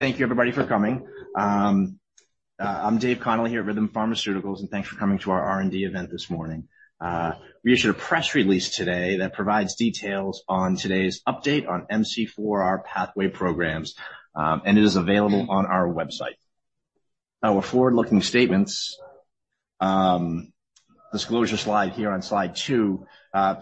Thank you everybody for coming. I'm David Connolly here at Rhythm Pharmaceuticals, and thanks for coming to our R&D event this morning. We issued a press release today that provides details on today's update on MC4R pathway programs, and it is available on our website. Our forward-looking statements disclosure slide here on slide two.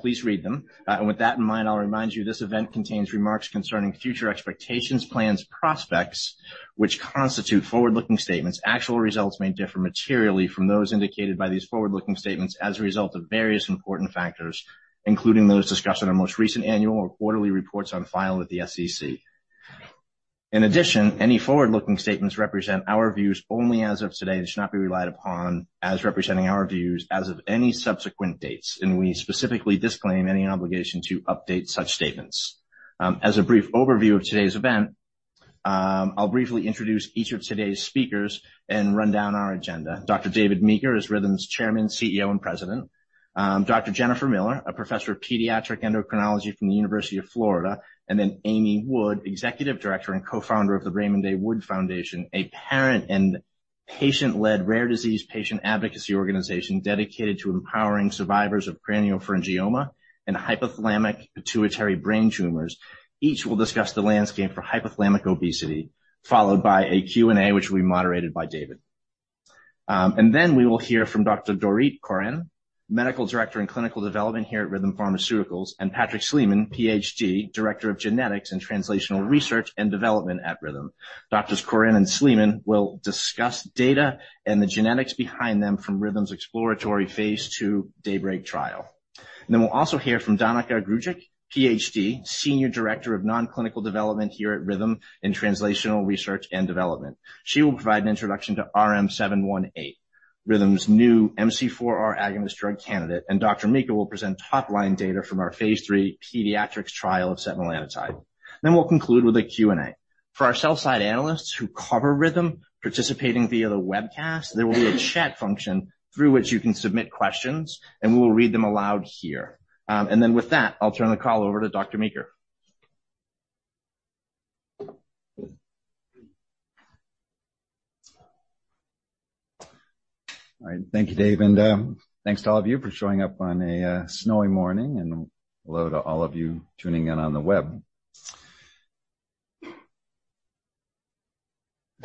Please read them. And with that in mind, I'll remind you, this event contains remarks concerning future expectations, plans, prospects, which constitute forward-looking statements. Actual results may differ materially from those indicated by these forward-looking statements as a result of various important factors, including those discussed in our most recent annual or quarterly reports on file with the SEC. In addition, any forward-looking statements represent our views only as of today, and should not be relied upon as representing our views as of any subsequent dates, and we specifically disclaim any obligation to update such statements. As a brief overview of today's event, I'll briefly introduce each of today's speakers and run down our agenda. Dr. David Meeker is Rhythm's Chairman, CEO, and President. Dr. Jennifer Miller, a professor of pediatric endocrinology from the University of Florida, and then Amy Wood, Executive Director and Co-founder of the Raymond A. Wood Foundation, a parent and patient-led rare disease patient advocacy organization dedicated to empowering survivors of craniopharyngioma and hypothalamic-pituitary brain tumors. Each will discuss the landscape for hypothalamic obesity, followed by a Q&A, which will be moderated by David. And then we will hear from Dr. Dorit Koren, Medical Director in Clinical Development here at Rhythm Pharmaceuticals, and Patrick Sleiman, PhD, Director of Genetics and Translational Research and Development at Rhythm. Doctors Koren and Sleiman will discuss data and the genetics behind them from Rhythm's exploratory Phase 2 DAYBREAK trial. Then we'll also hear from Danica Grujic, PhD, Senior Director of Non-Clinical Development here at Rhythm in Translational Research and Development. She will provide an introduction to RM-718, Rhythm's new MC4R agonist drug candidate, and Dr. Meeker will present top line data from our Phase 3 pediatrics trial of setmelanotide. Then we'll conclude with a Q&A. For our sell-side analysts who cover Rhythm, participating via the webcast, there will be a chat function through which you can submit questions, and we will read them aloud here. And then with that, I'll turn the call over to Dr. Meeker. All right, thank you, Dave, and thanks to all of you for showing up on a snowy morning, and hello to all of you tuning in on the web.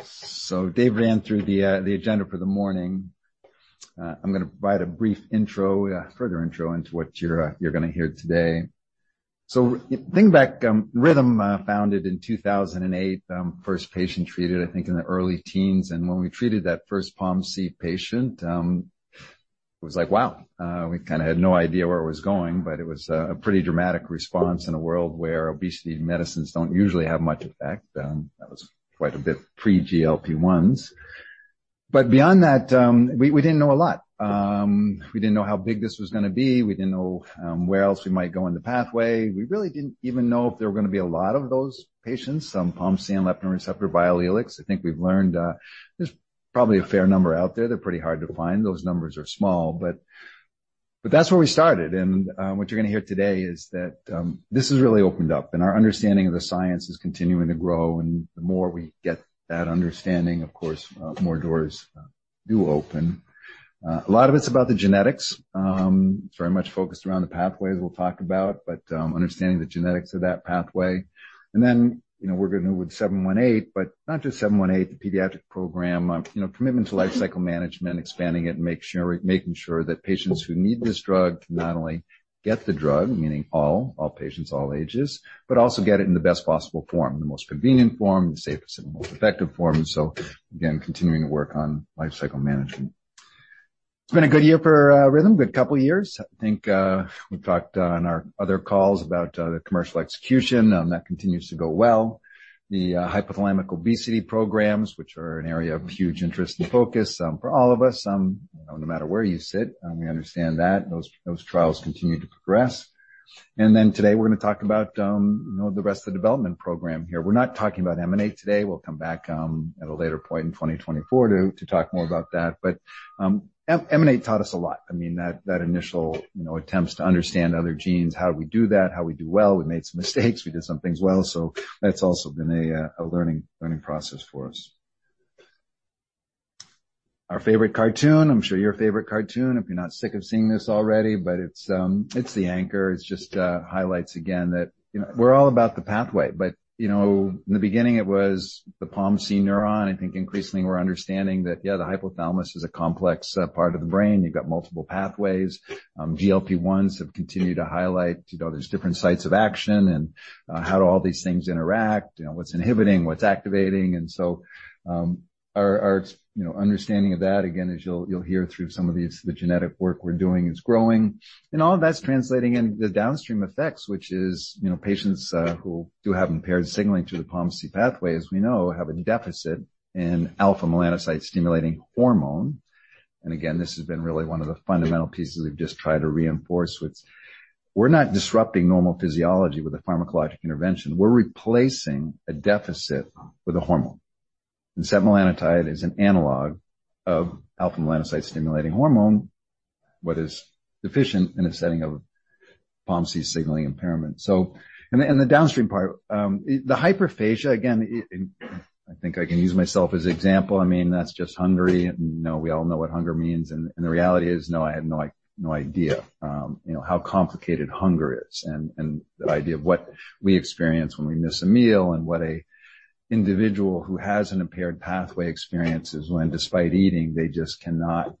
So Dave ran through the agenda for the morning. I'm going to provide a brief intro, further intro into what you're going to hear today. So thinking back, Rhythm, founded in 2008, first patient treated, I think, in the early teens. And when we treated that first POMC patient, it was like, wow. We kind of had no idea where it was going, but it was a pretty dramatic response in a world where obesity medicines don't usually have much effect. That was quite a bit pre-GLP-1s. But beyond that, we didn't know a lot. We didn't know how big this was going to be. We didn't know, where else we might go in the pathway. We really didn't even know if there were going to be a lot of those patients, some POMC and leptin receptor biallelics. I think we've learned, there's probably a fair number out there. They're pretty hard to find. Those numbers are small, but, but that's where we started, and, what you're going to hear today is that, this has really opened up, and our understanding of the science is continuing to grow, and the more we get that understanding, of course, more doors, do open. A lot of it's about the genetics. It's very much focused around the pathways we'll talk about, but, understanding the genetics of that pathway, and then, you know, we're going to move with 718, but not just 718, the pediatric program. You know, commitment to lifecycle management, expanding it, and making sure that patients who need this drug can not only get the drug, meaning all, all patients, all ages, but also get it in the best possible form, the most convenient form, the safest and most effective form. So again, continuing to work on lifecycle management. It's been a good year for Rhythm, a good couple of years. I think, we've talked on our other calls about, the commercial execution, that continues to go well. The hypothalamic obesity programs, which are an area of huge interest and focus, for all of us, no matter where you sit, we understand that. Those trials continue to progress. And then today, we're going to talk about, you know, the rest of the development program here. We're not talking about EMANATE today. We'll come back at a later point in 2024 to talk more about that. But, EMANATE taught us a lot. I mean, that initial, you know, attempts to understand other genes, how do we do that? How we do well? We made some mistakes, we did some things well. So that's also been a learning process for us. Our favorite cartoon. I'm sure your favorite cartoon, if you're not sick of seeing this already, but it's, it's the anchor. It's just, highlights again, that, you know, we're all about the pathway, but, you know, in the beginning, it was the POMC neuron. I think increasingly we're understanding that, yeah, the hypothalamus is a complex, part of the brain. You've got multiple pathways. GLP-1s have continued to highlight, you know, there's different sites of action and, how do all these things interact, you know, what's inhibiting, what's activating? And so, our, you know, understanding of that, again, as you'll hear through some of these, the genetic work we're doing is growing. All of that's translating into the downstream effects, which is, you know, patients who do have impaired signaling to the POMC pathway, as we know, have a deficit in alpha melanocyte-stimulating hormone. Again, this has been really one of the fundamental pieces we've just tried to reinforce, which we're not disrupting normal physiology with a pharmacologic intervention. We're replacing a deficit with a hormone. Setmelanotide is an analog of alpha melanocyte-stimulating hormone... what is deficient in a setting of POMC signaling impairment. So, the downstream part, the hyperphagia, again, it, I think I can use myself as an example. I mean, that's just hungry, and, you know, we all know what hunger means. The reality is, no, I had no idea, you know, how complicated hunger is, and the idea of what we experience when we miss a meal, and what an individual who has an impaired pathway experiences when, despite eating, they just cannot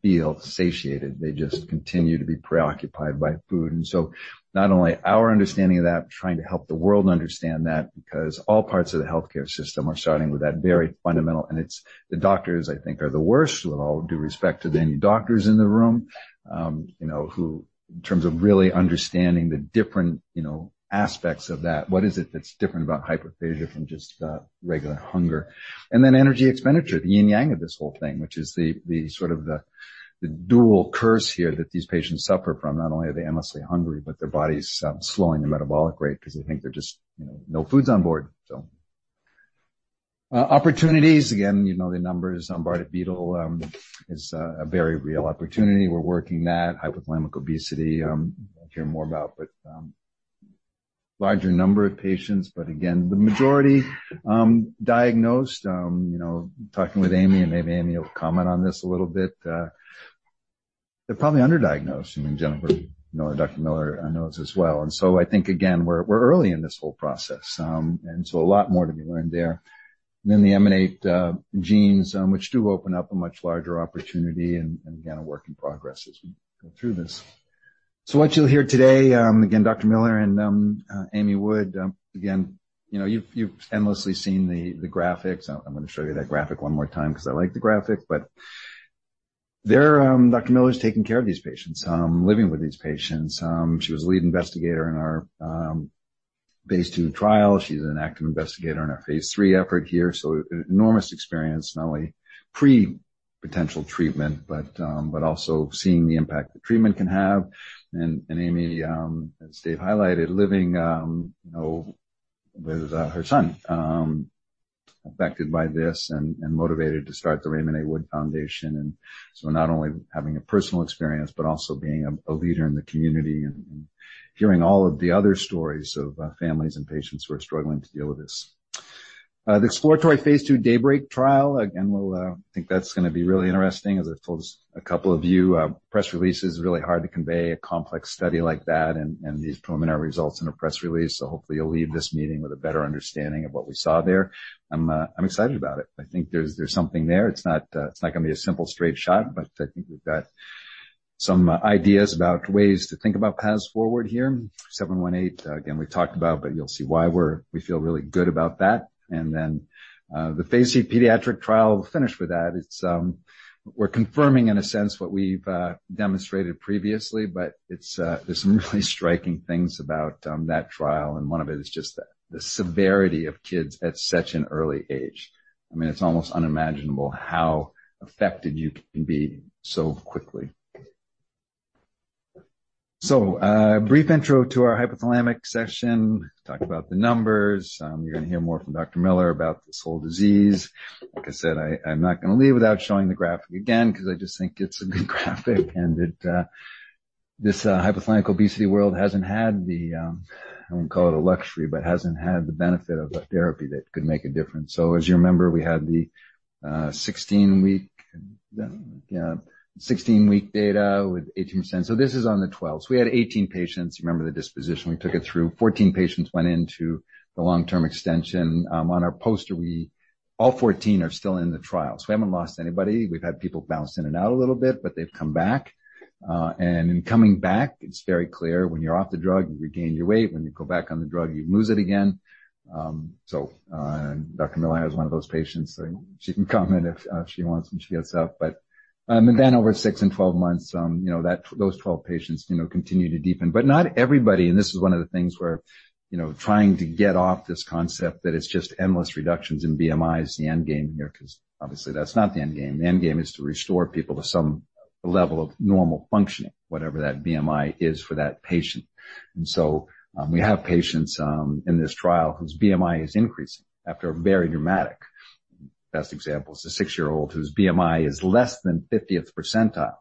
feel satiated. They just continue to be preoccupied by food. And so not only our understanding of that, but trying to help the world understand that because all parts of the healthcare system are starting with that very fundamental. And it's the doctors, I think, are the worst of all, due respect to any doctors in the room, you know, who in terms of really understanding the different, you know, aspects of that. What is it that's different about hyperphagia from just regular hunger? And then energy expenditure, the yin yang of this whole thing, which is the dual curse here that these patients suffer from. Not only are they endlessly hungry, but their body's slowing the metabolic rate because they think they're just, you know, no food's on board. So, opportunities, again, you know the numbers on Bardet-Biedl is a very real opportunity. We're working that. Hypothalamic obesity, we'll hear more about, but larger number of patients. But again, the majority diagnosed, you know, talking with Amy, and maybe Amy will comment on this a little bit, they're probably underdiagnosed. I mean, Jennifer, you know, Dr. Miller, I know this as well. And so I think, again, we're early in this whole process, and so a lot more to be learned there. Then the EMANATE genes, which do open up a much larger opportunity and, and, again, a work in progress as we go through this. So what you'll hear today, again, Dr. Miller and, Amy Wood, again, you know, you've, you've endlessly seen the, the graphics. I'm gonna show you that graphic one more time 'cause I like the graphic, but there, Dr. Miller is taking care of these patients, living with these patients. She was lead investigator in our, phase two trial. She's an active investigator in our phase three effort here. So enormous experience, not only pre-potential treatment, but, but also seeing the impact the treatment can have. And, and Amy, as Dave highlighted, living, you know, with, her son, affected by this and, and motivated to start the Raymond A. Wood Foundation So not only having a personal experience, but also being a leader in the community and hearing all of the other stories of families and patients who are struggling to deal with this. The exploratory Phase 2 DAYBREAK trial, again, we'll think that's gonna be really interesting. As I've told a couple of you, press release is really hard to convey a complex study like that and these preliminary results in a press release. So hopefully, you'll leave this meeting with a better understanding of what we saw there. I'm, I'm excited about it. I think there's, there's something there. It's not, it's not gonna be a simple straight shot, but I think we've got some ideas about ways to think about paths forward here. RM-718, again, we talked about, but you'll see why we're, we feel really good about that. And then, the Phase 3 pediatric trial, we'll finish with that. It's, we're confirming in a sense, what we've demonstrated previously, but it's, there's some really striking things about that trial, and one of it is just the severity of kids at such an early age. I mean, it's almost unimaginable how affected you can be so quickly. So, brief intro to our hypothalamic session. Talked about the numbers. You're gonna hear more from Dr. Miller about this whole disease. Like I said, I'm not gonna leave without showing the graphic again, 'cause I just think it's a good graphic and that this hypothalamic obesity world hasn't had the, I wouldn't call it a luxury, but hasn't had the benefit of a therapy that could make a difference. So as you remember, we had the 16-week data with 18%. So this is on the 12. So we had 18 patients. You remember the disposition, we took it through. 14 patients went into the long-term extension. On our poster, we all 14 are still in the trial, so we haven't lost anybody. We've had people bounce in and out a little bit, but they've come back. And in coming back, it's very clear when you're off the drug, you regain your weight. When you go back on the drug, you lose it again. So, and Dr. Miller has one of those patients, so she can comment if she wants when she gets up. But, and then over six and 12 months, you know, that...those 12 patients, you know, continue to deepen. But not everybody, and this is one of the things where, you know, trying to get off this concept that it's just endless reductions in BMI is the end game here, 'cause obviously that's not the end game. The end game is to restore people to some level of normal functioning, whatever that BMI is for that patient. And so, we have patients in this trial whose BMI is increasing after a very dramatic... Best example is a 6-year-old whose BMI is less than 50th percentile.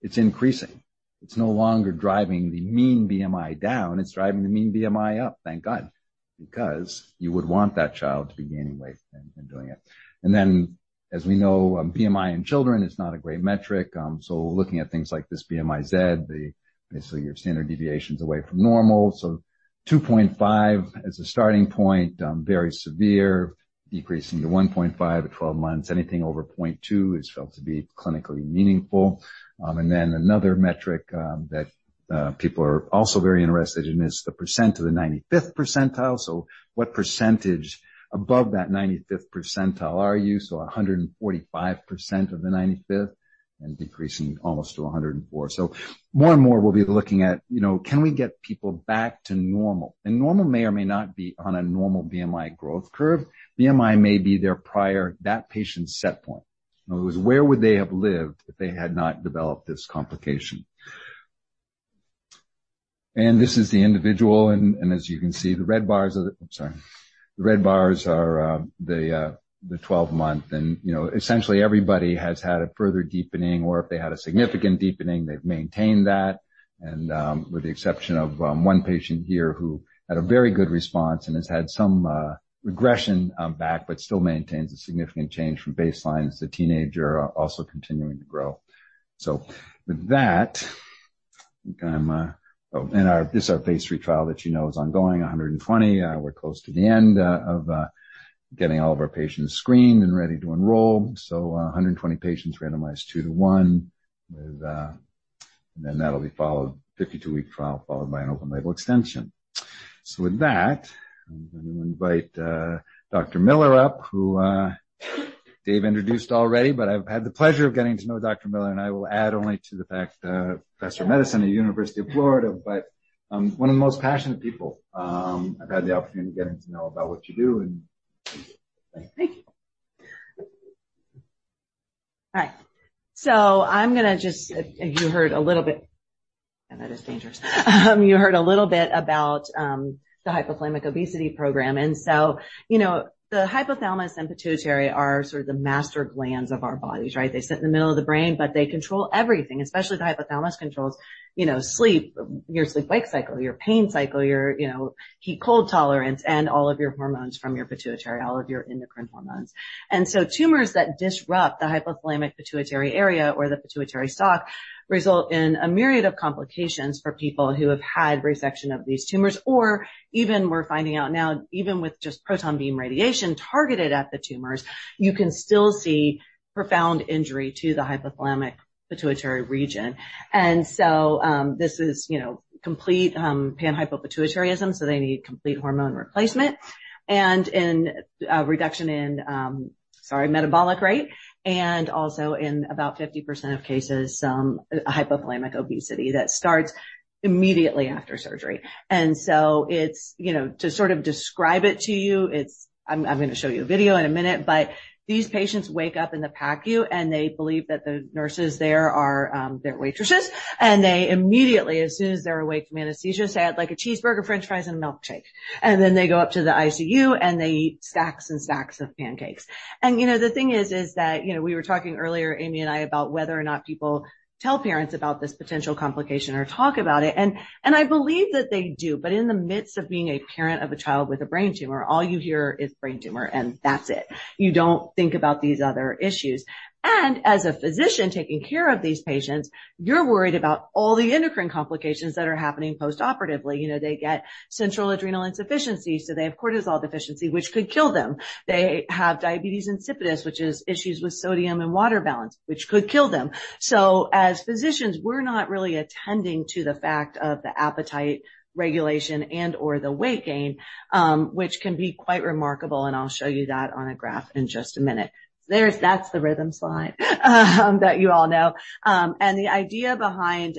It's increasing. It's no longer driving the mean BMI down. It's driving the mean BMI up, thank God, because you would want that child to be gaining weight and doing it. And then, as we know, BMI in children is not a great metric. So looking at things like this, BMI Z, the basically, your standard deviations away from normal. So 2.5 as a starting point, very severe, decreasing to 1.5 at 12 months. Anything over 0.2 is felt to be clinically meaningful. And then another metric that people are also very interested in is the percent of the 95th percentile. So what percentage above that 95th percentile are you? So 145% of the 95th, and decreasing almost to 104. So more and more, we'll be looking at, you know, can we get people back to normal? And normal may or may not be on a normal BMI growth curve. BMI may be their prior, that patient's set point. In other words, where would they have lived if they had not developed this complication?... And this is the individual, and as you can see, the red bars are the. I'm sorry. The red bars are the 12-month. And, you know, essentially, everybody has had a further deepening, or if they had a significant deepening, they've maintained that. And with the exception of one patient here who had a very good response and has had some regression back, but still maintains a significant change from baseline. It's a teenager also continuing to grow. So with that, I'm gonna... Oh, and this is our Phase 3 trial that you know is ongoing, 120. We're close to the end of getting all of our patients screened and ready to enroll. So, 120 patients randomized two-to-one, with, and then that'll be followed, 52-week trial, followed by an open-label extension. So with that, I'm going to invite Dr. Miller up, who Dave introduced already. But I've had the pleasure of getting to know Dr. Miller, and I will add only to the fact that professor of medicine at the University of Florida. But, one of the most passionate people, I've had the opportunity of getting to know about what you do, and thank you. Thank you. Hi. So I'm gonna just... you heard a little bit about the hypothalamic obesity program, and so, you know, the hypothalamus and pituitary are sort of the master glands of our bodies, right? They sit in the middle of the brain, but they control everything, especially the hypothalamus controls, you know, sleep, your sleep-wake cycle, your pain cycle, your, you know, heat-cold tolerance, and all of your hormones from your pituitary, all of your endocrine hormones. And so tumors that disrupt the hypothalamic pituitary area or the pituitary stalk result in a myriad of complications for people who have had resection of these tumors, or even we're finding out now, even with just proton beam radiation targeted at the tumors, you can still see profound injury to the hypothalamic pituitary region. This is, you know, complete panhypopituitarism, so they need complete hormone replacement and in reduction in metabolic rate, and also in about 50% of cases, hypothalamic obesity that starts immediately after surgery. You know, to sort of describe it to you, it's—I'm gonna show you a video in a minute, but these patients wake up in the PACU, and they believe that the nurses there are, they're waitresses, and they immediately, as soon as they're awake from anesthesia, say, "I'd like a cheeseburger, french fries, and a milkshake." And then they go up to the ICU, and they eat stacks and stacks of pancakes. You know, the thing is, is that, you know, we were talking earlier, Amy and I, about whether or not people tell parents about this potential complication or talk about it, and, and I believe that they do. But in the midst of being a parent of a child with a brain tumor, all you hear is brain tumor, and that's it. You don't think about these other issues. As a physician taking care of these patients, you're worried about all the endocrine complications that are happening postoperatively. You know, they get central adrenal insufficiency, so they have cortisol deficiency, which could kill them. They have diabetes insipidus, which is issues with sodium and water balance, which could kill them. So as physicians, we're not really attending to the fact of the appetite regulation and/or the weight gain, which can be quite remarkable, and I'll show you that on a graph in just a minute. That's the Rhythm slide that you all know. The idea behind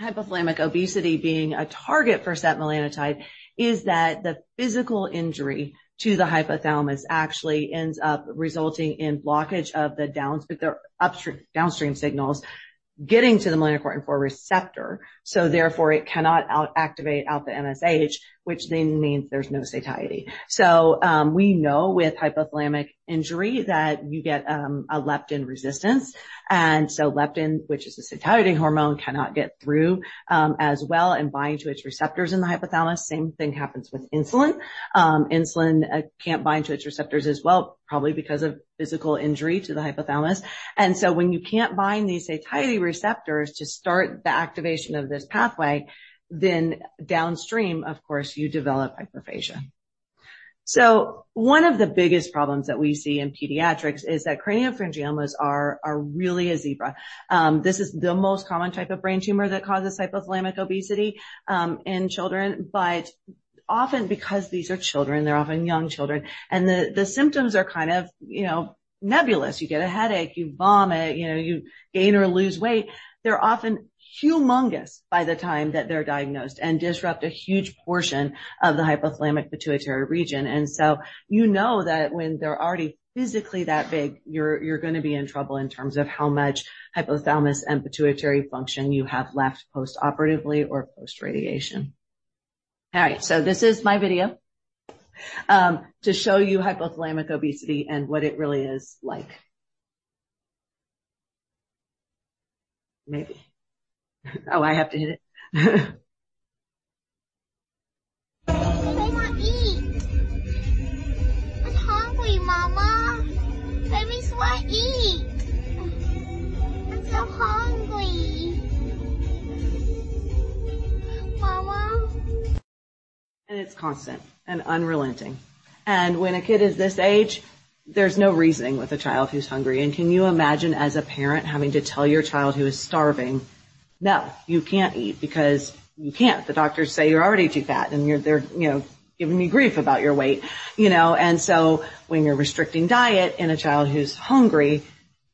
hypothalamic obesity being a target for setmelanotide is that the physical injury to the hypothalamus actually ends up resulting in blockage of the downs, but the upstream, downstream signals getting to the melanocortin 4 receptor. So therefore, it cannot out-activate out the MSH, which then means there's no satiety. So, we know with hypothalamic injury that you get a leptin resistance, and so leptin, which is a satiety hormone, cannot get through as well and bind to its receptors in the hypothalamus. Same thing happens with insulin. Insulin can't bind to its receptors as well, probably because of physical injury to the hypothalamus. So when you can't bind these satiety receptors to start the activation of this pathway, then downstream, of course, you develop hyperphagia. So one of the biggest problems that we see in pediatrics is that craniopharyngiomas are really a zebra. This is the most common type of brain tumor that causes hypothalamic obesity in children, but often because these are children, they're often young children, and the symptoms are kind of, you know, nebulous. You get a headache, you vomit, you know, you gain or lose weight. They're often humongous by the time that they're diagnosed and disrupt a huge portion of the hypothalamic pituitary region. So you know that when they're already physically that big, you're, you're gonna be in trouble in terms of how much hypothalamus and pituitary function you have left postoperatively or post-radiation. All right, so this is my video to show you hypothalamic obesity and what it really is like. Maybe. Oh, I have to hit it? I wanna eat! I'm hungry, Mama. Please, what I eat? I'm so hungry. Mama? It's constant and unrelenting. When a kid is this age, there's no reasoning with a child who's hungry. Can you imagine, as a parent, having to tell your child who is starving, "No, you can't eat because you can't. The doctors say you're already too fat, and you're, they're, you know, giving me grief about your weight." You know, and so when you're restricting diet in a child who's hungry,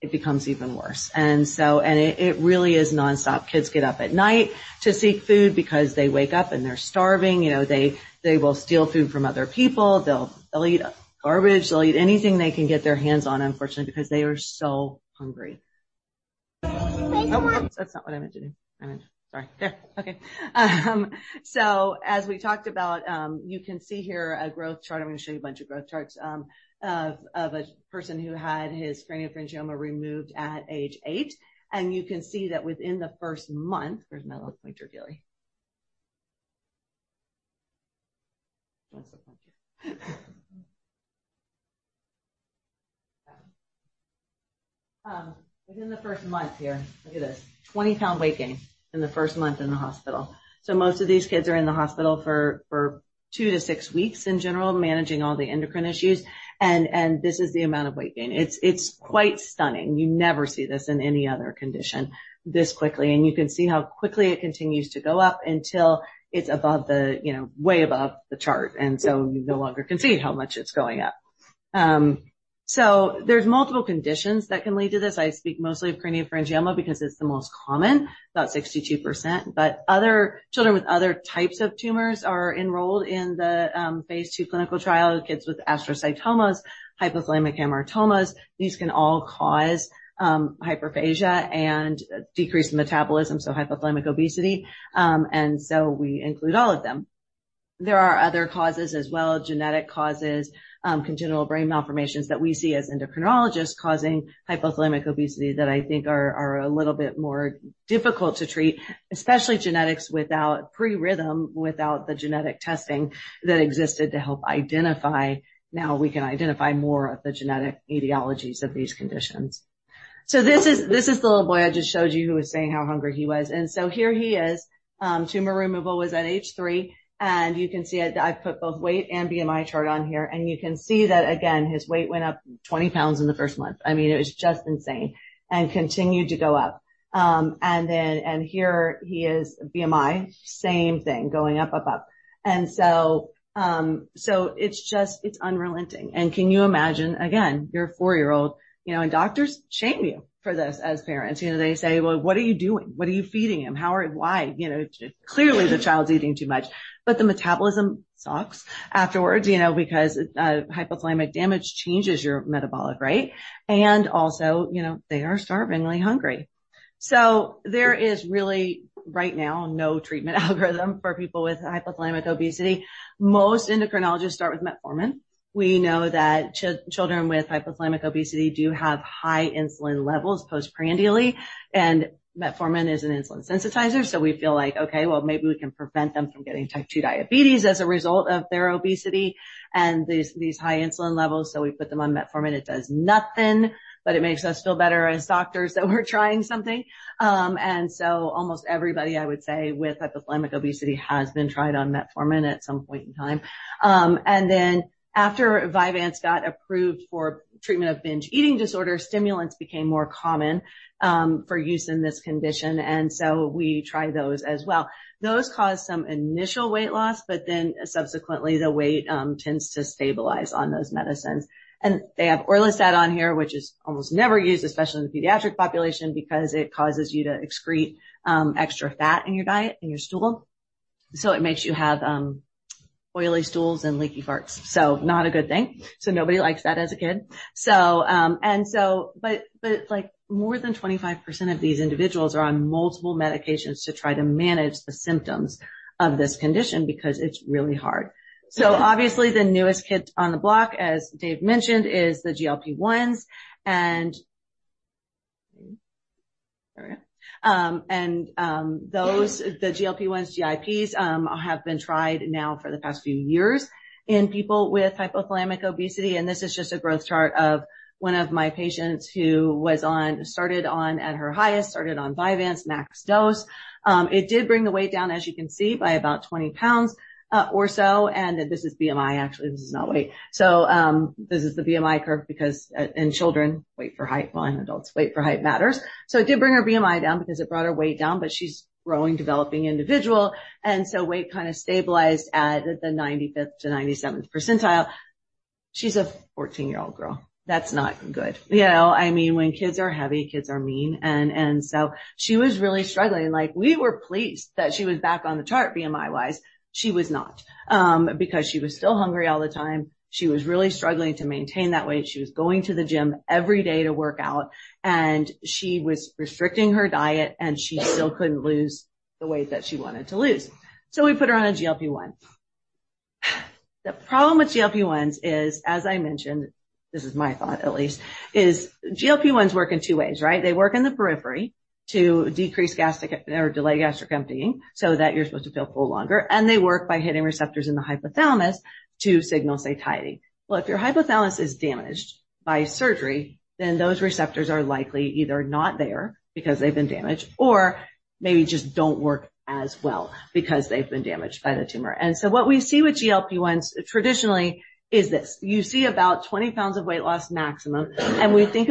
it becomes even worse. And so... it really is nonstop. Kids get up at night to seek food because they wake up, and they're starving. You know, they will steal food from other people. They'll eat garbage. They'll eat anything they can get their hands on, unfortunately, because they are so hungry.... Oh, that's not what I meant to do. I meant, sorry. There, okay. So as we talked about, you can see here a growth chart. I'm gonna show you a bunch of growth charts of a person who had his craniopharyngioma removed at age 8, and you can see that within the first month... Where's my little pointer, Gilly? Where's the pointer? Within the first month here, look at this. 20-pound weight gain in the first month in the hospital. So most of these kids are in the hospital for 2-6 weeks in general, managing all the endocrine issues, and this is the amount of weight gain. It's quite stunning. You never see this in any other condition this quickly, and you can see how quickly it continues to go up until it's above the, you know, way above the chart, and so you no longer can see how much it's going up. So there's multiple conditions that can lead to this. I speak mostly of craniopharyngioma because it's the most common, about 62%, but other children with other types of tumors are enrolled in the Phase 2 clinical trial. Kids with astrocytomas, hypothalamic hamartomas. These can all cause hyperphagia and decreased metabolism, so hypothalamic obesity, and so we include all of them. There are other causes as well, genetic causes, congenital brain malformations that we see as endocrinologists, causing hypothalamic obesity that I think are a little bit more difficult to treat, especially genetics, without pre-Rhythm, without the genetic testing that existed to help identify. Now, we can identify more of the genetic etiologies of these conditions. So this is the little boy I just showed you, who was saying how hungry he was, and so here he is. Tumor removal was at age three, and you can see I've put both weight and BMI chart on here, and you can see that again, his weight went up 20 pounds in the first month. I mean, it was just insane and continued to go up. And then and here he is, BMI, same thing, going up, up, up, and so, so it's just... It's unrelenting. And can you imagine, again, you're a four-year-old, you know, and doctors shame you for this as parents. You know, they say: "Well, what are you doing? What are you feeding him? How are you? Why? You know, clearly, the child's eating too much." But the metabolism sucks afterwards, you know, because hypothalamic damage changes your metabolic rate, and also, you know, they are starvingly hungry. So there is really, right now, no treatment algorithm for people with hypothalamic obesity. Most endocrinologists start with metformin. We know that children with hypothalamic obesity do have high insulin levels postprandially, and metformin is an insulin sensitizer, so we feel like: Okay, well, maybe we can prevent them from getting type 2 diabetes as a result of their obesity and these, these high insulin levels. So we put them on metformin. It does nothing, but it makes us feel better as doctors that we're trying something. And so almost everybody, I would say, with hypothalamic obesity, has been tried on metformin at some point in time. And then after Vyvanse got approved for treatment of binge eating disorder, stimulants became more common, for use in this condition, and so we try those as well. Those cause some initial weight loss, but then subsequently, the weight tends to stabilize on those medicines. And they have orlistat on here, which is almost never used, especially in the pediatric population, because it causes you to excrete extra fat in your diet, in your stool. So it makes you have oily stools and leaky farts, so not a good thing. So nobody likes that as a kid. But, like, more than 25% of these individuals are on multiple medications to try to manage the symptoms of this condition because it's really hard. So obviously, the newest kid on the block, as Dave mentioned, is the GLP-1s, and the GLP-1s, GIPs, have been tried now for the past few years in people with hypothalamic obesity, and this is just a growth chart of one of my patients who started on, at her highest, started on Vyvanse max dose. It did bring the weight down, as you can see, by about 20 pounds, or so, and this is BMI actually, this is not weight. So, this is the BMI curve because, in children, weight for height, well, in adults, weight for height matters. So it did bring her BMI down because it brought her weight down, but she's growing, developing individual, and so weight kind of stabilized at the 95th to 97th percentile. She's a 14-year-old girl. That's not good. You know, I mean, when kids are heavy, kids are mean, and, and so she was really struggling. Like, we were pleased that she was back on the chart, BMI-wise. She was not, because she was still hungry all the time. She was really struggling to maintain that weight. She was going to the gym every day to work out, and she was restricting her diet, and she still couldn't lose the weight that she wanted to lose, so we put her on a GLP-1. The problem with GLP-1s is, as I mentioned, this is my thought at least, is GLP-1s work in two ways, right? They work in the periphery to decrease gastric or delay gastric emptying, so that you're supposed to feel full longer, and they work by hitting receptors in the hypothalamus to signal satiety. Well, if your hypothalamus is damaged by surgery, then those receptors are likely either not there because they've been damaged or maybe just don't work as well because they've been damaged by the tumor. And so what we see with GLP-1s traditionally is this. You see about 20 pounds of weight loss maximum, and we think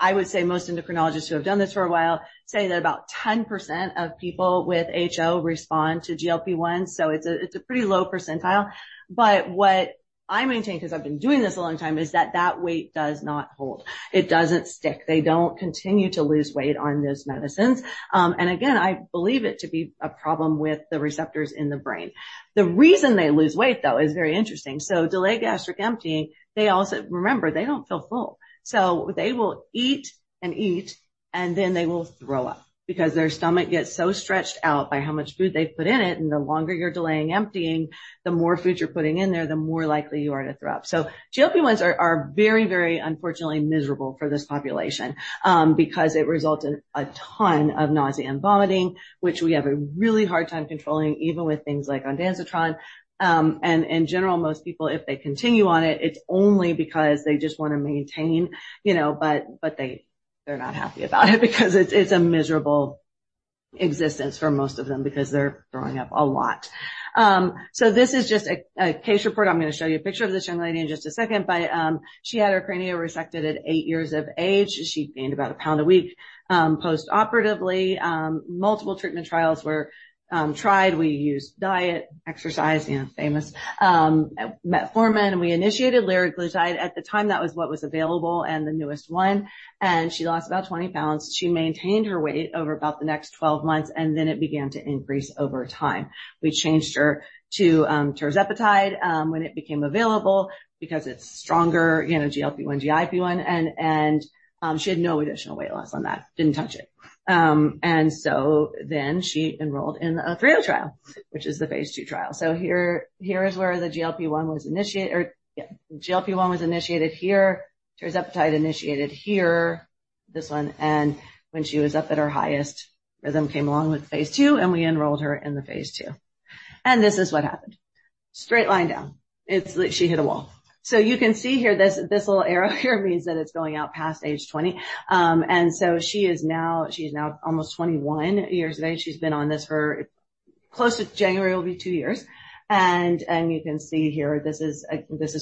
about—I would say most endocrinologists who have done this for a while say that about 10% of people with HO respond to GLP-1, so it's a, it's a pretty low percentile, but what I maintain, because I've been doing this a long time, is that that weight does not hold. It doesn't stick. They don't continue to lose weight on those medicines. And again, I believe it to be a problem with the receptors in the brain. The reason they lose weight, though, is very interesting. So delayed gastric emptying, they also—remember, they don't feel full, so they will eat and eat, and then they will throw up because their stomach gets so stretched out by how much food they've put in it, and the longer you're delaying emptying, the more food you're putting in there, the more likely you are to throw up. So GLP-1s are very, very unfortunately miserable for this population, because it results in a ton of nausea and vomiting, which we have a really hard time controlling, even with things like ondansetron. And in general, most people, if they continue on it, it's only because they just want to maintain, you know, but, but they, they're not happy about it because it's, it's a miserable existence for most of them because they're throwing up a lot. So this is just a case report. I'm gonna show you a picture of this young lady in just a second, but she had her craniopharyngioma resected at eight years of age. She gained about a pound a week. Postoperatively, multiple treatment trials were tried. We used diet, exercise, you know, famous metformin, and we initiated liraglutide. At the time, that was what was available, and the newest one, and she lost about 20 pounds. She maintained her weight over about the next 12 months, and then it began to increase over time. We changed her to tirzepatide when it became available because it's stronger, you know, GLP-1, GIP-1, and she had no additional weight loss on that. Didn't touch it. And so then she enrolled in the HO trial, which is the Phase 2 trial. So here is where the GLP-1 was initiated, or yeah, GLP-1 was initiated here, tirzepatide initiated here, this one, and when she was up at her highest, Rhythm came along with Phase 2, and we enrolled her in the Phase 2. And this is what happened. Straight line down. It's like she hit a wall. So you can see here, this little arrow here means that it's going out past age 20. And so she is now, she's now almost 21 years of age. She's been on this for... close to January, it will be 2 years. And you can see here, this is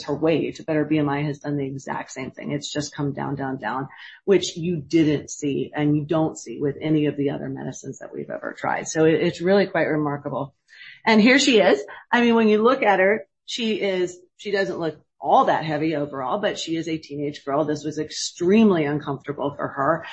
her weight, but her BMI has done the exact same thing. It's just come down, down, down, which you didn't see, and you don't see with any of the other medicines that we've ever tried. So it's really quite remarkable. And here she is. I mean, when you look at her, she is—she doesn't look all that heavy overall, but she is a teenage girl. This was extremely uncomfortable for her,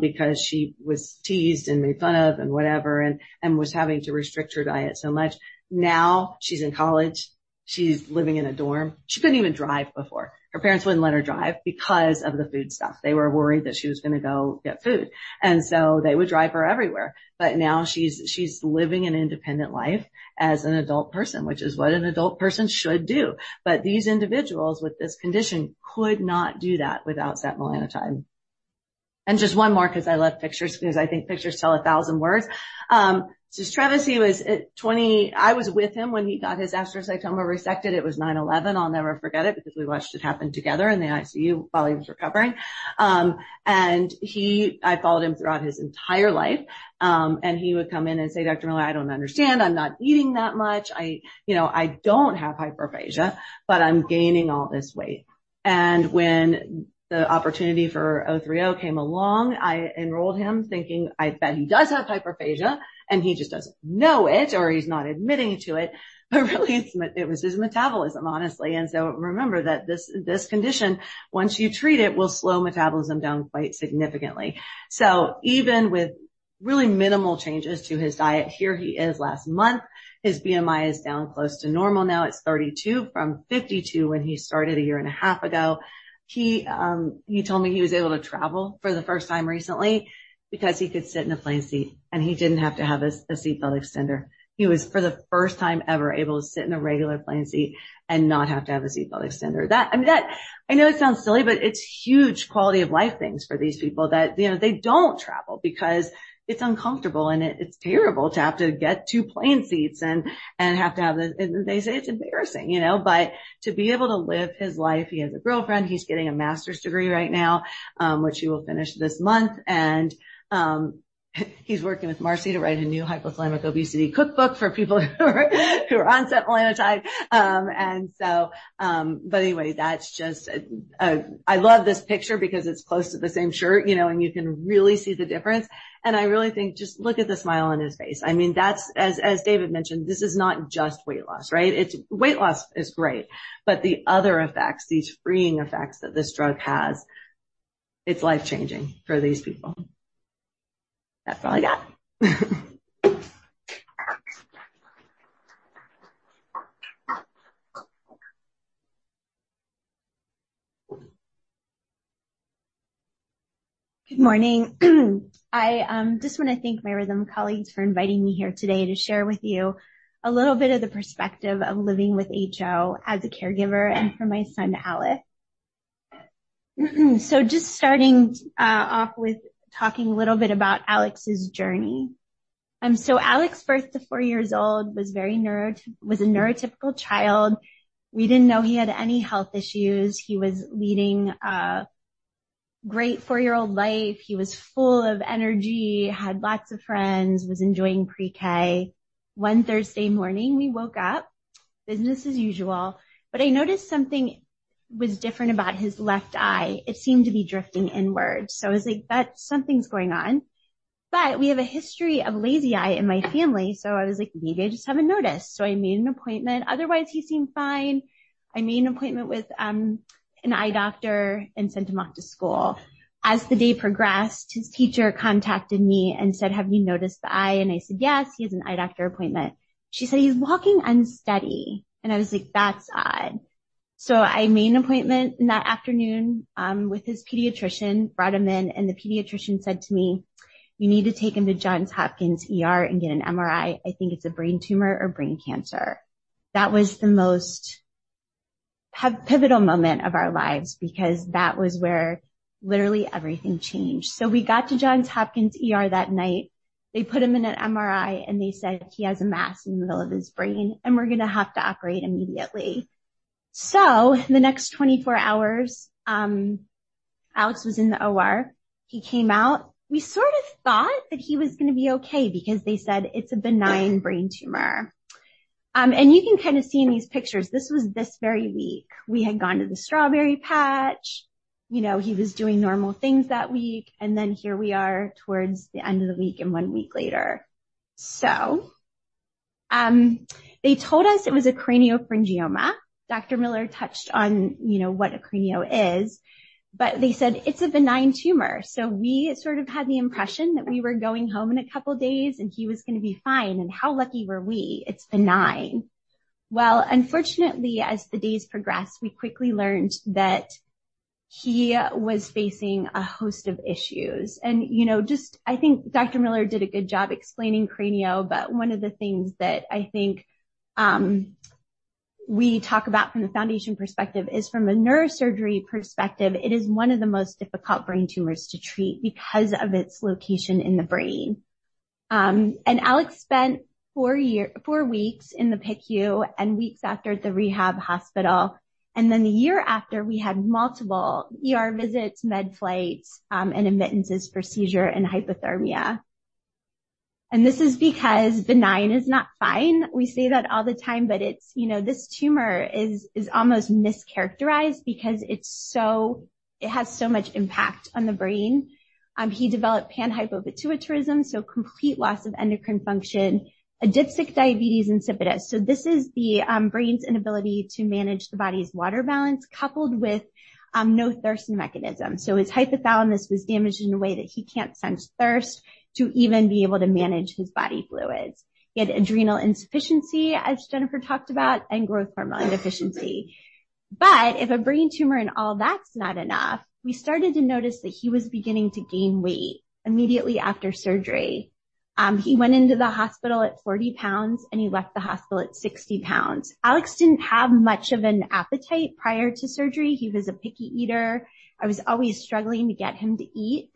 because she was teased and made fun of and whatever, and was having to restrict her diet so much. Now, she's in college. She's living in a dorm. She couldn't even drive before. Her parents wouldn't let her drive because of the food stuff. They were worried that she was gonna go get food, and so they would drive her everywhere. But now she's living an independent life as an adult person, which is what an adult person should do. But these individuals with this condition could not do that without setmelanotide. And just one more, 'cause I love pictures, because I think pictures tell a thousand words. Travis, he was at 20. I was with him when he got his astrocytoma resected. It was 9/11. I'll never forget it because we watched it happen together in the ICU while he was recovering. I followed him throughout his entire life. He would come in and say, "Dr. Miller, I don't understand. I'm not eating that much. I, you know, I don't have hyperphagia, but I'm gaining all this weight." When the opportunity for all three came along, I enrolled him, thinking I bet he does have hyperphagia, and he just doesn't know it, or he's not admitting to it, but really, it was his metabolism, honestly. Remember that this condition, once you treat it, will slow metabolism down quite significantly. So even with really minimal changes to his diet, here he is last month. His BMI is down close to normal now. It's 32 from 52 when he started a year and a half ago. He, he told me he was able to travel for the first time recently because he could sit in a plane seat, and he didn't have to have a seatbelt extender. He was, for the first time ever, able to sit in a regular plane seat and not have to have a seatbelt extender. That, I mean, that. I know it sounds silly, but it's huge quality of life things for these people that, you know, they don't travel because it's uncomfortable, and it's terrible to have to get two plane seats and have to have the. They say it's embarrassing, you know? But to be able to live his life, he has a girlfriend, he's getting a master's degree right now, which he will finish this month, and he's working with Marci to write a new hypothalamic obesity cookbook for people who are on setmelanotide. And so, but anyway, that's just a. I love this picture because it's close to the same shirt, you know, and you can really see the difference. And I really think, just look at the smile on his face. I mean, that's, as David mentioned, this is not just weight loss, right? It's weight loss is great, but the other effects, these freeing effects that this drug has, it's life-changing for these people. That's all I got. Good morning. I just wanna thank my Rhythm colleagues for inviting me here today to share with you a little bit of the perspective of living with HO as a caregiver and for my son, Alex. So just starting off with talking a little bit about Alex's journey. So Alex, birth to four years old, was a neurotypical child. We didn't know he had any health issues. He was leading a great four-year-old life. He was full of energy, had lots of friends, was enjoying pre-K. One Thursday morning, we woke up, business as usual, but I noticed something was different about his left eye. It seemed to be drifting inward. So I was like: "That, something's going on." But we have a history of lazy eye in my family, so I was like, "Maybe I just haven't noticed." So I made an appointment. Otherwise, he seemed fine. I made an appointment with an eye doctor and sent him off to school. As the day progressed, his teacher contacted me and said, "Have you noticed the eye?" And I said, "Yes, he has an eye doctor appointment." She said, "He's walking unsteady." And I was like: That's odd. So I made an appointment that afternoon with his pediatrician, brought him in, and the pediatrician said to me, "You need to take him to Johns Hopkins ER and get an MRI. I think it's a brain tumor or brain cancer." That was the most pivotal moment of our lives because that was where literally everything changed. So we got to Johns Hopkins ER that night. They put him in an MRI, and they said, "He has a mass in the middle of his brain, and we're gonna have to operate immediately." So the next 24 hours, Alex was in the OR. He came out. We sort of thought that he was gonna be okay because they said it's a benign brain tumor. And you can kinda see in these pictures, this was this very week. We had gone to the strawberry patch. You know, he was doing normal things that week, and then here we are towards the end of the week and one week later. So, they told us it was a craniopharyngioma. Dr. Miller touched on, you know, what a cranio is, but they said, "It's a benign tumor." So we sort of had the impression that we were going home in a couple of days, and he was gonna be fine, and how lucky were we? It's benign. Well, unfortunately, as the days progressed, we quickly learned that he was facing a host of issues. And, you know, just... I think Dr. Miller did a good job explaining cranio, but one of the things that I think, we talk about from the foundation perspective is from a neurosurgery perspective, it is one of the most difficult brain tumors to treat because of its location in the brain. And Alex spent four weeks in the PICU and weeks after at the rehab hospital. Then the year after, we had multiple ER visits, med flights, and admissions for seizure and hypothermia. This is because benign is not fine. We say that all the time, but it's, you know, this tumor is almost mischaracterized because it's so it has so much impact on the brain. He developed panhypopituitarism, so complete loss of endocrine function, adipsic diabetes insipidus. This is the brain's inability to manage the body's water balance, coupled with no thirst mechanism. So his hypothalamus was damaged in a way that he can't sense thirst to even be able to manage his body fluids. He had adrenal insufficiency, as Jennifer talked about, and growth hormone deficiency. If a brain tumor and all that's not enough, we started to notice that he was beginning to gain weight immediately after surgery. He went into the hospital at 40 pounds, and he left the hospital at 60 pounds. Alex didn't have much of an appetite prior to surgery. He was a picky eater. I was always struggling to get him to eat.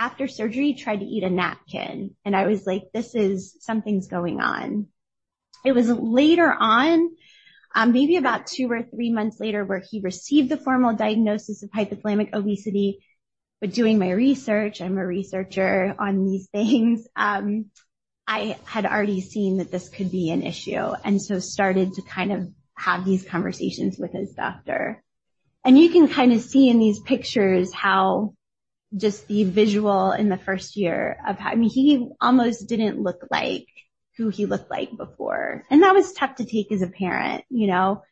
After surgery, he tried to eat a napkin, and I was like: "This is... Something's going on." It was later on, maybe about two or three months later, where he received the formal diagnosis of hypothalamic obesity. But doing my research, I'm a researcher on these things, I had already seen that this could be an issue, and so started to kind of have these conversations with his doctor. And you can kinda see in these pictures how just the visual in the first year of how, I mean, he almost didn't look like who he looked like before. That was tough to take as a parent, you know,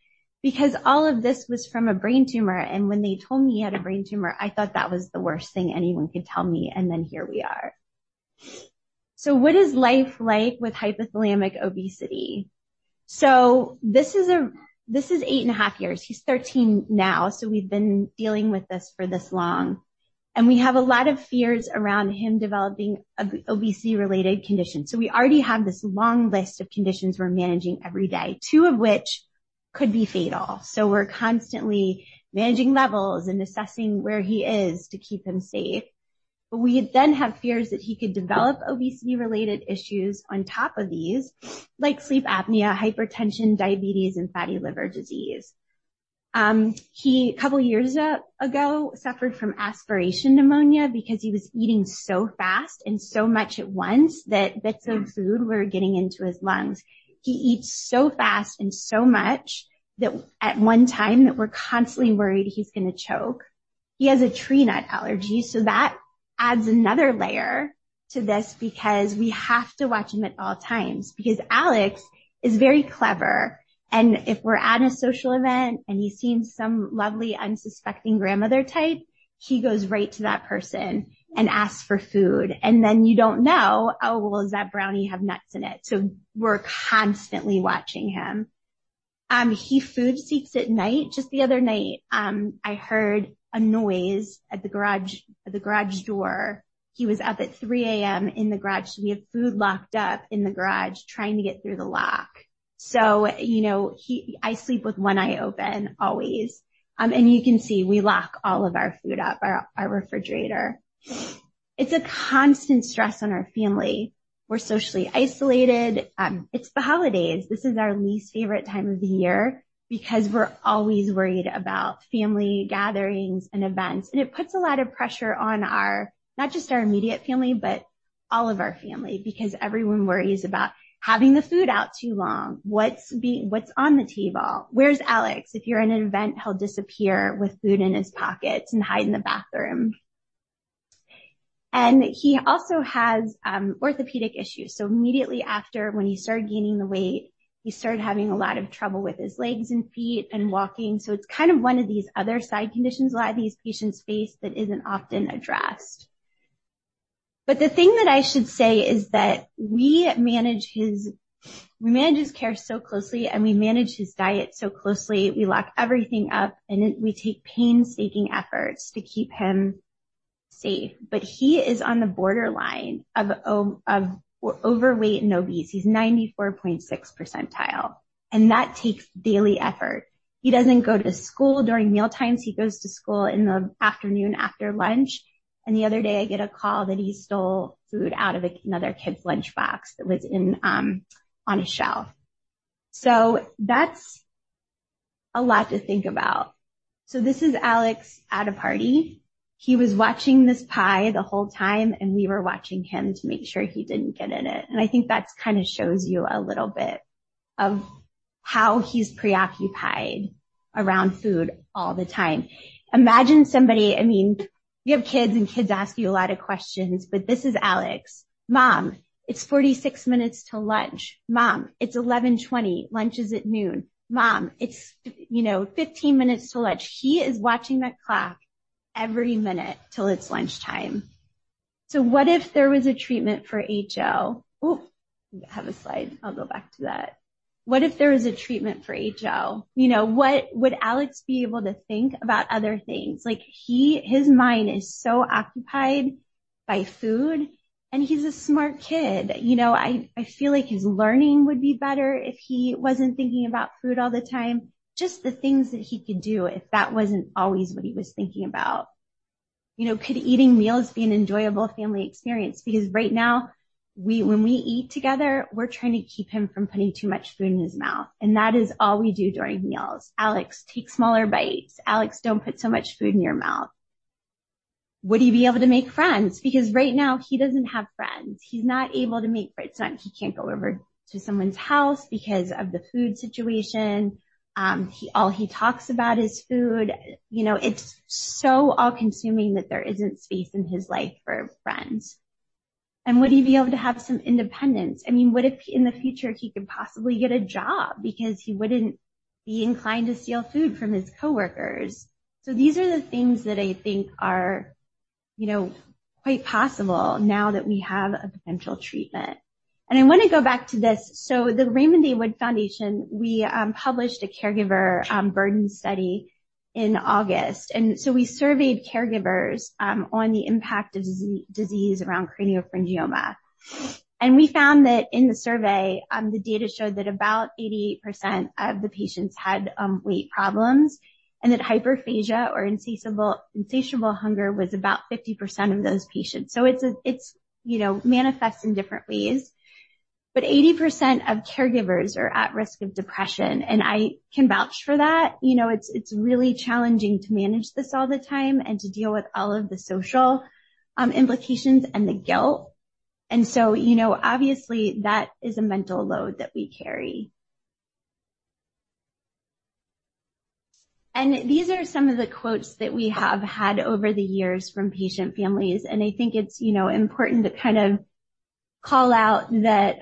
because all of this was from a brain tumor, and when they told me he had a brain tumor, I thought that was the worst thing anyone could tell me, and then here we are. So what is life like with hypothalamic obesity? So this is 8.5 years. He's 13 now, so we've been dealing with this for this long, and we have a lot of fears around him developing obesity-related conditions. So we already have this long list of conditions we're managing every day, two of which could be fatal. So we're constantly managing levels and assessing where he is to keep him safe. But we then have fears that he could develop obesity-related issues on top of these, like sleep apnea, hypertension, diabetes, and fatty liver disease. A couple of years ago, suffered from aspiration pneumonia because he was eating so fast and so much at once that bits of food were getting into his lungs. He eats so fast and so much at one time that we're constantly worried he's gonna choke. He has a tree nut allergy, so that adds another layer to this because we have to watch him at all times. Because Alex is very clever, and if we're at a social event, and he sees some lovely, unsuspecting grandmother type, he goes right to that person and asks for food. And then you don't know, oh, well, does that brownie have nuts in it? So we're constantly watching him. He food seeks at night. Just the other night, I heard a noise at the garage door. He was up at 3:00 A.M. in the garage. We have food locked up in the garage, trying to get through the lock. So, you know, I sleep with one eye open, always. And you can see we lock all of our food up, our refrigerator. It's a constant stress on our family. We're socially isolated. It's the holidays. This is our least favorite time of the year because we're always worried about family gatherings and events. And it puts a lot of pressure on our, not just our immediate family, but all of our family, because everyone worries about having the food out too long. What's on the table? Where's Alex? If you're in an event, he'll disappear with food in his pockets and hide in the bathroom... And he also has orthopedic issues. So immediately after, when he started gaining the weight, he started having a lot of trouble with his legs and feet and walking. So it's kind of one of these other side conditions a lot of these patients face that isn't often addressed. But the thing that I should say is that we manage his, we manage his care so closely, and we manage his diet so closely. We lock everything up, and then we take painstaking efforts to keep him safe. But he is on the borderline of overweight and obese. He's 94.6 percentile, and that takes daily effort. He doesn't go to school during mealtimes. He goes to school in the afternoon after lunch, and the other day I get a call that he stole food out of another kid's lunchbox that was in on a shelf. So that's a lot to think about. So this is Alex at a party. He was watching this pie the whole time, and we were watching him to make sure he didn't get in it. And I think that kind of shows you a little bit of how he's preoccupied around food all the time. Imagine somebody, I mean, you have kids, and kids ask you a lot of questions, but this is Alex: "Mom, it's 46 minutes to lunch. Mom, it's 11:20 A.M., lunch is at 12:00 P.M. Mom, it's, you know, 15 minutes to lunch." He is watching that clock every minute till it's lunchtime. So what if there was a treatment for HO? Oh, I have a slide. I'll go back to that. What if there was a treatment for HO? You know, what... Would Alex be able to think about other things? Like, he, his mind is so occupied by food, and he's a smart kid. You know, I, I feel like his learning would be better if he wasn't thinking about food all the time. Just the things that he could do if that wasn't always what he was thinking about. You know, could eating meals be an enjoyable family experience? Because right now, we, when we eat together, we're trying to keep him from putting too much food in his mouth, and that is all we do during meals. "Alex, take smaller bites. Alex, don't put so much food in your mouth." Would he be able to make friends? Because right now, he doesn't have friends. He's not able to make friends. He can't go over to someone's house because of the food situation. He, all he talks about is food. You know, it's so all-consuming that there isn't space in his life for friends. And would he be able to have some independence? I mean, what if in the future, he could possibly get a job because he wouldn't be inclined to steal food from his coworkers? So these are the things that I think are, you know, quite possible now that we have a potential treatment. And I wanna go back to this. So the Raymond A. Wood Foundation, we published a caregiver burden study in August. And so we surveyed caregivers on the impact of disease around craniopharyngioma. And we found that in the survey, the data showed that about 80% of the patients had weight problems, and that hyperphagia or insatiable, insatiable hunger was about 50% of those patients. So it's a, it's, you know, manifests in different ways. But 80% of caregivers are at risk of depression, and I can vouch for that. You know, it's really challenging to manage this all the time and to deal with all of the social implications and the guilt. And so, you know, obviously, that is a mental load that we carry. And these are some of the quotes that we have had over the years from patient families, and I think it's, you know, important to kind of call out that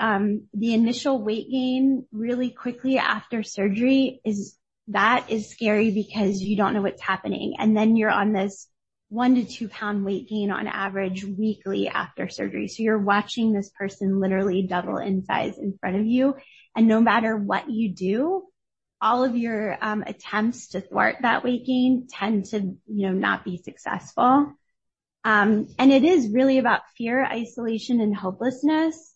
the initial weight gain really quickly after surgery is, that is scary because you don't know what's happening. And then you're on this 1-2-pound weight gain on average, weekly after surgery. So you're watching this person literally double in size in front of you, and no matter what you do, all of your attempts to thwart that weight gain tend to, you know, not be successful. And it is really about fear, isolation, and hopelessness.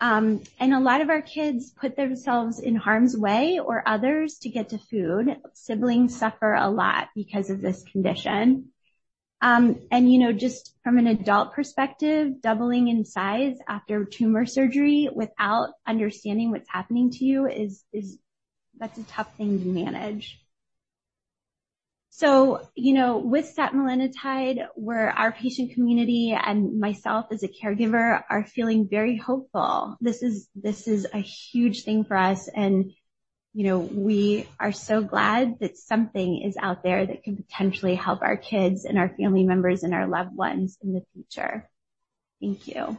And a lot of our kids put themselves in harm's way or others to get to food. Siblings suffer a lot because of this condition. And, you know, just from an adult perspective, doubling in size after tumor surgery without understanding what's happening to you is... That's a tough thing to manage. So, you know, with setmelanotide, where our patient community and myself as a caregiver are feeling very hopeful, this is, this is a huge thing for us, and, you know, we are so glad that something is out there that can potentially help our kids and our family members and our loved ones in the future. Thank you.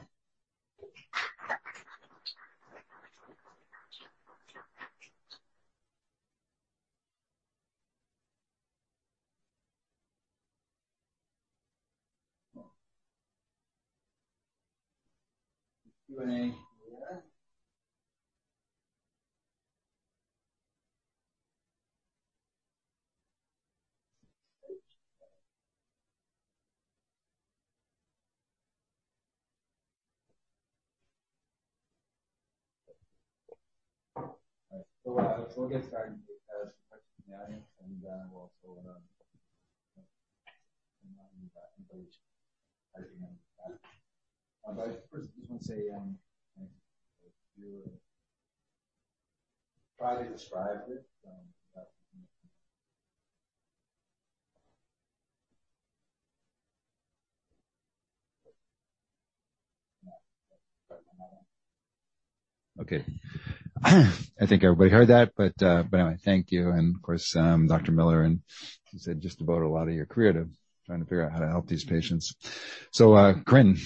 Q&A. All right. So we'll, we'll get started with some questions from the audience, and then we'll also invite you guys. But first, I just want to say thank you. Try to describe it.... Okay. I think everybody heard that, but, but anyway, thank you, and of course, Dr. Miller, and you said just about a lot of your career to trying to figure out how to help these patients. So, Corinne?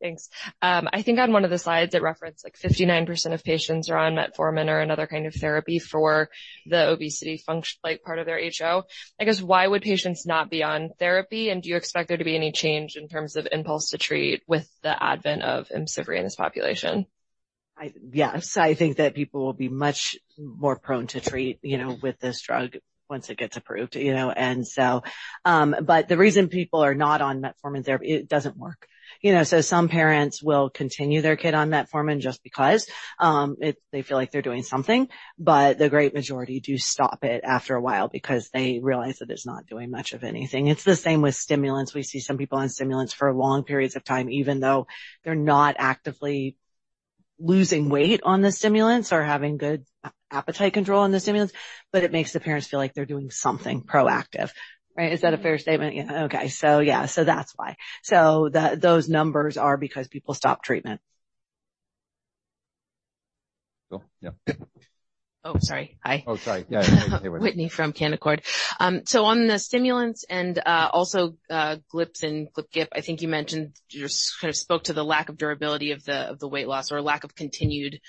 Thanks. I think on one of the slides, it referenced like 59% of patients are on metformin or another kind of therapy for the obesity function, like part of their HO. I guess, why would patients not be on therapy? And do you expect there to be any change in terms of impulse to treat with the advent of IMCIVREE in this population? Yes, I think that people will be much more prone to treat, you know, with this drug once it gets approved, you know, and so. But the reason people are not on metformin therapy, it doesn't work. You know, so some parents will continue their kid on metformin just because, it, they feel like they're doing something, but the great majority do stop it after a while because they realize that it's not doing much of anything. It's the same with stimulants. We see some people on stimulants for long periods of time, even though they're not actively losing weight on the stimulants or having good appetite control on the stimulants, but it makes the parents feel like they're doing something proactive. Right? Is that a fair statement? Yeah. Okay. So yeah, so that's why. So the, those numbers are because people stop treatment. Cool. Yeah. Oh, sorry. Hi. Oh, sorry. Yeah. Hey. Whitney from Canaccord. So on the stimulants and also GLP and GLP-GIP, I think you mentioned, you just kind of spoke to the lack of durability of the weight loss or lack of continued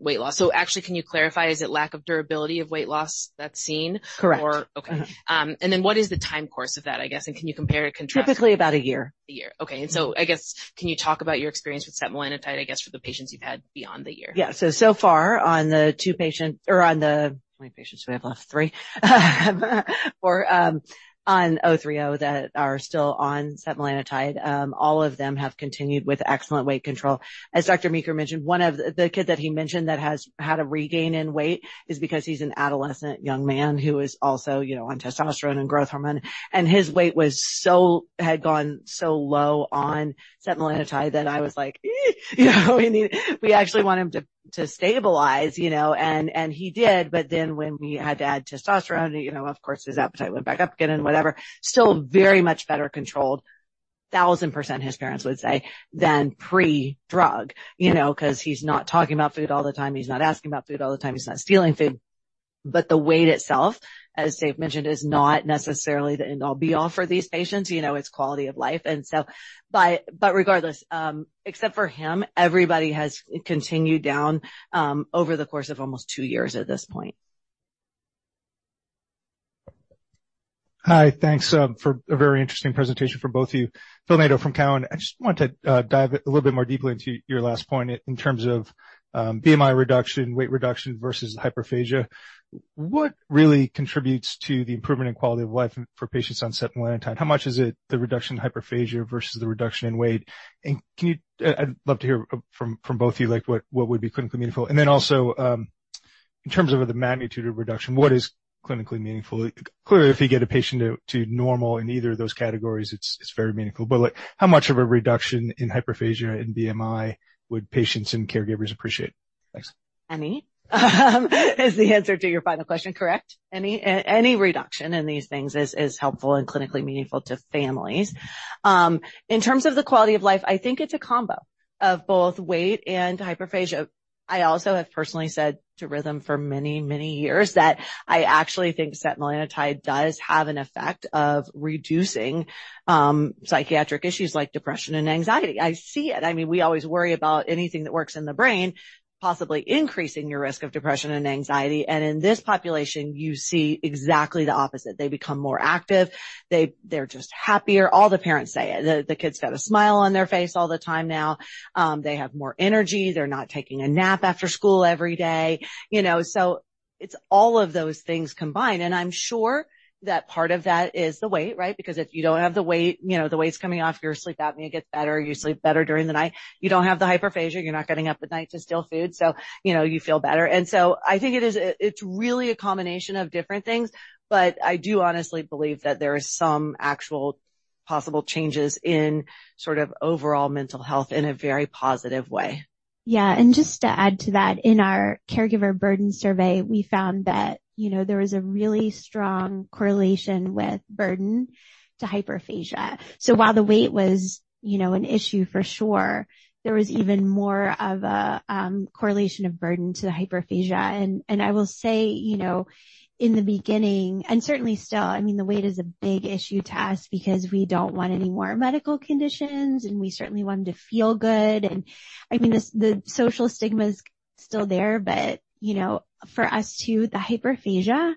weight loss. So actually, can you clarify, is it lack of durability of weight loss that's seen? Correct. Or... Okay. Mm-hmm. And then what is the time course of that, I guess? And can you compare and contrast? Typically, about a year. A year. Okay. Mm-hmm. I guess, can you talk about your experience with setmelanotide, I guess, for the patients you've had beyond the year? Yeah. So, so far on the 2 patients or on the... How many patients do we have left? 3. Or, on all three that are still on setmelanotide, all of them have continued with excellent weight control. As Dr. Meeker mentioned, one of the, the kid that he mentioned that has had a regain in weight is because he's an adolescent young man who is also, you know, on testosterone and growth hormone, and his weight was so-- had gone so low on setmelanotide that I was like, "Eh!" You know, we need- we actually want him to, to stabilize, you know, and, and he did, but then when we had to add testosterone, you know, of course, his appetite went back up again and whatever. Still very much better controlled, 1000%, his parents would say, than pre-drug, you know, 'cause he's not talking about food all the time, he's not asking about food all the time, he's not stealing food. But the weight itself, as Dave mentioned, is not necessarily the end all be all for these patients, you know, it's quality of life. And so but, but regardless, except for him, everybody has continued down, over the course of almost two years at this point. Hi, thanks for a very interesting presentation from both of you. Phil Nadeau from Cowen. I just wanted to dive a little bit more deeply into your last point in terms of BMI reduction, weight reduction versus hyperphagia. What really contributes to the improvement in quality of life for patients on setmelanotide? How much is it, the reduction in hyperphagia versus the reduction in weight? And can you... I'd love to hear from, from both of you, like, what, what would be clinically meaningful? And then also, in terms of the magnitude of reduction, what is clinically meaningful? Clearly, if you get a patient to, to normal in either of those categories, it's, it's very meaningful. But, like, how much of a reduction in hyperphagia and BMI would patients and caregivers appreciate? Thanks. Any, is the answer to your final question, correct? Any, any reduction in these things is helpful and clinically meaningful to families. In terms of the quality of life, I think it's a combo of both weight and hyperphagia. I also have personally said to Rhythm for many, many years that I actually think setmelanotide does have an effect of reducing psychiatric issues like depression and anxiety. I see it. I mean, we always worry about anything that works in the brain, possibly increasing your risk of depression and anxiety. And in this population, you see exactly the opposite. They become more active, they're just happier. All the parents say it. The kids got a smile on their face all the time now. They have more energy, they're not taking a nap after school every day, you know. So it's all of those things combined. And I'm sure that part of that is the weight, right? Because if you don't have the weight, you know, the weight's coming off, your sleep apnea gets better, you sleep better during the night. You don't have the hyperphagia, you're not getting up at night to steal food, so, you know, you feel better. And so I think it's really a combination of different things, but I do honestly believe that there is some actual possible changes in sort of overall mental health in a very positive way. Yeah, and just to add to that, in our caregiver burden survey, we found that, you know, there was a really strong correlation with burden to hyperphagia. So while the weight was, you know, an issue for sure, there was even more of a correlation of burden to the hyperphagia. And I will say, you know, in the beginning, and certainly still, I mean, the weight is a big issue to us because we don't want any more medical conditions, and we certainly want them to feel good. And I mean, this, the social stigma is still there, but, you know, for us, too, the hyperphagia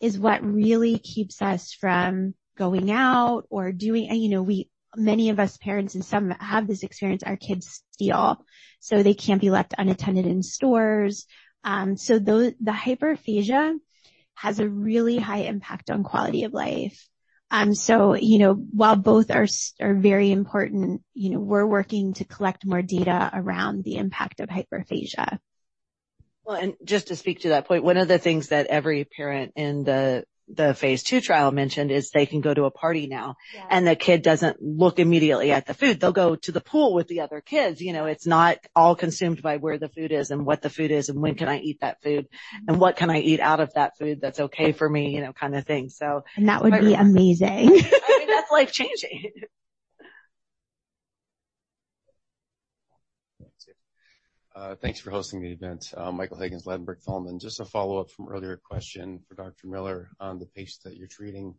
is what really keeps us from going out or doing... And, you know, we-- many of us parents and some have this experience, our kids steal, so they can't be left unattended in stores. So the hyperphagia has a really high impact on quality of life. So, you know, while both are very important, you know, we're working to collect more data around the impact of hyperphagia. Well, and just to speak to that point, one of the things that every parent in the Phase 2 trial mentioned is they can go to a party now- Yeah. and the kid doesn't look immediately at the food. They'll go to the pool with the other kids. You know, it's not all consumed by where the food is and what the food is and when can I eat that food, and what can I eat out of that food that's okay for me, you know, kind of thing, so- That would be amazing. I mean, that's life-changing.... Thanks for hosting the event. I'm Michael Higgins, Ladenburg Thalmann. Just a follow-up from earlier question for Dr. Miller on the patients that you're treating.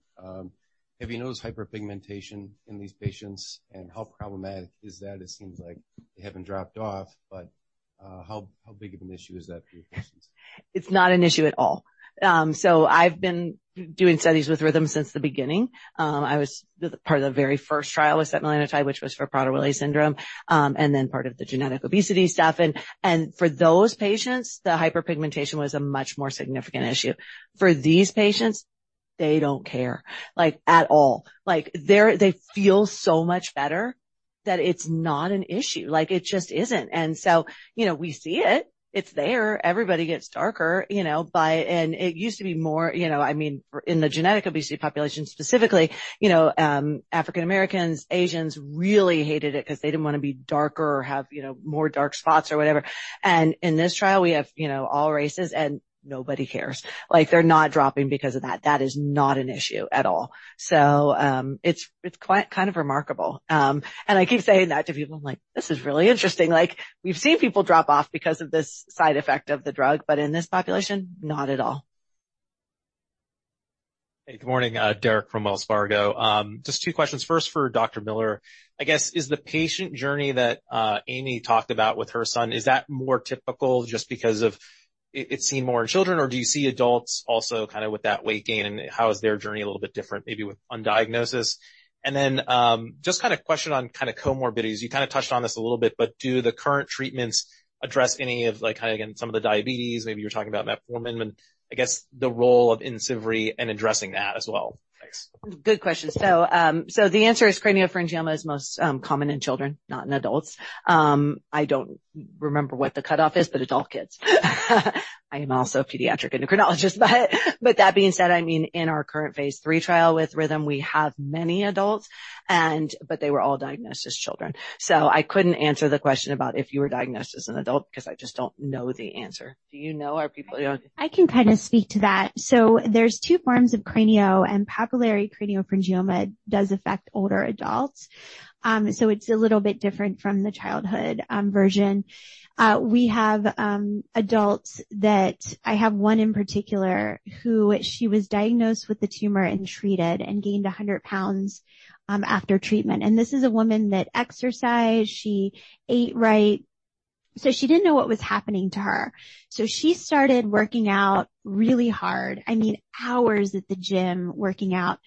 Have you noticed hyperpigmentation in these patients, and how problematic is that? It seems like they haven't dropped off, but how big of an issue is that for your patients? It's not an issue at all. So I've been doing studies with Rhythm since the beginning. I was part of the very first trial with setmelanotide, which was for Prader-Willi syndrome, and then part of the genetic obesity stuff, and for those patients, the hyperpigmentation was a much more significant issue. For these patients, they don't care, like, at all. Like, they're, they feel so much better that it's not an issue, like, it just isn't. And so, you know, we see it, it's there, everybody gets darker, you know, but it used to be more, you know, I mean, in the genetic obesity population, specifically, you know, African Americans, Asians really hated it because they didn't want to be darker or have, you know, more dark spots or whatever. And in this trial, we have, you know, all races, and nobody cares. Like, they're not dropping because of that. That is not an issue at all. So, it's kind of remarkable. And I keep saying that to people, I'm like, "This is really interesting." Like, we've seen people drop off because of this side effect of the drug, but in this population, not at all. Hey, good morning, Derek from Wells Fargo. Just two questions. First, for Dr. Miller, I guess, is the patient journey that Amy talked about with her son, is that more typical just because it's seen more in children, or do you see adults also kind of with that weight gain, and how is their journey a little bit different, maybe with on diagnosis? And then, just kind of question on kind of comorbidities. You kind of touched on this a little bit, but do the current treatments address any of, like, again, some of the diabetes, maybe you're talking about metformin, and I guess the role of IMCIVREE and addressing that as well? Thanks. Good question. So, so the answer is craniopharyngioma is most common in children, not in adults. I don't remember what the cutoff is, but adult kids. I am also a pediatric endocrinologist, but, but that being said, I mean, in our current Phase 3 trial with Rhythm, we have many adults, and but they were all diagnosed as children. So I couldn't answer the question about if you were diagnosed as an adult, because I just don't know the answer. Do you know our people? I can kind of speak to that. So there's two forms of cranio, and papillary craniopharyngioma does affect older adults. So it's a little bit different from the childhood version. We have adults. I have one in particular, who she was diagnosed with the tumor and treated and gained 100 pounds after treatment. And this is a woman that exercised, she ate right, so she didn't know what was happening to her. So she started working out really hard, I mean, hours at the gym, working out.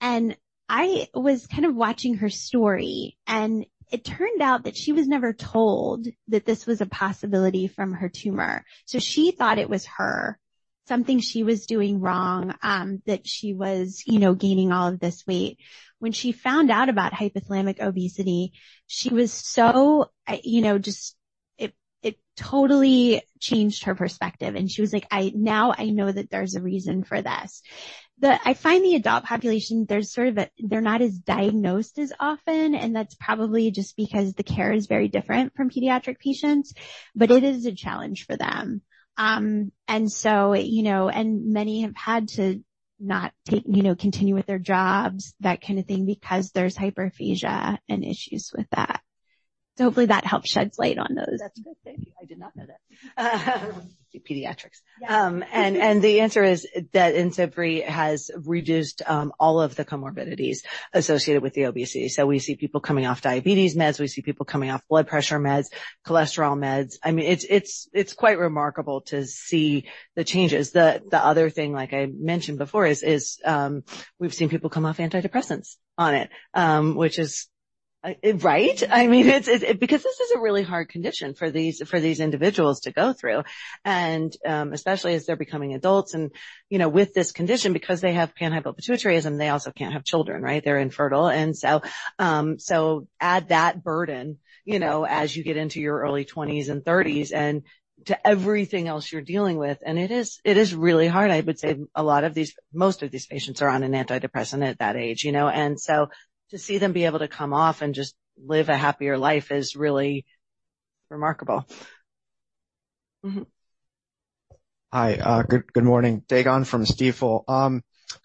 And I was kind of watching her story, and it turned out that she was never told that this was a possibility from her tumor. So she thought it was her, something she was doing wrong, that she was, you know, gaining all of this weight. When she found out about hypothalamic obesity, she was so, you know, just it totally changed her perspective, and she was like, "now, I know that there's a reason for this." I find the adult population, there's sort of a, they're not as diagnosed as often, and that's probably just because the care is very different from pediatric patients, but it is a challenge for them. And so, you know, and many have had to not take, you know, continue with their jobs, that kind of thing, because there's hyperphagia and issues with that. So hopefully that helps shed light on those. That's good. Thank you. I did not know that. Pediatrics. Yeah. And the answer is that IMCIVREE has reduced all of the comorbidities associated with the obesity. So we see people coming off diabetes meds, we see people coming off blood pressure meds, cholesterol meds. I mean, it's quite remarkable to see the changes. The other thing, like I mentioned before, is we've seen people come off antidepressants on it, which is, right? I mean, it's because this is a really hard condition for these individuals to go through, and especially as they're becoming adults and, you know, with this condition, because they have panhypopituitarism, they also can't have children, right? They're infertile. And so add that burden, you know, as you get into your early twenties and thirties and to everything else you're dealing with. And it is really hard. I would say a lot of these, most of these patients are on an antidepressant at that age, you know, and so to see them be able to come off and just live a happier life is really remarkable. Mm-hmm. Hi, good, good morning. Dae Gon from Stifel. A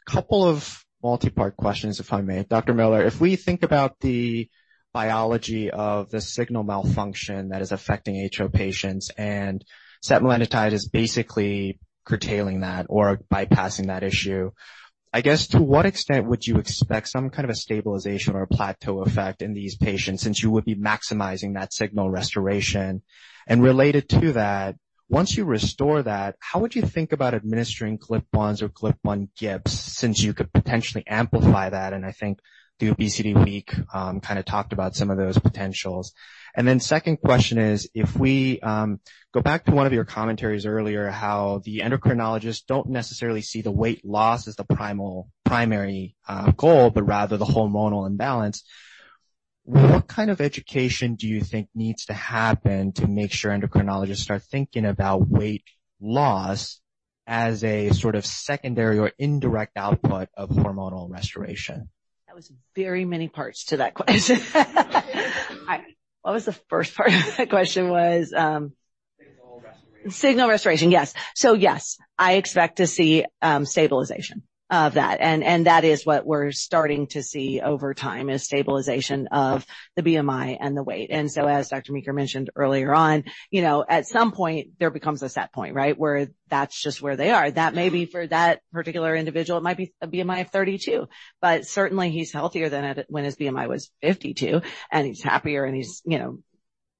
couple of multi-part questions, if I may. Dr. Miller, if we think about the biology of the signal malfunction that is affecting HO patients, and setmelanotide is basically curtailing that or bypassing that issue, I guess, to what extent would you expect some kind of a stabilization or a plateau effect in these patients since you would be maximizing that signal restoration? And related to that, once you restore that, how would you think about administering GLP-1s or GLP-1 GIPs, since you could potentially amplify that? And I think the Obesity Week kind of talked about some of those potentials. And then second question is, if we go back to one of your commentaries earlier, how the endocrinologists don't necessarily see the weight loss as the primal, primary goal, but rather the hormonal imbalance, what kind of education do you think needs to happen to make sure endocrinologists start thinking about weight loss as a sort of secondary or indirect output of hormonal restoration? That was very many parts to that question. What was the first part of that question was, Signal restoration, yes. So yes, I expect to see stabilization of that. And, and that is what we're starting to see over time, is stabilization of the BMI and the weight. And so as Dr. Meeker mentioned earlier on, you know, at some point there becomes a set point, right? Where that's just where they are. That may be for that particular individual, it might be a BMI of 32, but certainly he's healthier than at, when his BMI was 52, and he's happier, and he's, you know,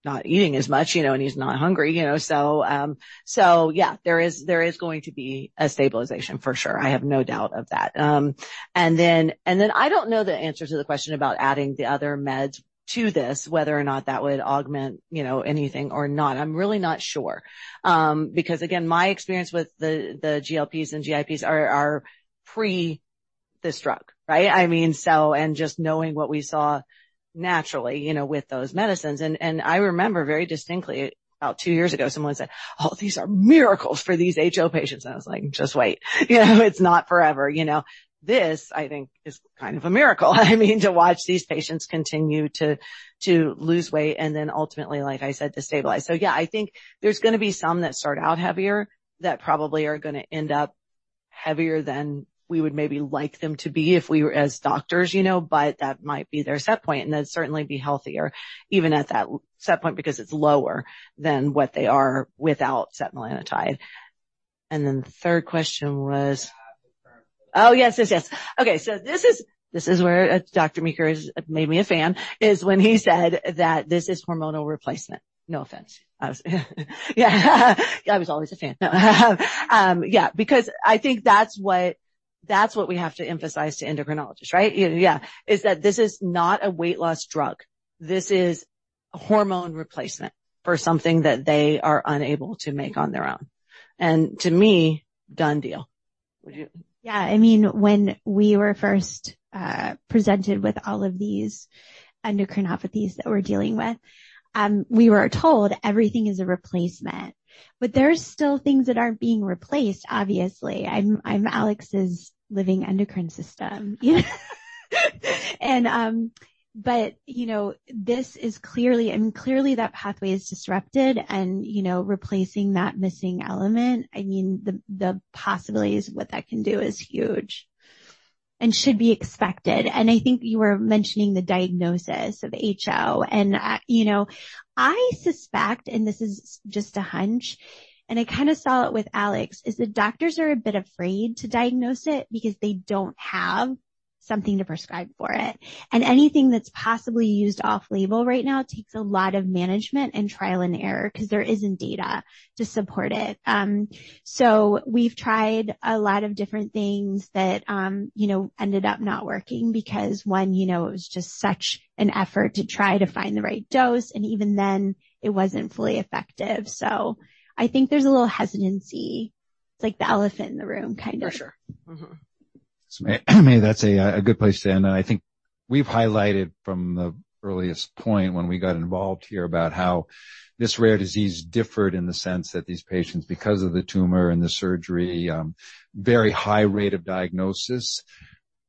not eating as much, you know, and he's not hungry, you know? So, so yeah, there is, there is going to be a stabilization for sure. I have no doubt of that. And then I don't know the answer to the question about adding the other meds to this, whether or not that would augment, you know, anything or not. I'm really not sure. Because, again, my experience with the GLPs and GIPs are pre this drug, right? I mean, so and just knowing what we saw naturally, you know, with those medicines. And I remember very distinctly, about two years ago, someone said, "Oh, these are miracles for these HO patients!" And I was like: "Just wait. You know, it's not forever." You know, this, I think, is kind of a miracle. I mean, to watch these patients continue to lose weight and then ultimately, like I said, to stabilize. So yeah, I think there's gonna be some that start out heavier that probably are gonna end up heavier than we would maybe like them to be if we were as doctors, you know, but that might be their set point, and they'd certainly be healthier, even at that set point, because it's lower than what they are without setmelanotide. And then the third question was? Oh, yes, yes, yes. Okay, so this is, this is where Dr. Meeker has made me a fan, is when he said that this is hormonal replacement. No offense. Yeah. I was always a fan. No. Yeah, because I think that's what, that's what we have to emphasize to endocrinologists, right? Yeah. Is that this is not a weight loss drug. This is hormone replacement for something that they are unable to make on their own. To me, done deal. Would you? Yeah. I mean, when we were first presented with all of these endocrinopathies that we're dealing with, we were told everything is a replacement, but there are still things that aren't being replaced, obviously. I'm, I'm Alex's living endocrine system. And, but, you know, this is clearly—I mean, clearly, that pathway is disrupted and, you know, replacing that missing element, I mean, the, the possibilities of what that can do is huge and should be expected. And I think you were mentioning the diagnosis of HO, and, you know, I suspect, and this is just a hunch, and I kind of saw it with Alex, is the doctors are a bit afraid to diagnose it because they don't have something to prescribe for it. Anything that's possibly used off-label right now takes a lot of management and trial and error because there isn't data to support it. So we've tried a lot of different things that, you know, ended up not working because, one, you know, it was just such an effort to try to find the right dose, and even then, it wasn't fully effective. So I think there's a little hesitancy. It's like the elephant in the room, kind of. For sure. Mm-hmm. So that's a good place to end. And I think we've highlighted from the earliest point when we got involved here about how this rare disease differed in the sense that these patients, because of the tumor and the surgery, very high rate of diagnosis.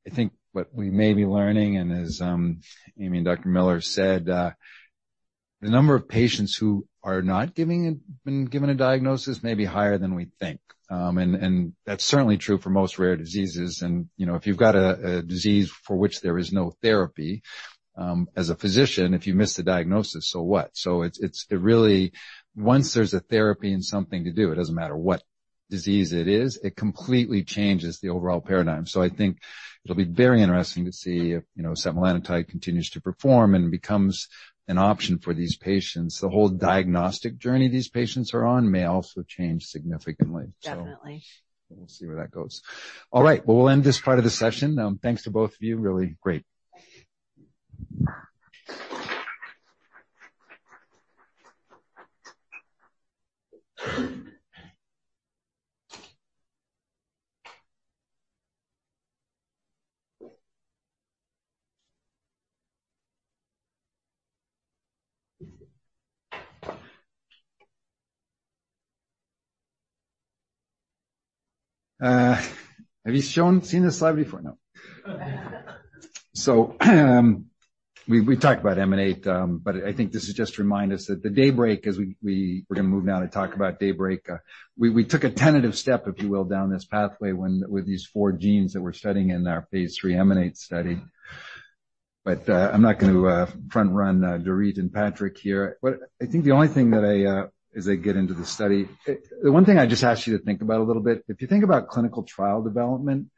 I think what we may be learning, and as Amy and Dr. Miller said, the number of patients who have not been given a diagnosis may be higher than we think. And that's certainly true for most rare diseases. And, you know, if you've got a disease for which there is no therapy, as a physician, if you miss the diagnosis, so what? So it's really once there's a therapy and something to do, it doesn't matter what disease it is, it completely changes the overall paradigm. I think it'll be very interesting to see if, you know, setmelanotide continues to perform and becomes an option for these patients. The whole diagnostic journey these patients are on may also change significantly. Definitely. We'll see where that goes. All right, well, we'll end this part of the session. Thanks to both of you. Really great. Have you seen this slide before? No. So, we talked about EMANATE, but I think this is just to remind us that the DAYBREAK, as we're gonna move now to talk about DAYBREAK. We took a tentative step, if you will, down this pathway with these four genes that we're studying in our phase three EMANATE study. But, I'm not going to front-run Dorit and Patrick here. But I think the only thing that I as I get into the study... The one thing I just ask you to think about a little bit, if you think about clinical trial development,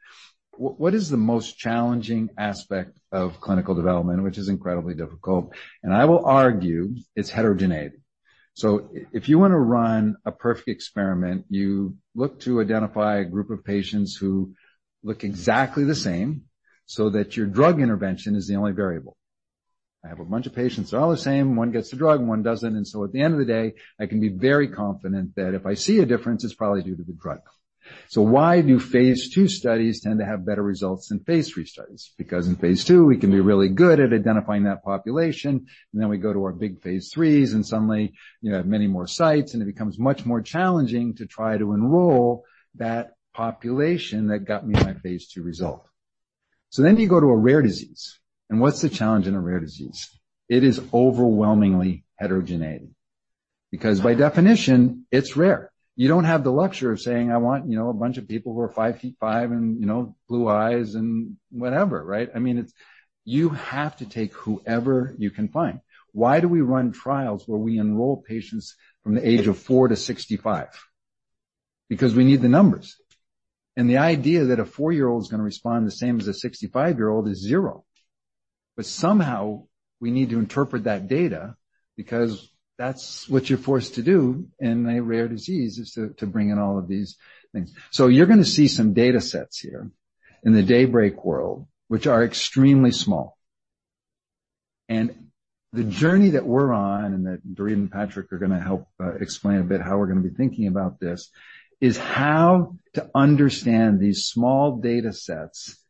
what is the most challenging aspect of clinical development, which is incredibly difficult? And I will argue it's heterogeneity. So if you want to run a perfect experiment, you look to identify a group of patients who look exactly the same, so that your drug intervention is the only variable. I have a bunch of patients, they're all the same, one gets the drug, one doesn't, and so at the end of the day, I can be very confident that if I see a difference, it's probably due to the drug. So why do Phase 2 studies tend to have better results than Phase 3 studies? Because in Phase 2, we can be really good at identifying that population, and then we go to our big Phase 3s, and suddenly, you have many more sites, and it becomes much more challenging to try to enroll that population that got me my Phase 2 result.... So then you go to a rare disease, and what's the challenge in a rare disease? It is overwhelmingly heterogeneity, because by definition, it's rare. You don't have the luxury of saying, "I want, you know, a bunch of people who are 5 ft 5 and, you know, blue eyes, and whatever," right? I mean, it's, you have to take whoever you can find. Why do we run trials where we enroll patients from the age of four to 65? Because we need the numbers, and the idea that a four-year-old is gonna respond the same as a 65-year-old is zero. But somehow we need to interpret that data because that's what you're forced to do in a rare disease, is to bring in all of these things. So you're gonna see some data sets here in the DAYBREAK world, which are extremely small. And the journey that we're on, and that Dorit and Patrick are gonna help explain a bit how we're gonna be thinking about this, is how to understand these small data sets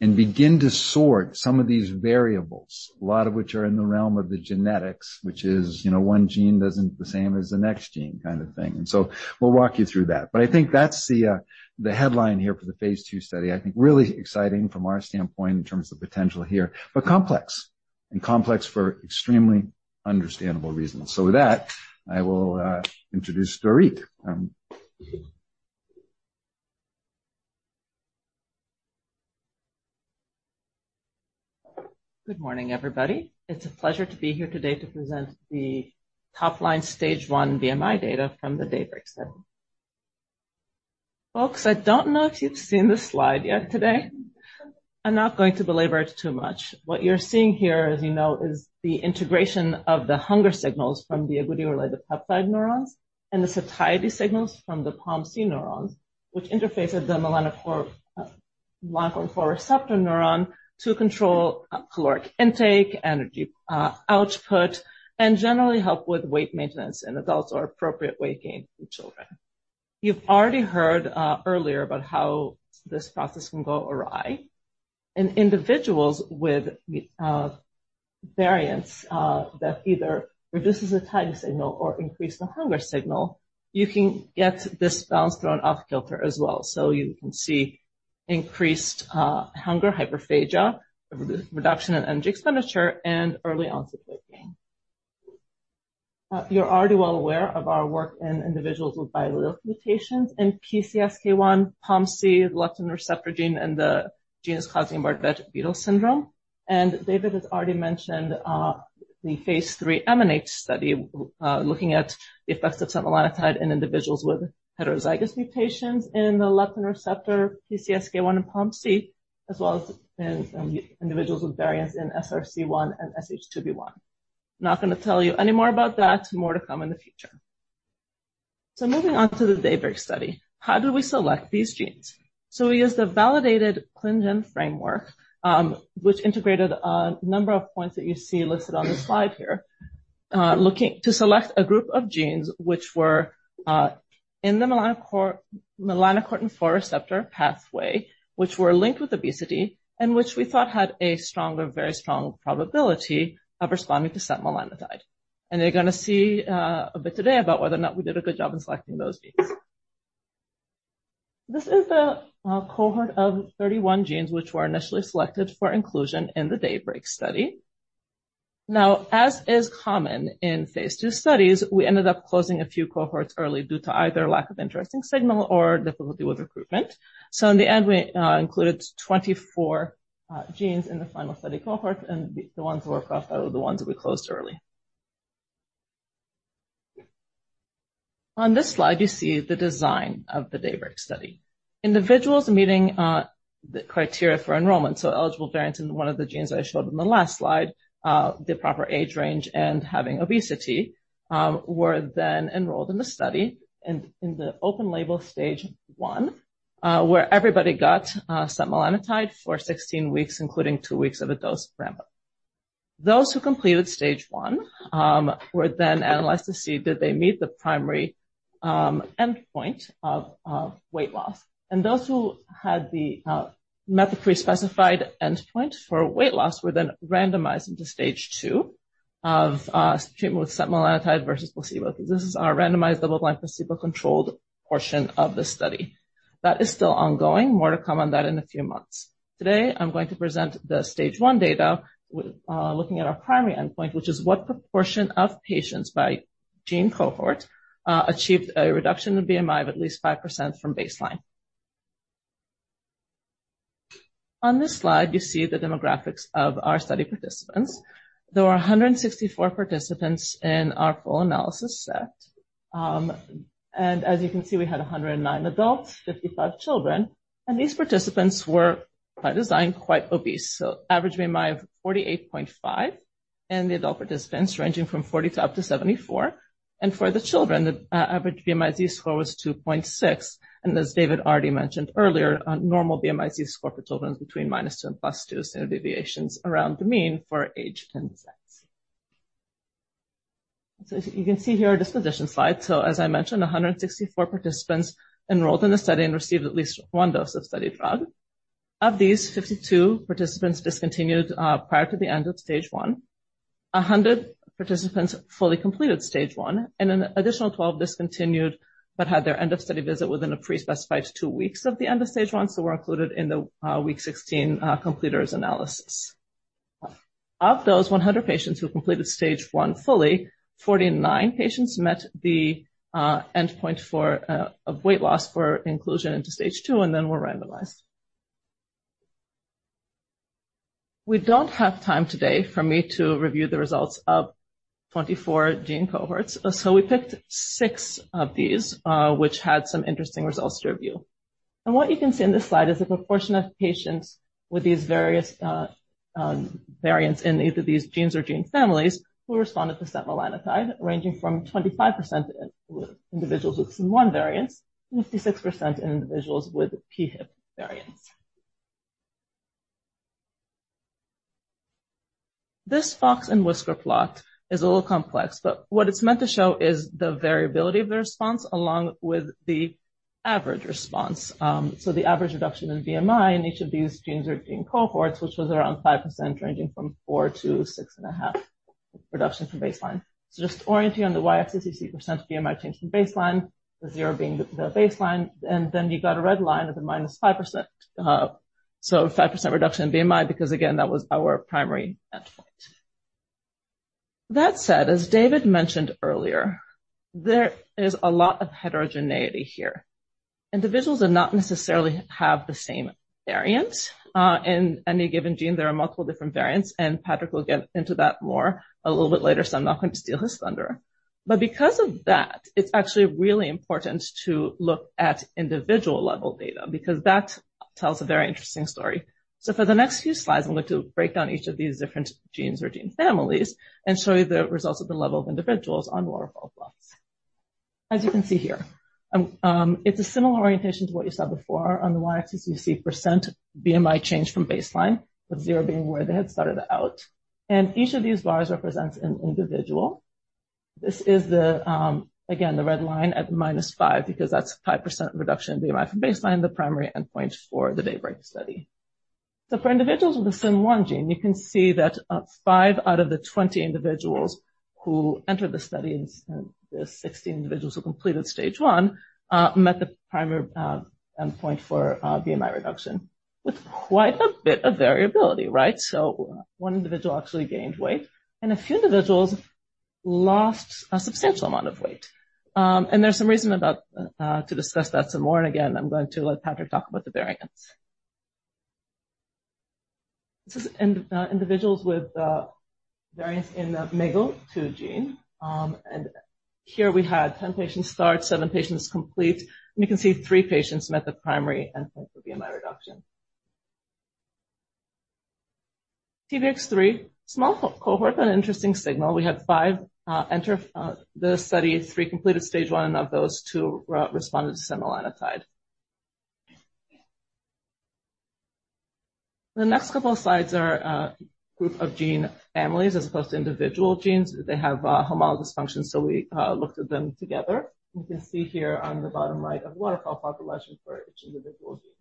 and begin to sort some of these variables. A lot of which are in the realm of the genetics, which is, you know, one gene doesn't the same as the next gene kind of thing. And so we'll walk you through that. But I think that's the headline here for the Phase 2 study. I think really exciting from our standpoint in terms of potential here, but complex and complex for extremely understandable reasons. With that, I will introduce Dorit. Good morning, everybody. It's a pleasure to be here today to present the top-line stage 1 BMI data from the DAYBREAK study. Folks, I don't know if you've seen this slide yet today. I'm not going to belabor it too much. What you're seeing here, as you know, is the integration of the hunger signals from the agouti-related peptide neurons and the satiety signals from the POMC neurons, which interface with the melanocortin four receptor neuron to control caloric intake, energy output, and generally help with weight maintenance in adults or appropriate weight gain in children. You've already heard earlier about how this process can go awry. In individuals with variants that either reduces the satiety signal or increase the hunger signal, you can get this balance thrown off kilter as well. So you can see increased hunger, hyperphagia, reduction in energy expenditure, and early-onset weight gain. You're already well aware of our work in individuals with biallelic mutations in PCSK1, POMC, leptin receptor gene, and the genes causing Bardet-Biedl syndrome. David has already mentioned the Phase 3 EMANATE study looking at the effects of setmelanotide in individuals with heterozygous mutations in the leptin receptor, PCSK1, and POMC, as well as in individuals with variants in SRC1 and SH2B1. Not gonna tell you any more about that. More to come in the future. Moving on to the DAYBREAK study, how do we select these genes? We used a validated ClinGen framework, which integrated a number of points that you see listed on the slide here. Looking... To select a group of genes which were in the melanocortin four receptor pathway, which were linked with obesity, and which we thought had a strong or very strong probability of responding to setmelanotide. You're gonna see a bit today about whether or not we did a good job in selecting those genes. This is a cohort of 31 genes, which were initially selected for inclusion in the DAYBREAK study. Now, as is common in Phase 2 studies, we ended up closing a few cohorts early due to either lack of interesting signal or difficulty with recruitment. So in the end, we included 24 genes in the final study cohort, and the ones who were crossed out were the ones that we closed early. On this slide, you see the design of the DAYBREAK study. Individuals meeting the criteria for enrollment, so eligible variants in one of the genes I showed in the last slide, the proper age range and having obesity, were then enrolled in the study and in the open-label stage 1, where everybody got setmelanotide for 16 weeks, including two weeks of a dose ramp-up. Those who completed stage 1 were then analyzed to see did they meet the primary endpoint of weight loss, and those who had the met the pre-specified endpoint for weight loss were then randomized into stage 2 of treatment with setmelanotide versus placebo. This is our randomized, double-blind, placebo-controlled portion of the study. That is still ongoing. More to come on that in a few months. Today, I'm going to present the stage 1 data with looking at our primary endpoint, which is what proportion of patients by gene cohort achieved a reduction in BMI of at least 5% from baseline. On this slide, you see the demographics of our study participants. There were 164 participants in our full analysis set. And as you can see, we had 109 adults, 55 children, and these participants were, by design, quite obese, so average BMI of 48.5 in the adult participants, ranging from 40 to up to 74. For the children, the average BMI Z-score was 2.6, and as David already mentioned earlier, a normal BMI Z-score for children is between -2 and +2 standard deviations around the mean for age and sex. So as you can see here, our disposition slide. So as I mentioned, 164 participants enrolled in the study and received at least one dose of study drug. Of these, 52 participants discontinued prior to the end of stage 1. 100 participants fully completed stage one, and an additional 12 discontinued but had their end of study visit within a pre-specified two weeks of the end of stage 1, so were included in the week 16 completers analysis. Of those 100 patients who completed stage 1 fully, 49 patients met the endpoint for of weight loss for inclusion into stage two and then were randomized. We don't have time today for me to review the results of 24 gene cohorts, so we picked six of these, which had some interesting results to review. What you can see on this slide is the proportion of patients with these various variants in either these genes or gene families who responded to setmelanotide, ranging from 25% in individuals with SIM1 variants, 56% in individuals with PHIP variants. This box and whisker plot is a little complex, but what it's meant to show is the variability of the response along with the average response. So the average reduction in BMI in each of these genes or gene cohorts, which was around 5%, ranging from 4%-6.5% reduction from baseline. So just orient you on the Y-axis, you see percent BMI change from baseline, with zero being the baseline, and then you got a red line at the -5%. So 5% reduction in BMI, because again, that was our primary endpoint. That said, as David mentioned earlier, there is a lot of heterogeneity here. Individuals do not necessarily have the same variant. In any given gene, there are multiple different variants, and Patrick will get into that more a little bit later, so I'm not going to steal his thunder. But because of that, it's actually really important to look at individual-level data because that tells a very interesting story. So for the next few slides, I'm going to break down each of these different genes or gene families and show you the results of the level of individuals on waterfall plots. As you can see here, it's a similar orientation to what you saw before. On the Y-axis, you see percent BMI change from baseline, with zero being where they had started out. And each of these bars represents an individual. This is, again, the red line at -5, because that's 5% reduction in BMI from baseline, the primary endpoint for the DAYBREAK study. So for individuals with the SIM1 gene, you can see that, 5 out of the 20 individuals who entered the study and the 16 individuals who completed stage 1, met the primary endpoint for BMI reduction with quite a bit of variability, right? So 1 individual actually gained weight, and a few individuals lost a substantial amount of weight. And there's some reason about to discuss that some more. And again, I'm going to let Patrick talk about the variants. This is in individuals with variants in the MAGEL2 gene. And here we had 10 patients start, 7 patients complete, and you can see 3 patients met the primary endpoint for BMI reduction. TBX3, small cohort, but an interesting signal. We had 5 enter the study, 3 completed stage 1, and of those, 2 responded to setmelanotide. The next couple of slides are group of gene families as opposed to individual genes. They have homologous functions, so we looked at them together. You can see here on the bottom right a waterfall population for each individual gene.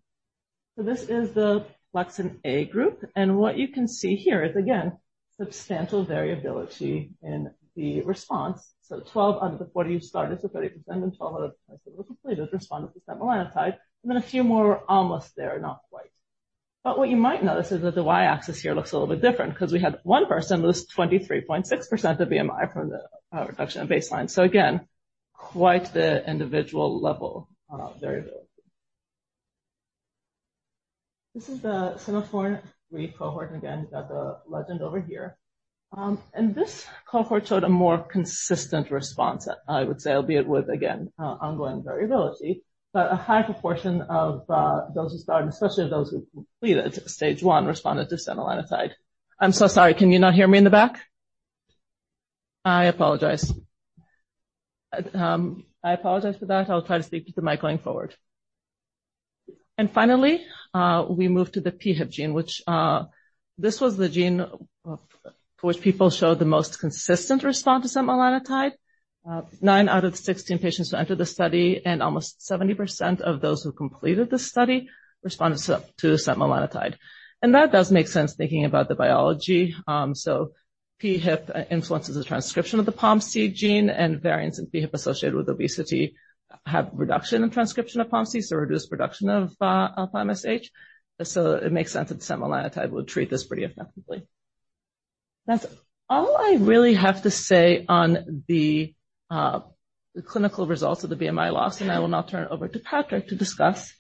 So this is the Plexin A group, and what you can see here is, again, substantial variability in the response. So 12 out of the 40 who started, so 30%, and 12 out of the completed responded to setmelanotide, and then a few more were almost there, not quite. But what you might notice is that the Y-axis here looks a little bit different because we had one person lose 23.6% of BMI from the reduction in baseline. So again, quite the individual level variability. This is the SEMA3 cohort. Again, you've got the legend over here. And this cohort showed a more consistent response, I would say, albeit with, again, ongoing variability. But a high proportion of those who started, especially those who completed stage one, responded to setmelanotide. I'm so sorry, can you not hear me in the back? I apologize. I apologize for that. I'll try to speak to the mic going forward. And finally, we move to the PHIP gene, which this was the gene for which people showed the most consistent response to setmelanotide. 9 out of the 16 patients who entered the study and almost 70% of those who completed the study responded to setmelanotide. And that does make sense, thinking about the biology. So PHIP influences the transcription of the POMC gene, and variants in PHIP associated with obesity have reduction in transcription of POMC, so reduced production of alpha-MSH. So it makes sense that the setmelanotide would treat this pretty effectively. That's all I really have to say on the clinical results of the BMI loss, and I will now turn it over to Patrick to discuss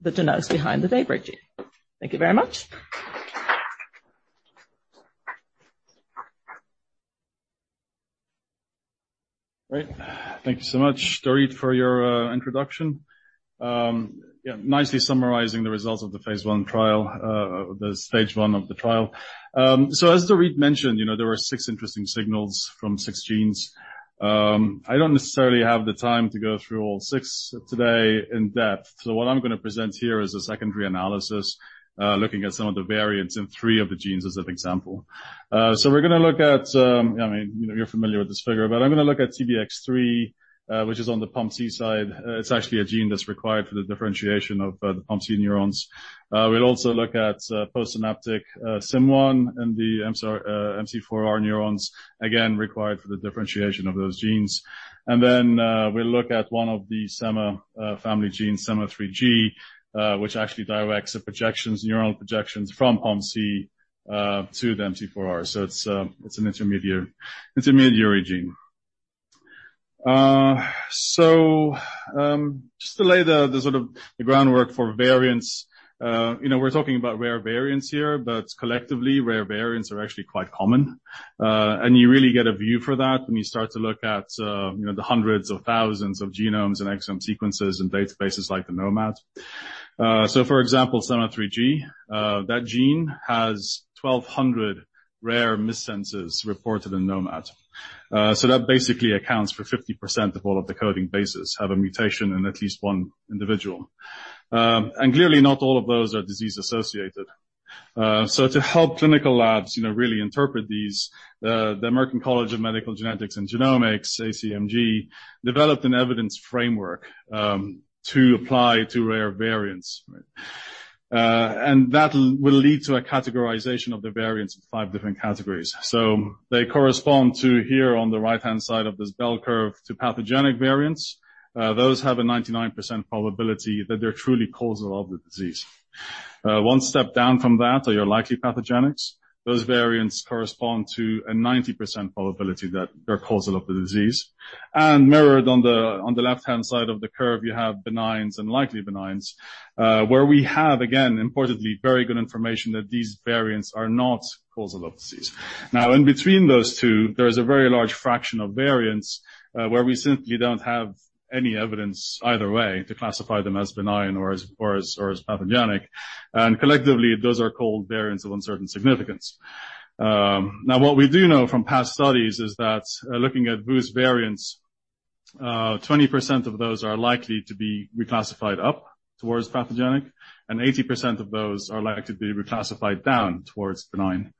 the genetics behind the DAYBREAK gene. Thank you very much. Great. Thank you so much, Dorit, for your introduction. Yeah, nicely summarizing the results of the Phase 1 trial, the stage 1 of the trial. So as Dorit mentioned, you know, there were six interesting signals from six genes. I don't necessarily have the time to go through all six today in depth, so what I'm gonna present here is a secondary analysis, looking at some of the variants in three of the genes as an example. So we're gonna look at, I mean, you're familiar with this figure, but I'm gonna look at TBX3, which is on the POMC side. It's actually a gene that's required for the differentiation of the POMC neurons. We'll also look at SIM1 and the MC4R neurons, again, required for the differentiation of those genes. And then, we'll look at one of the SEMA3 family genes, SEMA3G, which actually directs the projections, neuronal projections from POMC to the MC4R. So it's an intermediate, intermediary gene. So, just to lay the sort of groundwork for variants, you know, we're talking about rare variants here, but collectively, rare variants are actually quite common. And you really get a view for that when you start to look at you know, the hundreds of thousands of genomes and exome sequences and databases like the gnomAD. So for example, SEMA3G, that gene has 1,200 rare missense reported in gnomAD. So that basically accounts for 50% of all of the coding bases have a mutation in at least one individual. And clearly, not all of those are disease-associated. So to help clinical labs, you know, really interpret these, the American College of Medical Genetics and Genomics, ACMG, developed an evidence framework, to apply to rare variants. And that will lead to a categorization of the variants in five different categories. So they correspond to here on the right-hand side of this bell curve to pathogenic variants. Those have a 99% probability that they're truly causal of the disease. One step down from that are your likely pathogenics. Those variants correspond to a 90% probability that they're causal of the disease. Mirrored on the left-hand side of the curve, you have benigns and likely benigns, where we have, again, importantly, very good information that these variants are not causal of disease. Now, in between those two, there is a very large fraction of variants, where we simply don't have any evidence either way to classify them as benign or as pathogenic, and collectively, those are called variants of uncertain significance. Now, what we do know from past studies is that, looking at VUS variants, 20% of those are likely to be reclassified up towards pathogenic, and 80% of those are likely to be reclassified down towards benign.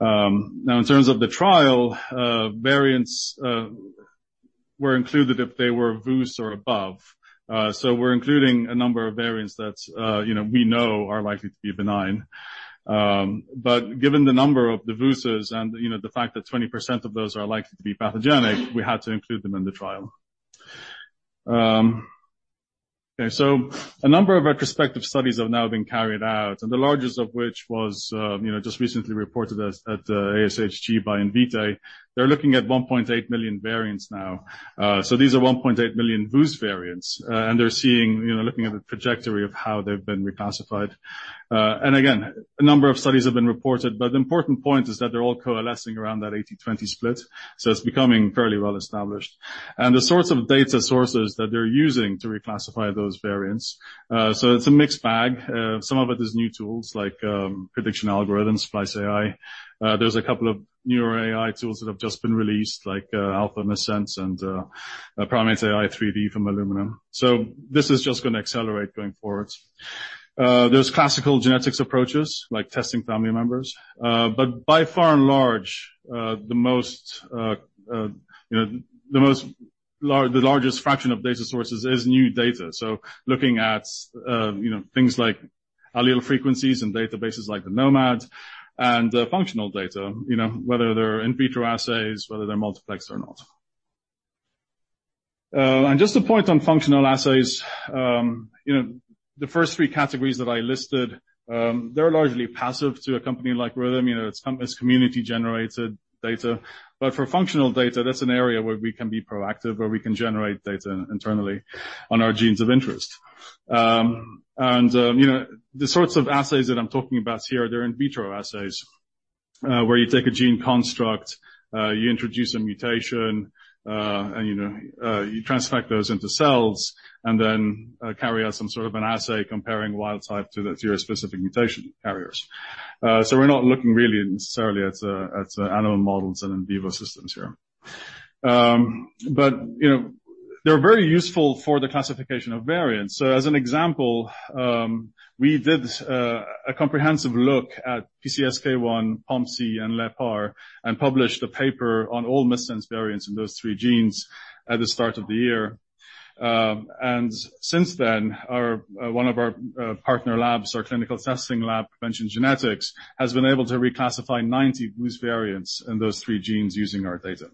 Now, in terms of the trial, variants were included if they were VUS or above. So we're including a number of variants that, you know, we know are likely to be benign. But given the number of the VUSs and, you know, the fact that 20% of those are likely to be pathogenic, we had to include them in the trial. Okay, so a number of retrospective studies have now been carried out, and the largest of which was, you know, just recently reported at ASHG by Invitae. They're looking at 1.8 million variants now. So these are 1.8 million VUS variants, and they're seeing, you know, looking at the trajectory of how they've been reclassified. And again, a number of studies have been reported, but the important point is that they're all coalescing around that 80-20 split, so it's becoming fairly well established. And the sorts of data sources that they're using to reclassify those variants, so it's a mixed bag. Some of it is new tools like prediction algorithms, SpliceAI. There's a couple of newer AI tools that have just been released, like AlphaMissense and PrimateAI 3D from Illumina. So this is just gonna accelerate going forward. There's classical genetics approaches, like testing family members, but by far and large, you know, the largest fraction of data sources is new data. So looking at, you know, things like allele frequencies and databases like the gnomAD and functional data, you know, whether they're in vitro assays, whether they're multiplex or not. And just a point on functional assays, you know, the first three categories that I listed, they're largely passive to a company like Rhythm. You know, it's community-generated data. But for functional data, that's an area where we can be proactive, where we can generate data internally on our genes of interest. And, you know, the sorts of assays that I'm talking about here, they're in vitro assays, where you take a gene construct, you introduce a mutation, and, you know, you transfect those into cells and then, carry out some sort of an assay comparing wild type to those specific mutation carriers. So we're not looking really necessarily at animal models and in vivo systems here. But, you know, they're very useful for the classification of variants. So as an example, we did a comprehensive look at PCSK1, POMC, and LEPR and published a paper on all missense variants in those three genes at the start of the year. And since then, one of our partner labs, our clinical testing lab, PreventionGenetics, has been able to reclassify 90 VUS variants in those three genes using our data.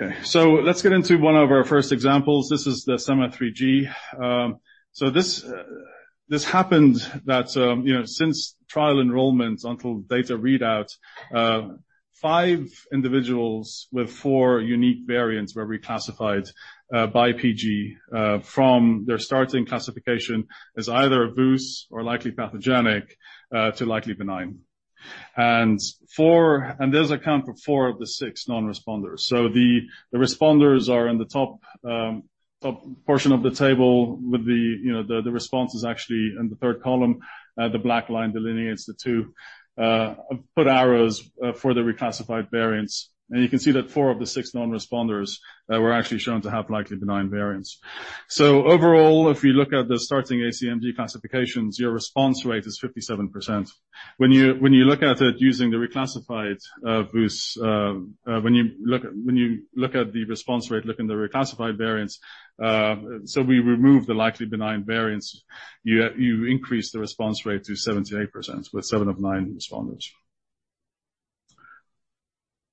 Okay, so let's get into one of our first examples. This is the SEMA3G. So this happened that, you know, since trial enrollment until data readout, five individuals with four unique variants were reclassified by PG from their starting classification as either a VUS or likely pathogenic to likely benign. And four and those account for four of the six non-responders. So the responders are in the top portion of the table with the, you know, the response is actually in the third column. The black line delineates the two. I've put arrows for the reclassified variants. You can see that four of the six non-responders were actually shown to have likely benign variants. So overall, if you look at the starting ACMG classifications, your response rate is 57%. When you look at it using the reclassified VUS, when you look at the response rate, looking at the reclassified variants, so we remove the likely benign variants, you increase the response rate to 78%, with seven of nine responders.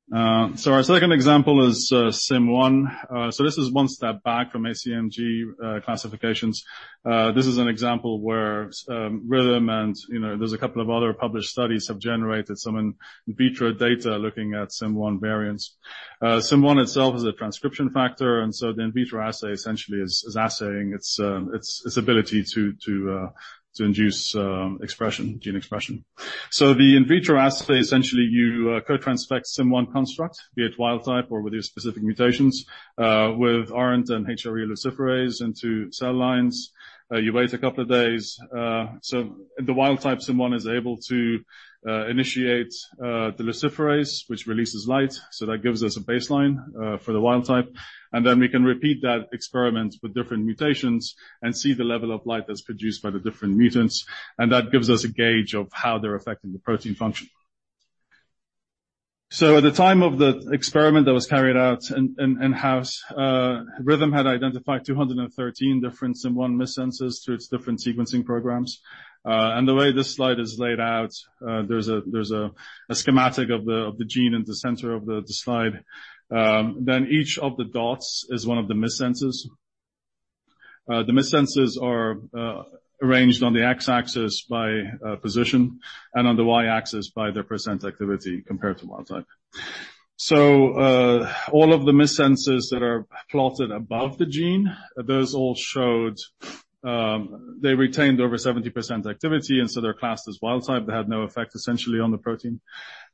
So our second example is SIM1. So this is one step back from ACMG classifications. This is an example where Rhythm and, you know, there's a couple of other published studies have generated some in vitro data looking at SIM1 variants. SIM1 itself is a transcription factor, and so the in vitro assay essentially is assaying its ability to induce gene expression. So the in vitro assay, essentially, you co-transfect SIM1 construct, be it wild type or with your specific mutations, with ARNT and HRE luciferase into cell lines. You wait a couple of days. So the wild type SIM1 is able to initiate the luciferase, which releases light, so that gives us a baseline for the wild type. And then we can repeat that experiment with different mutations and see the level of light that's produced by the different mutants, and that gives us a gauge of how they're affecting the protein function. So at the time of the experiment that was carried out in-house, Rhythm had identified 213 different SIM1 missense through its different sequencing programs. And the way this slide is laid out, there's a schematic of the gene in the center of the slide. Then each of the dots is one of the missense. The missense are arranged on the X-axis by position and on the Y-axis by their percent activity compared to wild type. So all of the missense that are plotted above the gene, those all showed they retained over 70% activity, and so they're classed as wild type. They had no effect, essentially, on the protein.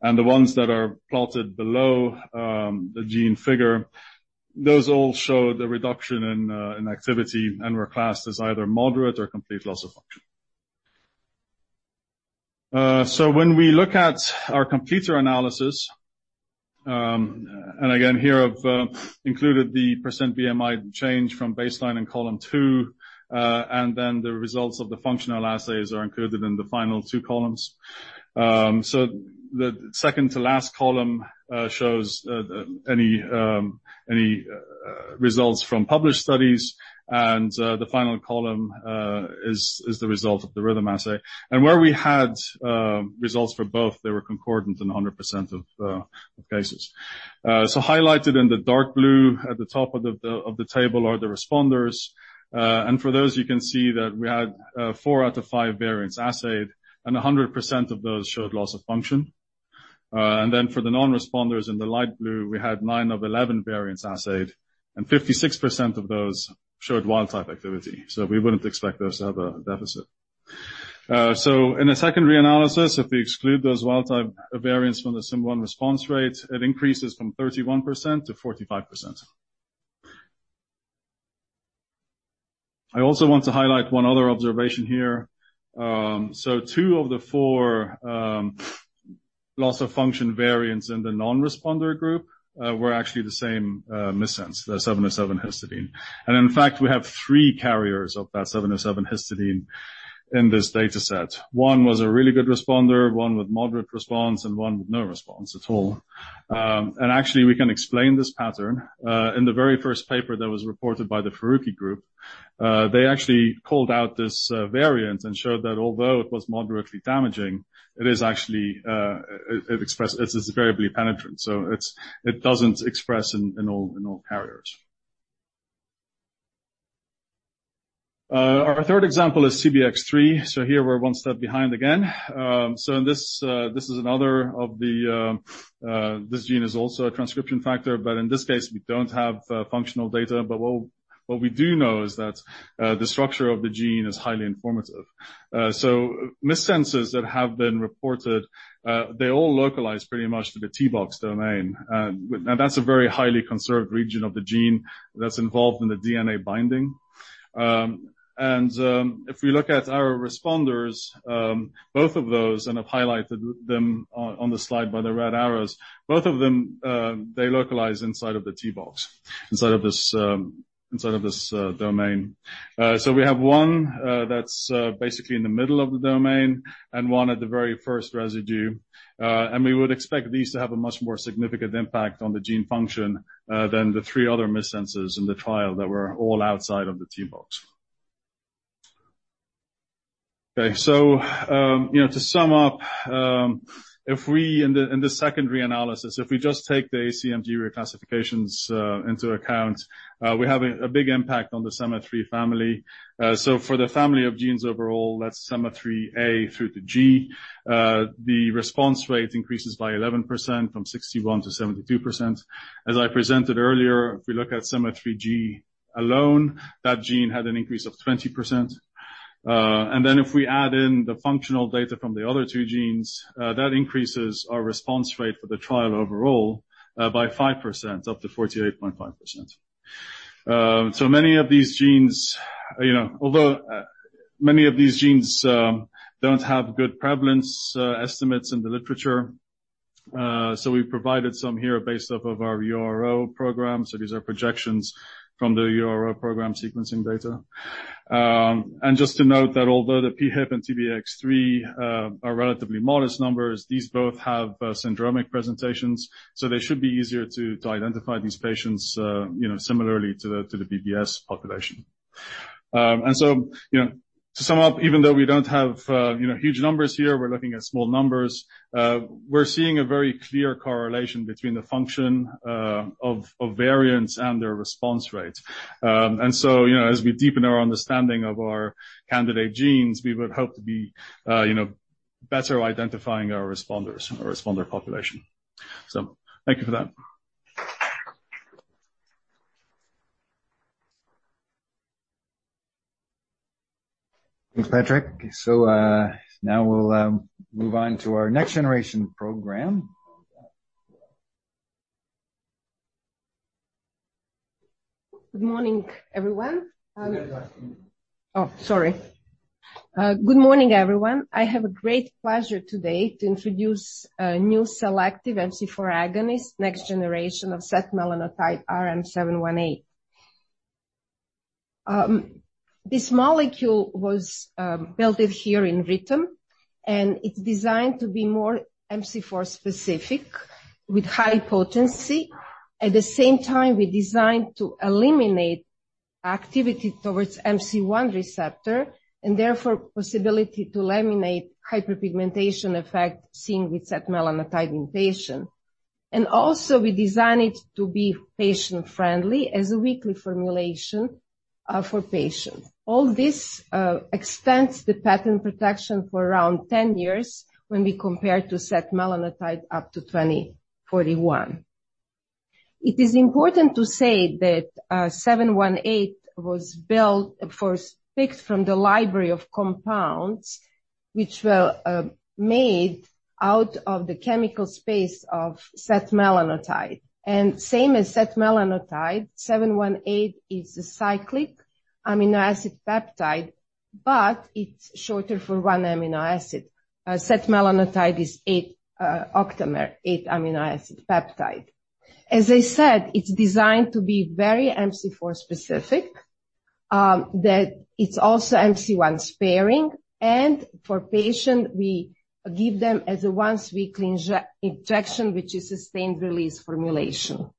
The ones that are plotted below, the gene figure, those all showed a reduction in activity and were classed as either moderate or complete loss of function. So when we look at our complete analysis, and again, here I've included the percent BMI change from baseline in column 2, and then the results of the functional assays are included in the final two columns. So the second to last column shows any results from published studies, and the final column is the result of the Rhythm assay. And where we had results for both, they were concordant in 100% of cases. So highlighted in the dark blue at the top of the table are the responders. For those, you can see that we had four out of five variants assayed, and 100% of those showed loss of function. Then for the non-responders in the light blue, we had 9 of 11 variants assayed, and 56% of those showed wild type activity, so we wouldn't expect those to have a deficit. So in a secondary analysis, if we exclude those wild type variants from the SIM1 response rate, it increases from 31% to 45%. I also want to highlight one other observation here. So two of the four loss of function variants in the non-responder group were actually the same missense, the 717 histidine. And in fact, we have three carriers of that 717 histidine in this dataset. One was a really good responder, one with moderate response, and one with no response at all. And actually, we can explain this pattern. In the very first paper that was reported by the Farooqi group, they actually called out this variant and showed that although it was moderately damaging, it is actually it expressed... It's variably penetrant, so it doesn't express in all carriers. Our third example is TBX3. So here we're one step behind again. So this is another of the... This gene is also a transcription factor, but in this case, we don't have functional data. But what we do know is that the structure of the gene is highly informative. So missense that have been reported, they all localize pretty much to the T-Box domain. That's a very highly conserved region of the gene that's involved in the DNA binding. And if we look at our responders, both of those, and I've highlighted them on the slide by the red arrows, both of them, they localize inside of the T-Box, inside of this domain. So we have one that's basically in the middle of the domain and one at the very first residue. And we would expect these to have a much more significant impact on the gene function than the three other missense in the trial that were all outside of the T-Box. Okay, so, you know, to sum up, if we in the secondary analysis, if we just take the ACMG reclassifications into account, we have a big impact on the SEMA3 family. So for the family of genes overall, that's SEMA3A through to G, the response rate increases by 11%, from 61% to 72%. As I presented earlier, if we look at SEMA3G alone, that gene had an increase of 20%. And then if we add in the functional data from the other two genes, that increases our response rate for the trial overall, by 5%, up to 48.5%. So many of these genes, you know, although many of these genes don't have good prevalence estimates in the literature, so we've provided some here based off of our URO program. So these are projections from the URO program sequencing data. And just to note that although the PHIP and TBX3 are relatively modest numbers, these both have syndromic presentations, so they should be easier to identify these patients, you know, similarly to the BBS population. And so, you know, to sum up, even though we don't have, you know, huge numbers here, we're looking at small numbers. We're seeing a very clear correlation between the function of variants and their response rates. and so, you know, as we deepen our understanding of our candidate genes, we would hope to be, you know, better identifying our responders, our responder population. So thank you for that. Thanks, Patrick. So, now we'll move on to our next generation program. Good morning, everyone. You have to press mute. Oh, sorry. Good morning, everyone. I have a great pleasure today to introduce a new selective MC4 agonist, next generation of setmelanotide RM-718. This molecule was built here in Rhythm, and it's designed to be more MC4 specific with high potency. At the same time, we designed to eliminate activity towards MC1 receptor, and therefore possibility to eliminate hyperpigmentation effect seen with setmelanotide in patient. Also, we designed it to be patient-friendly as a weekly formulation for patients. All this extends the patent protection for around 10 years when we compare to setmelanotide up to 2041. It is important to say that 718 was built first picked from the library of compounds which were made out of the chemical space of setmelanotide. Same as setmelanotide, RM-718 is a cyclic amino acid peptide, but it's shorter for one amino acid. Setmelanotide is 8, octamer, 8 amino acid peptide. As I said, it's designed to be very MC4 specific, that it's also MC1 sparing, and for patient, we give them as a once-weekly injection, which is sustained release formulation.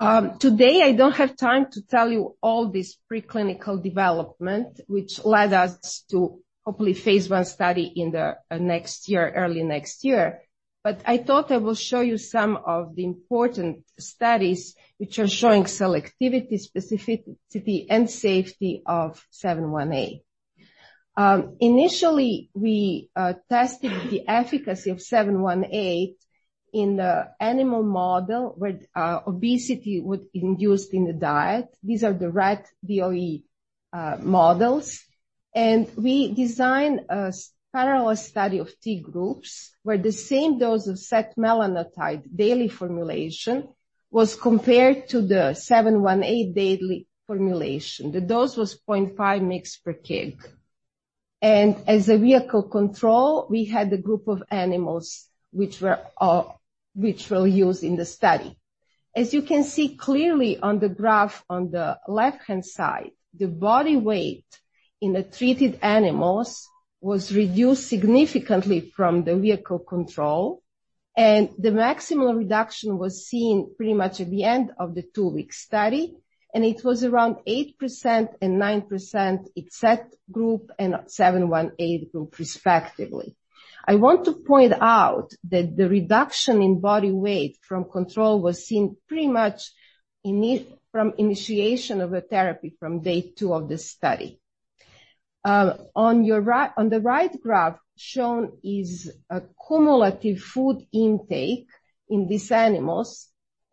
Today, I don't have time to tell you all this preclinical development, which led us to hopefully Phase 1 study in the next year, early next year. But I thought I will show you some of the important studies which are showing selectivity, specificity, and safety of RM-718. Initially, we tested the efficacy of RM-718 in the animal model, where obesity was induced in the diet. These are the rat DIO models, and we designed a parallel study of three groups, where the same dose of setmelanotide daily formulation was compared to the RM-718 daily formulation. The dose was 0.5 mg per kg. As a vehicle control, we had a group of animals which were which were used in the study. As you can see clearly on the graph on the left-hand side, the body weight in the treated animals was reduced significantly from the vehicle control, and the maximal reduction was seen pretty much at the end of the two-week study, and it was around 8% and 9% in set group and RM-718 group, respectively. I want to point out that the reduction in body weight from control was seen pretty much from initiation of a therapy from day 2 of the study. On the right graph, shown is a cumulative food intake in these animals,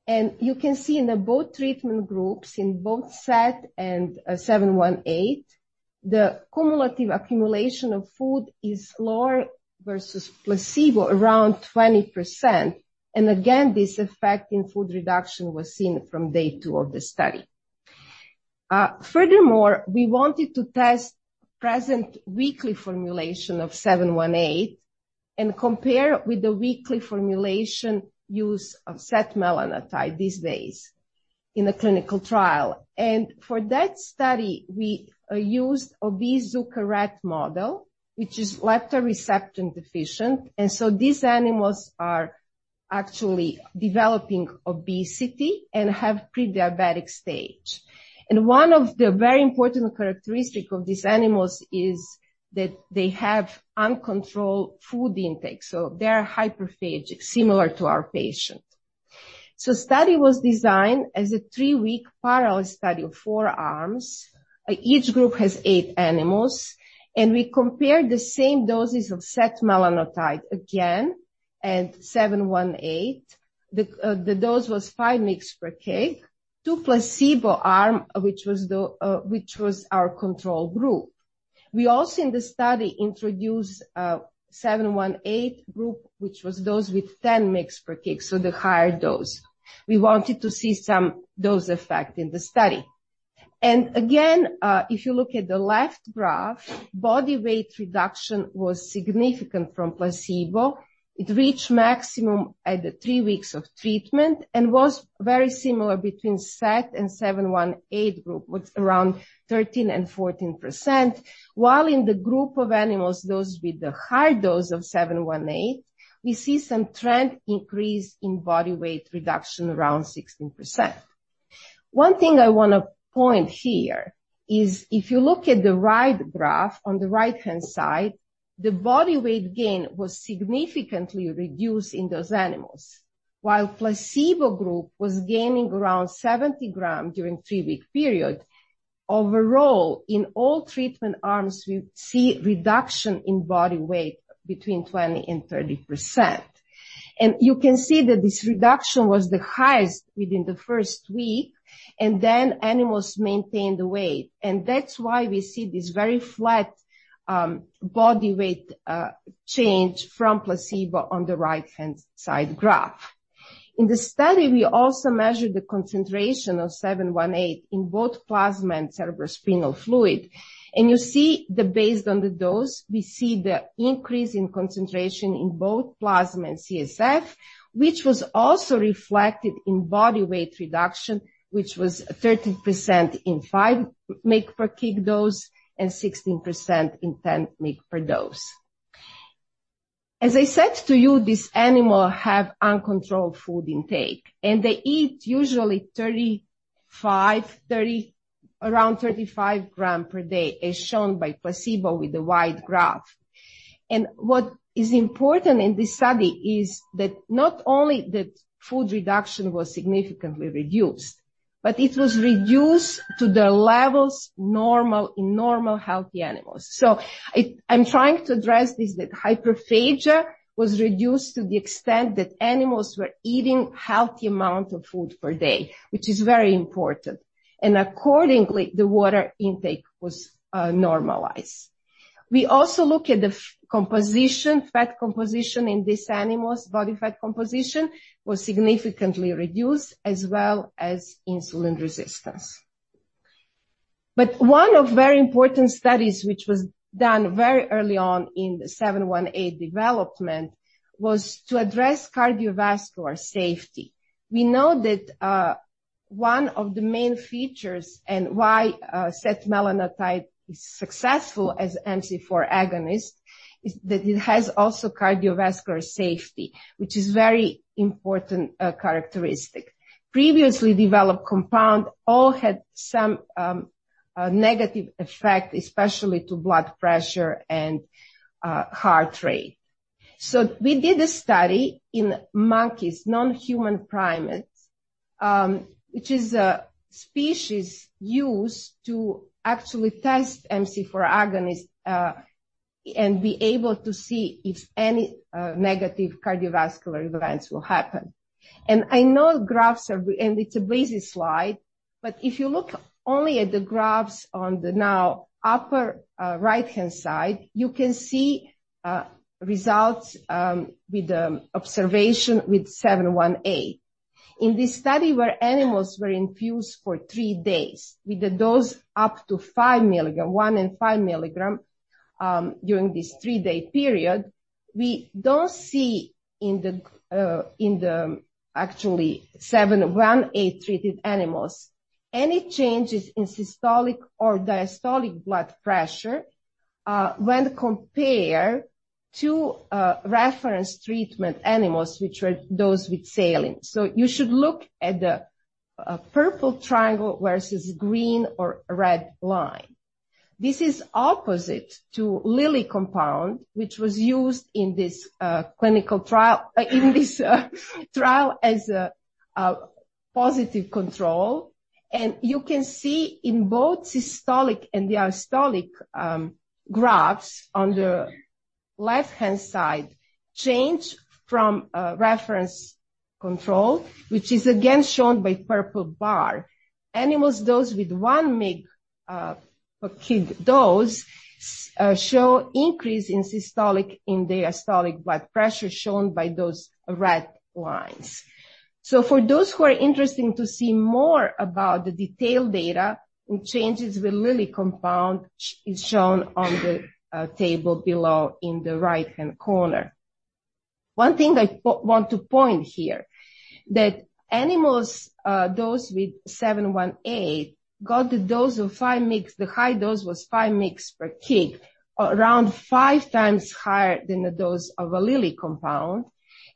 and you can see in both treatment groups, in both set and RM-718, the cumulative accumulation of food is lower versus placebo, around 20%. And again, this effect in food reduction was seen from day 2 of the study. Furthermore, we wanted to test once-weekly formulation of RM-718 and compare with the weekly formulation used for setmelanotide these days in a clinical trial. For that study, we used obese Zucker rat model, which is leptin receptor deficient, and so these animals are actually developing obesity and have pre-diabetic stage. One of the very important characteristic of these animals is that they have uncontrolled food intake, so they are hyperphagic, similar to our patient. Study was designed as a three-week parallel study of four arms. Each group has eight animals, and we compared the same doses of setmelanotide again, and RM-718. The dose was 5 mg per kg to placebo arm, which was our control group. We also in the study introduced RM-718 group, which was those with 10 mg per kg, so the higher dose. We wanted to see some dose effect in the study. And again, if you look at the left graph, body weight reduction was significant from placebo. It reached maximum at the three weeks of treatment and was very similar between set and RM-718 group, with around 13% and 14%. While in the group of animals, those with the high dose of RM-718, we see some trend increase in body weight reduction, around 16%. One thing I want to point here is if you look at the right graph on the right-hand side, the body weight gain was significantly reduced in those animals. While placebo group was gaining around 70 g during three-week period, overall, in all treatment arms, we see reduction in body weight between 20% and 30%. And you can see that this reduction was the highest within the first week, and then animals maintained the weight. And that's why we see this very flat body weight change from placebo on the right-hand side graph. In the study, we also measured the concentration of RM-718 in both plasma and cerebrospinal fluid, and you see that based on the dose, we see the increase in concentration in both plasma and CSF, which was also reflected in body weight reduction, which was 13% in 5 mg per kg dose and 16% in 10 mg per dose. As I said to you, these animals have uncontrolled food intake, and they eat usually 35 g, 30g, around 35 g per day, as shown by placebo with the wide graph. What is important in this study is that not only that food intake was significantly reduced, but it was reduced to the levels normal in normal, healthy animals. So, I'm trying to address this, that hyperphagia was reduced to the extent that animals were eating healthy amount of food per day, which is very important, and accordingly, the water intake was normalized. We also look at fat composition in these animals. Body fat composition was significantly reduced, as well as insulin resistance. But one of very important studies, which was done very early on in the RM-718 development, was to address cardiovascular safety. We know that one of the main features and why setmelanotide is successful as MC4R agonist is that it has also cardiovascular safety, which is very important characteristic. Previously developed compound all had some negative effect, especially to blood pressure and heart rate. So we did a study in monkeys, non-human primates, which is a species used to actually test MC4 agonist, and be able to see if any negative cardiovascular events will happen. And I know it's a busy slide, but if you look only at the graphs on the now upper right-hand side, you can see results with the observation with RM-718. In this study, where animals were infused for three days with a dose up to 5 mg, 1 mg and 5 mg, during this three-day period, we don't see in the actually RM-718-treated animals, any changes in systolic or diastolic blood pressure, when compared to reference treatment animals, which were those with saline. So you should look at the purple triangle versus green or red line. This is opposite to Lilly compound, which was used in this clinical trial as a positive control. You can see in both systolic and diastolic graphs on the left-hand side, change from a reference control, which is again shown by purple bar. Animals dosed with 1 mg per kg dose show increase in systolic and diastolic blood pressure shown by those red lines. For those who are interested to see more about the detailed data and changes with Lilly compound, is shown on the table below in the right-hand corner. One thing I want to point here, that animals dosed with RM-718 got a dose of 5 mg. The high dose was 5 mg per kg, around 5 times higher than the dose of a Lilly compound.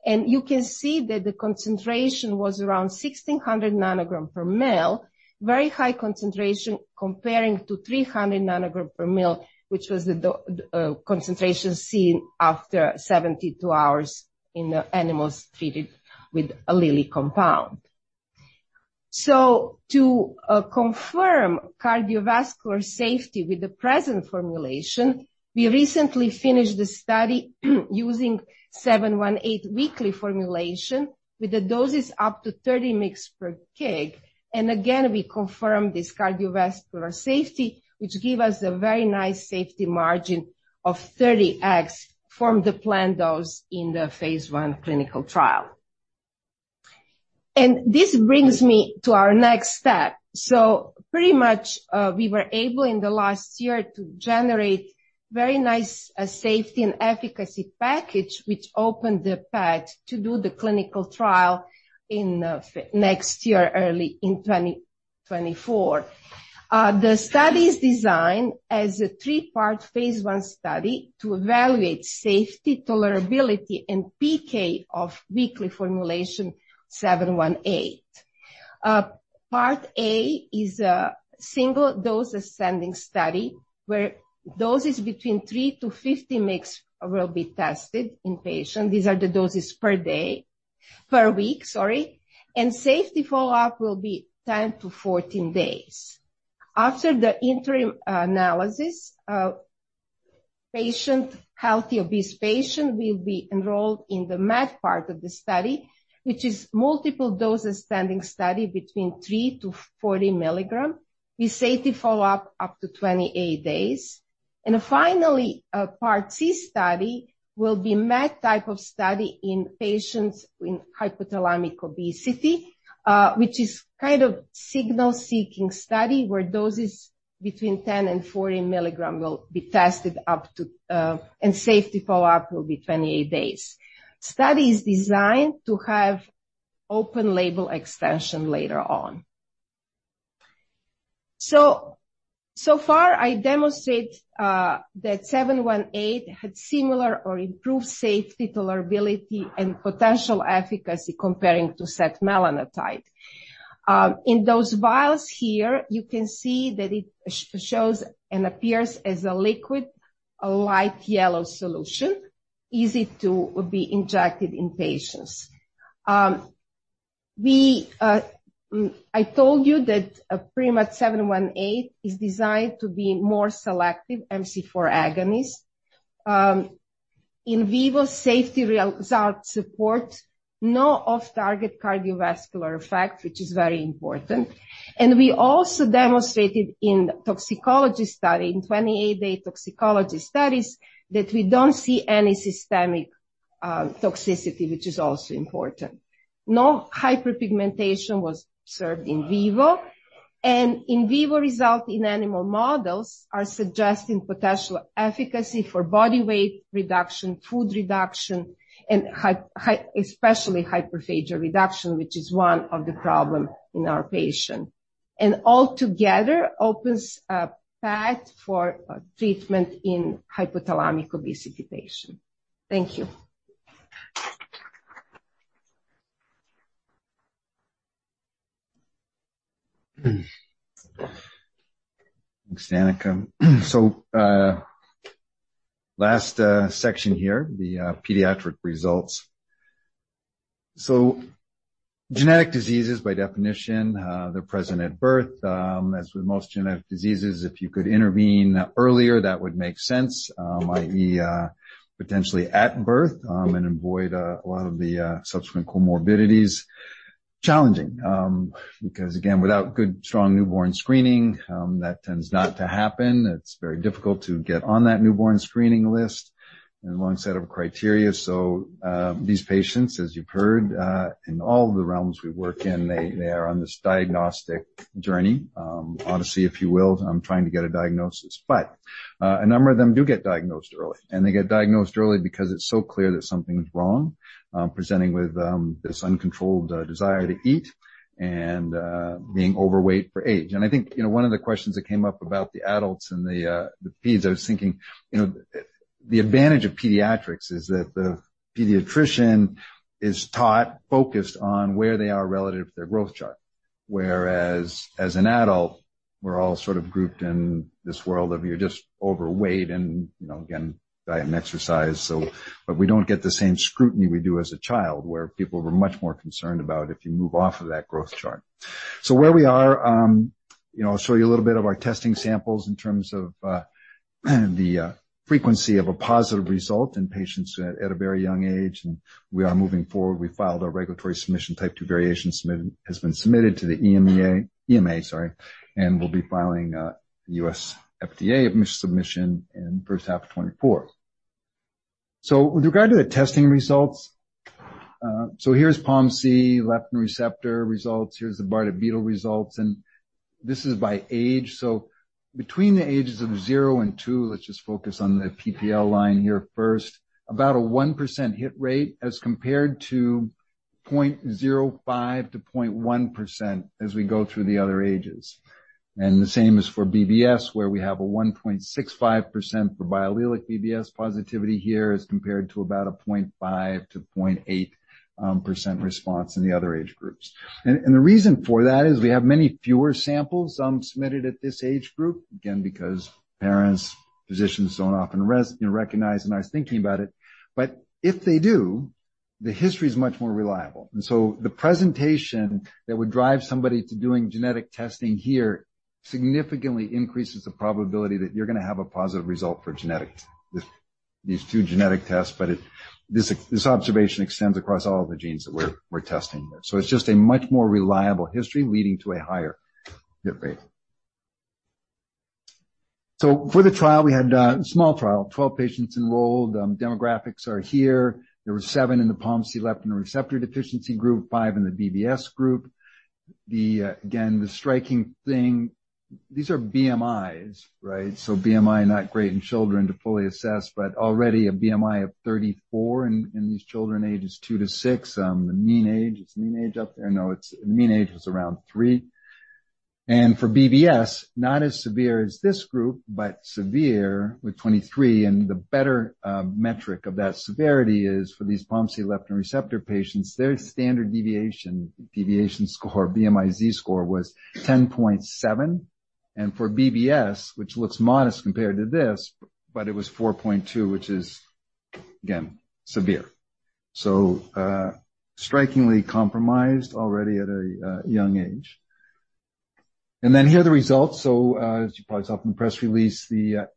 You can see that the concentration was around 1,600 nanograms per mL. Very high concentration comparing to 300 nanograms per mL, which was the concentration seen after 72 hours in the animals treated with a Lilly compound. So to confirm cardiovascular safety with the present formulation, we recently finished a study using RM-718 weekly formulation with the doses up to 30 mg per kg. And again, we confirmed this cardiovascular safety, which give us a very nice safety margin of 30x from the planned dose in the phase 1 clinical trial. And this brings me to our next step. So pretty much, we were able in the last year to generate very nice safety and efficacy package, which opened the path to do the clinical trial next year, early in 2024. The study is designed as a three-part Phase 1 study to evaluate safety, tolerability, and PK of weekly formulation RM-718. Part A is a single-dose ascending study, where doses between 3 mg-50 mg will be tested in patients. These are the doses per day - per week, sorry, and safety follow-up will be 10-14 days. After the interim analysis, healthy obese patients will be enrolled in the MAD part of the study, which is multiple dose ascending study between 3 mg-40 mg, with safety follow-up up to 28 days. And finally, part C study will be MAD type of study in patients with hypothalamic obesity, which is kind of signal-seeking study, where doses between 10 mg-40 mg will be tested up to... And safety follow-up will be 28 days. Study is designed to have open label expansion later on. So, so far, I demonstrate that RM-718 had similar or improved safety, tolerability, and potential efficacy comparing to setmelanotide. In those vials here, you can see that it shows and appears as a liquid, a light yellow solution, easy to be injected in patients. I told you that RM-718 is designed to be more selective MC4R agonist. In vivo safety results support no off-target cardiovascular effects, which is very important. And we also demonstrated in toxicology study, in 28-day toxicology studies, that we don't see any systemic toxicity, which is also important. No hyperpigmentation was observed in vivo, and in vivo result in animal models are suggesting potential efficacy for body weight reduction, food reduction, and especially hyperphagia reduction, which is one of the problem in our patient. And altogether, opens a path for treatment in hypothalamic obesity patient. Thank you. Thanks, Danica. So, last section here, the pediatric results. So genetic diseases, by definition, they're present at birth. As with most genetic diseases, if you could intervene earlier, that would make sense, i.e., potentially at birth, and avoid a lot of the subsequent comorbidities. Challenging, because, again, without good, strong newborn screening, that tends not to happen. It's very difficult to get on that newborn screening list and a long set of criteria. So, these patients, as you've heard, in all the realms we work in, they are on this diagnostic journey. Honestly, if you will, trying to get a diagnosis. A number of them do get diagnosed early, and they get diagnosed early because it's so clear that something is wrong, presenting with this uncontrolled desire to eat and being overweight for age. And I think, you know, one of the questions that came up about the adults and the peds, I was thinking, you know, the advantage of pediatrics is that the pediatrician is taught, focused on where they are relative to their growth chart. Whereas as an adult, we're all sort of grouped in this world of you're just overweight and, you know, again, diet and exercise. But we don't get the same scrutiny we do as a child, where people were much more concerned about if you move off of that growth chart. So where we are, you know, I'll show you a little bit of our testing samples in terms of the frequency of a positive result in patients at a very young age, and we are moving forward. We filed our regulatory submission, Type II variation has been submitted to the EMA, sorry, and we'll be filing a U.S. FDA submission in first half of 2024. So with regard to the testing results, so here's POMC, leptin receptor results. Here's the Bardet-Biedl results, and this is by age. So between the ages of zero and two, let's just focus on the PPL line here first. About a 1% hit rate as compared to 0.05%-0.1% as we go through the other ages. The same is for BBS, where we have a 1.65% for biallelic BBS positivity here as compared to about a 0.5%-0.8% response in the other age groups. And the reason for that is we have many fewer samples submitted at this age group, again, because parents, physicians don't often you know, recognize and are thinking about it. But if they do, the history is much more reliable. And so the presentation that would drive somebody to doing genetic testing here significantly increases the probability that you're gonna have a positive result for genetics with these two genetic tests. But it, this, this observation extends across all of the genes that we're, we're testing here. So it's just a much more reliable history leading to a higher hit rate. So for the trial, we had a small trial, 12 patients enrolled. Demographics are here. There were seven in the POMC leptin receptor deficiency group, five in the BBS group. Again, the striking thing, these are BMIs, right? So BMI, not great in children to fully assess, but already a BMI of 34 in these children, ages two to six. The mean age, is mean age up there? No, it's mean age was around three. And for BBS, not as severe as this group, but severe with 23. And the better metric of that severity is for these POMC leptin receptor patients, their standard deviation, deviation score, BMI Z-score, was 10.7. And for BBS, which looks modest compared to this, but it was 4.2, which is, again, severe. So, strikingly compromised already at a young age. Here are the results. So, as you probably saw from the press release, the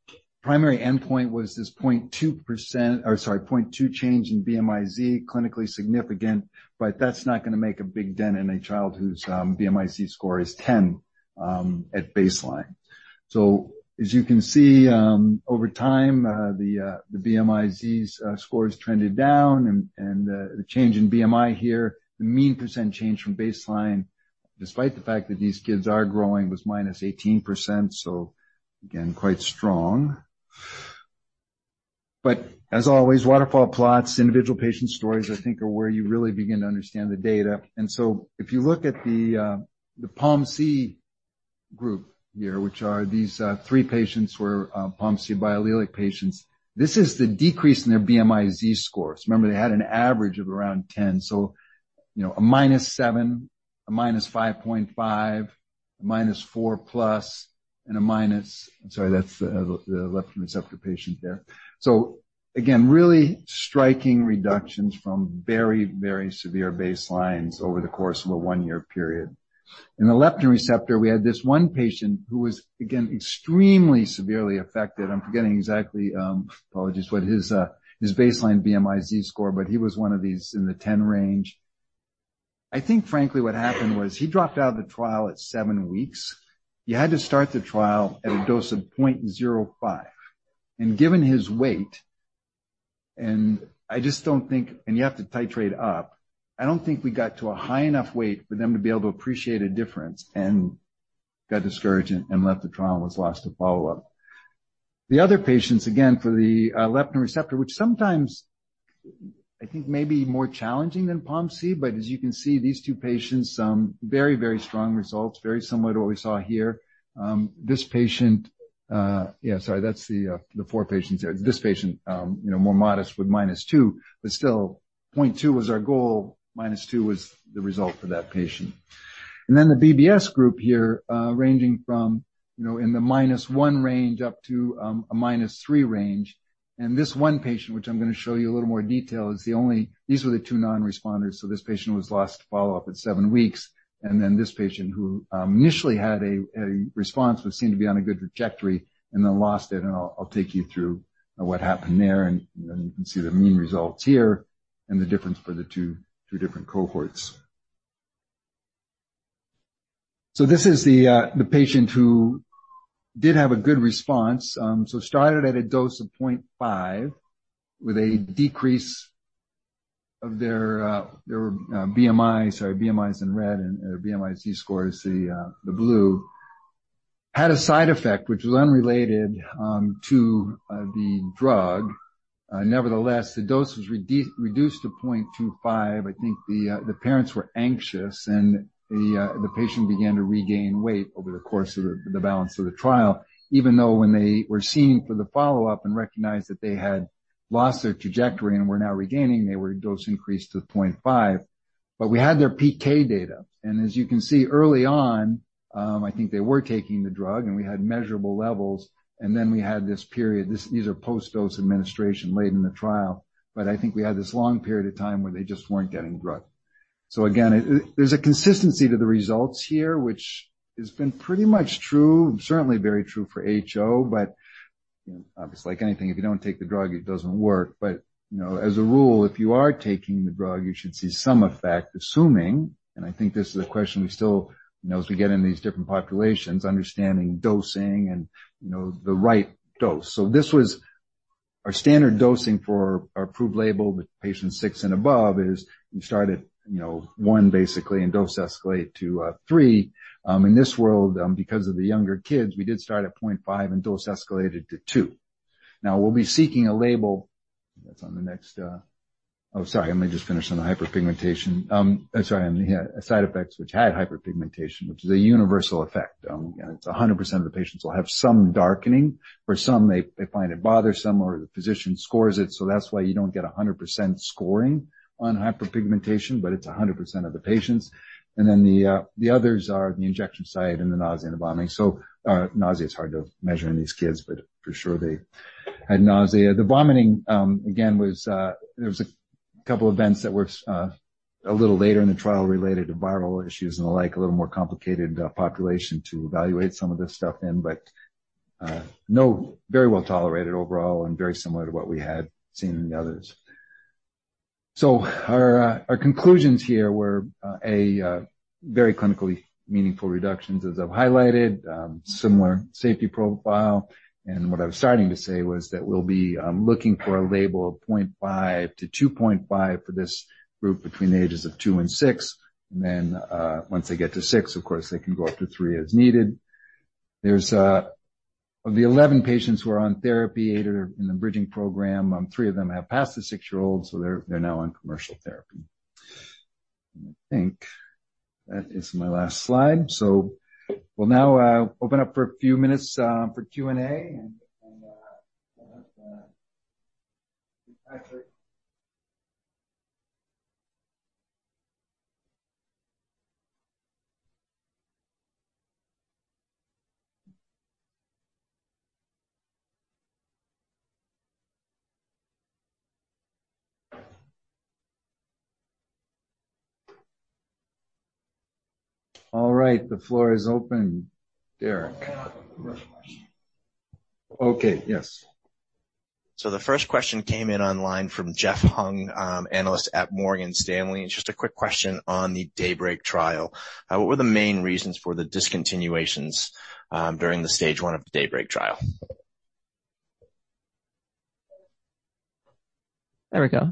primary endpoint was this 0.2% or, sorry, 0.2 change in BMI Z-score, clinically significant, but that's not gonna make a big dent in a child whose BMI Z-score is 10 at baseline. So as you can see, over time, the BMI Z-scores trended down, and the change in BMI here, the mean percent change from baseline, despite the fact that these kids are growing, was -18%. So again, quite strong. But as always, waterfall plots, individual patient stories, I think, are where you really begin to understand the data. And so if you look at the POMC group here, which are these 3 patients were POMC biallelic patients. This is the decrease in their BMI Z-scores. Remember, they had an average of around 10, so, you know, a -7, a -5.5, a -4+, and a minus-- I'm sorry, that's the, the leptin receptor patient there. So again, really striking reductions from very, very severe baselines over the course of a 1-year period. In the leptin receptor, we had this one patient who was, again, extremely severely affected. I'm forgetting exactly, apologies, what his, his baseline BMI Z-score, but he was one of these in the 10 range. I think, frankly, what happened was he dropped out of the trial at seven weeks. You had to start the trial at a dose of 0.05. And given his weight, and I just don't think... You have to titrate up. I don't think we got to a high enough weight for them to be able to appreciate a difference, and got discouraged and left the trial and was lost to follow up. The other patients, again, for the leptin receptor, which sometimes I think may be more challenging than POMC, but as you can see, these two patients, very, very strong results, very similar to what we saw here. This patient, that's the four patients there. This patient, you know, more modest with -2, but still, 0.2 was our goal, -2 was the result for that patient. And then the BBS group here, ranging from, you know, in the -1 range up to a -3 range. This one patient, which I'm gonna show you a little more detail, is the only—these were the two non-responders, so this patient was last follow-up at 7 weeks. Then this patient who initially had a response, who seemed to be on a good trajectory and then lost it. I'll take you through what happened there, and then you can see the mean results here and the difference for the two different cohorts. So this is the patient who did have a good response. So started at a dose of 0.5, with a decrease of their BMI. Sorry, BMI is in red and their BMI Z-score is the blue. Had a side effect, which was unrelated to the drug. Nevertheless, the dose was reduced to 0.25. I think the parents were anxious and the patient began to regain weight over the course of the balance of the trial, even though when they were seen for the follow-up and recognized that they had lost their trajectory and were now regaining, they were dose increased to 0.5. But we had their PK data, and as you can see, early on, I think they were taking the drug, and we had measurable levels, and then we had this period. These are post-dose administration late in the trial, but I think we had this long period of time where they just weren't getting the drug. So again, there's a consistency to the results here, which has been pretty much true, certainly very true for HO, but, you know, obviously, like anything, if you don't take the drug, it doesn't work. But you know, as a rule, if you are taking the drug, you should see some effect, assuming, and I think this is a question we still, you know, as we get in these different populations, understanding dosing and, you know, the right dose. So this was our standard dosing for our approved label with patients 6 and above, is you start at, you know, one basically and dose escalate to three. In this world, because of the younger kids, we did start at 0.5, and dose escalated to two. Now, we'll be seeking a label... That's on the next. Oh, sorry, let me just finish on the hyperpigmentation. Sorry, on the side effects, which had hyperpigmentation, which is a universal effect. It's 100% of the patients will have some darkening, for some, they find it bothersome, or the physician scores it. So that's why you don't get 100% scoring on hyperpigmentation, but it's 100% of the patients. And then the others are the injection site and the nausea and the vomiting. So, nausea is hard to measure in these kids, but for sure, they had nausea. The vomiting, again, there was a couple of events that were a little later in the trial related to viral issues and the like, a little more complicated population to evaluate some of this stuff in, but no, very well tolerated overall and very similar to what we had seen in the others. So our our conclusions here were a very clinically meaningful reductions, as I've highlighted, similar safety profile. And what I was starting to say was that we'll be looking for a label of 0.5-2.5 for this group between the ages of two and six. And then once they get to six, of course, they can go up to three as needed. There's of the 11 patients who are on therapy, 8 are in the bridging program. Three of them have passed the six-year-old, so they're they're now on commercial therapy. I think that is my last slide. So we'll now open up for a few minutes for Q&A, and Patrick. All right, the floor is open, Derek. Okay. Yes. So the first question came in online from Jeff Hung, analyst at Morgan Stanley. It's just a quick question on the DAYBREAK trial. What were the main reasons for the discontinuations during the stage 1 of the DAYBREAK trial? There we go.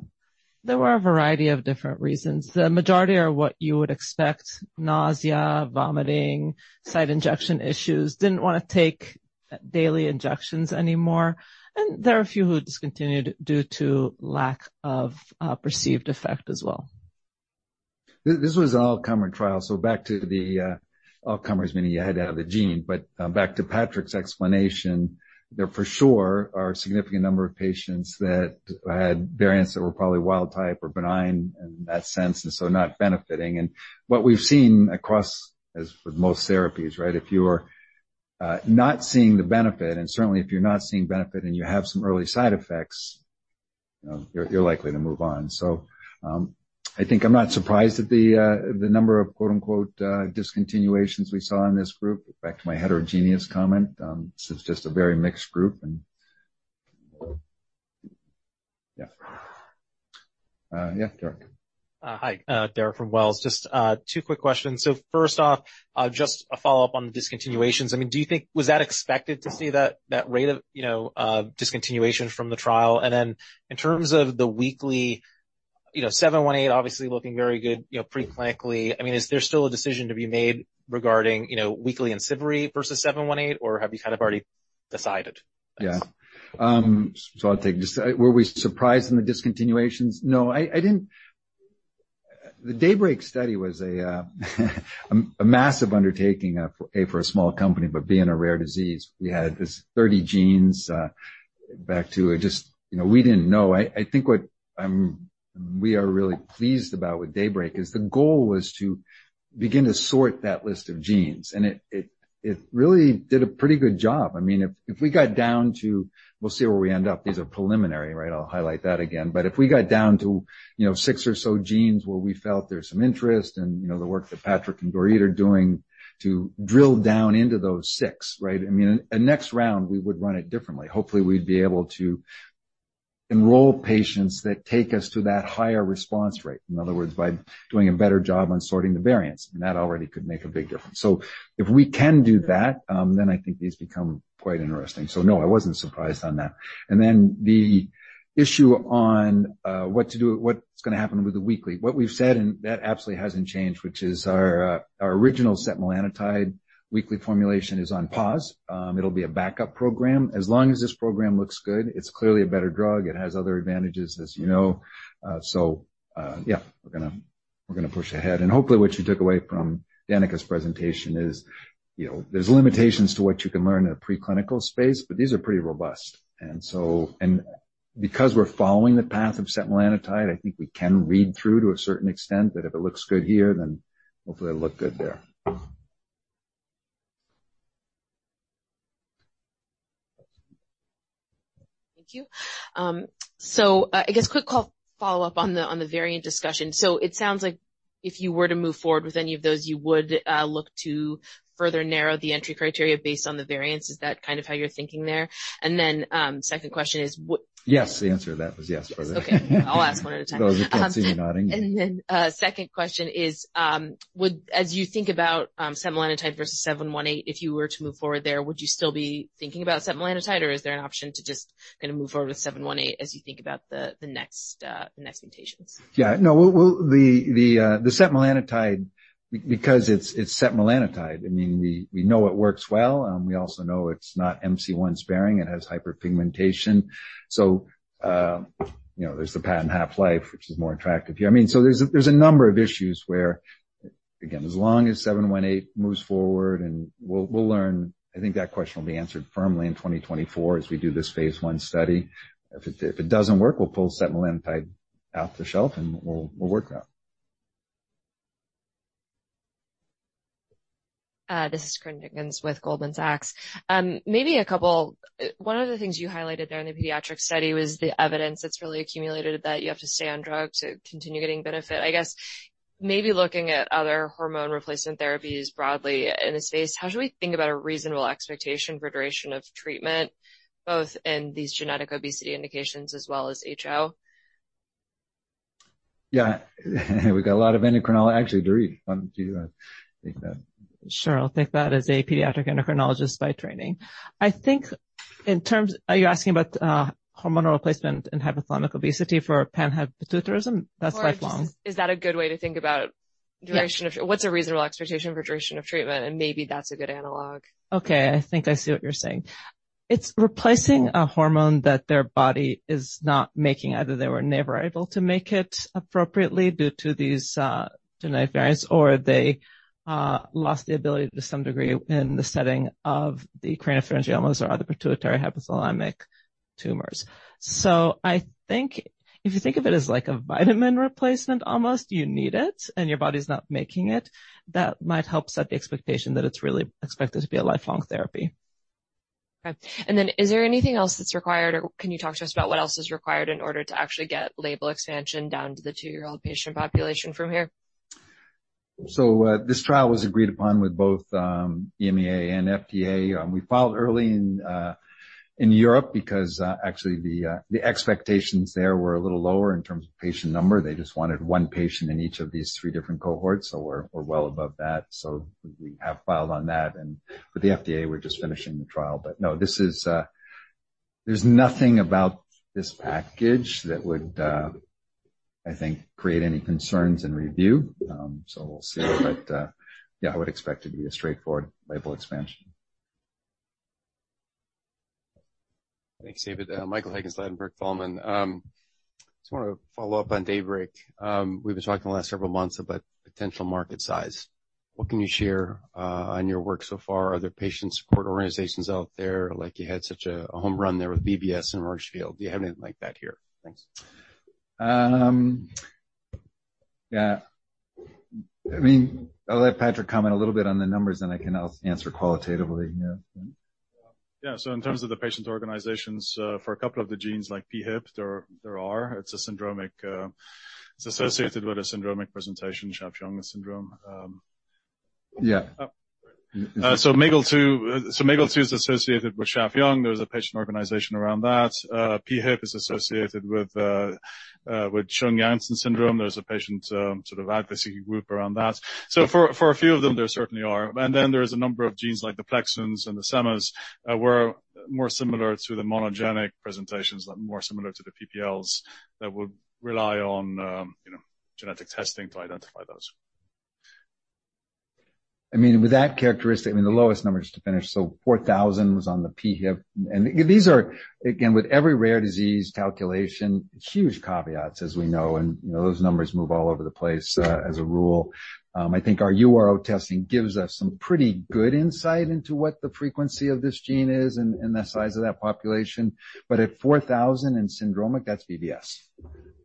There were a variety of different reasons. The majority are what you would expect: nausea, vomiting, site injection issues, didn't wanna take daily injections anymore, and there are a few who discontinued due to lack of perceived effect as well. This was an all-comer trial, so back to the, all-comers, meaning you had to have the gene. But, back to Patrick's explanation, there for sure are a significant number of patients that had variants that were probably wild type or benign in that sense, and so not benefiting. And what we've seen across, as with most therapies, right? If you are, not seeing the benefit, and certainly if you're not seeing benefit and you have some early side effects, you know, you're likely to move on. So, I think I'm not surprised at the, the number of quote-unquote, "discontinuations" we saw in this group. Back to my heterogeneous comment, this is just a very mixed group, and yeah. Yeah, Derek. Hi, Derek from Wells. Just, two quick questions. So first off, just a follow-up on the discontinuations. I mean, do you think, was that expected to see that, that rate of, you know, discontinuation from the trial? And then in terms of the weekly, you know, 718, obviously looking very good, you know, preclinically. I mean, is there still a decision to be made regarding, you know, weekly IMCIVREE versus 718, or have you kind of already decided? Yeah. So I'll take this. Were we surprised in the discontinuations? No, I, I didn't... The DAYBREAK study was a massive undertaking for a small company. But being a rare disease, we had this 30 genes back to it, just, you know, we didn't know. I, I think what I'm-- we are really pleased about with DAYBREAK is the goal was to begin to sort that list of genes, and it, it, it really did a pretty good job. I mean, if, if we got down to we'll see where we end up. These are preliminary, right? I'll highlight that again. But if we got down to, you know, six or so genes where we felt there's some interest and, you know, the work that Patrick and Dorit are doing to drill down into those six, right? I mean, next round, we would run it differently. Hopefully, we'd be able to enroll patients that take us to that higher response rate. In other words, by doing a better job on sorting the variants, and that already could make a big difference. So if we can do that, then I think these become quite interesting. So no, I wasn't surprised on that. Then the issue on what to do, what's gonna happen with the weekly? What we've said, and that absolutely hasn't changed, which is our original setmelanotide weekly formulation is on pause. It'll be a backup program. As long as this program looks good, it's clearly a better drug. It has other advantages, as you know. So yeah, we're gonna, we're gonna push ahead. And hopefully, what you took away from Danica's presentation is, you know, there's limitations to what you can learn in a preclinical space, but these are pretty robust. And so because we're following the path of setmelanotide, I think we can read through to a certain extent that if it looks good here, then hopefully it'll look good there. Thank you. So, I guess quick call, follow-up on the variant discussion. So it sounds like if you were to move forward with any of those, you would look to further narrow the entry criteria based on the variants. Is that kind of how you're thinking there? And then, second question is what- Yes, the answer to that was yes, by the way. Okay. I'll ask one at a time. Those of you nodding. Second question is, as you think about setmelanotide versus 718, if you were to move forward there, would you still be thinking about setmelanotide, or is there an option to just gonna move forward with 718 as you think about the next mutations? Yeah. No, we'll. The setmelanotide, because it's setmelanotide, I mean, we know it works well, and we also know it's not MC1R-sparing. It has hyperpigmentation. So, you know, there's the prolonged half-life, which is more attractive here. I mean, so there's a number of issues where, again, as long as RM-718 moves forward and we'll learn. I think that question will be answered firmly in 2024 as we do this phase 1 study. If it doesn't work, we'll pull setmelanotide off the shelf, and we'll work on it. This is Corinne Jenkins with Goldman Sachs. One of the things you highlighted there in the pediatric study was the evidence that's really accumulated that you have to stay on drug to continue getting benefit. I guess maybe looking at other hormone replacement therapies broadly in the space, how should we think about a reasonable expectation for duration of treatment, both in these genetic obesity indications as well as HO? Yeah, we've got a lot of endocrinologists. Actually, Dorit, why don't you take that? Sure. I'll take that as a pediatric endocrinologist by training. In terms, are you asking about hormonal replacement and hypothalamic obesity for panhypopituitarism? That's lifelong. Is that a good way to think about duration of- Yeah. What's a reasonable expectation for duration of treatment? And maybe that's a good analog. Okay, I think I see what you're saying. It's replacing a hormone that their body is not making. Either they were never able to make it appropriately due to these genetic variants, or they lost the ability to some degree in the setting of the craniopharyngiomas or other pituitary hypothalamic tumors. So I think if you think of it as like a vitamin replacement, almost, you need it and your body's not making it, that might help set the expectation that it's really expected to be a lifelong therapy. Okay. And then is there anything else that's required, or can you talk to us about what else is required in order to actually get label expansion down to the two-year-old patient population from here? So, this trial was agreed upon with both, EMA and FDA. We filed early in, in Europe because, actually the, the expectations there were a little lower in terms of patient number. They just wanted one patient in each of these three different cohorts. So we're well above that. So we have filed on that, and with the FDA, we're just finishing the trial. But no, this is, there's nothing about this package that would, I think, create any concerns in review. So we'll see. But, yeah, I would expect it to be a straightforward label expansion. Thanks, David. Michael Higgins, Ladenburg Thalmann. Just wanted to follow up on DAYBREAK. We've been talking the last several months about potential market size. What can you share on your work so far? Are there patient support organizations out there, like you had such a home run there with BBS and rare field? Do you have anything like that here? Thanks. Yeah. I mean, I'll let Patrick comment a little bit on the numbers, then I can also answer qualitatively, yeah. Yeah. So in terms of the patient organizations, for a couple of the genes like PHIP, there are. It's a syndromic. It's associated with a syndromic presentation, Schaaf-Yang syndrome. Yeah. So MAGEL2, so MAGEL2 is associated with Schaaf-Yang. There was a patient organization around that. PHIP is associated with Chung-Jansen syndrome. There's a patient sort of advocacy group around that. So for a few of them, there certainly are. And then there's a number of genes like the plexins and the SEMAs were more similar to the monogenic presentations, like more similar to the PPLs, that would rely on you know, genetic testing to identify those. I mean, with that characteristic, I mean, the lowest numbers to finish, so 4,000 was on the PHIP. And these are, again, with every rare disease calculation, huge caveats, as we know, and, you know, those numbers move all over the place, as a rule. I think our URO testing gives us some pretty good insight into what the frequency of this gene is and the size of that population. But at 4,000 in syndromic, that's BBS.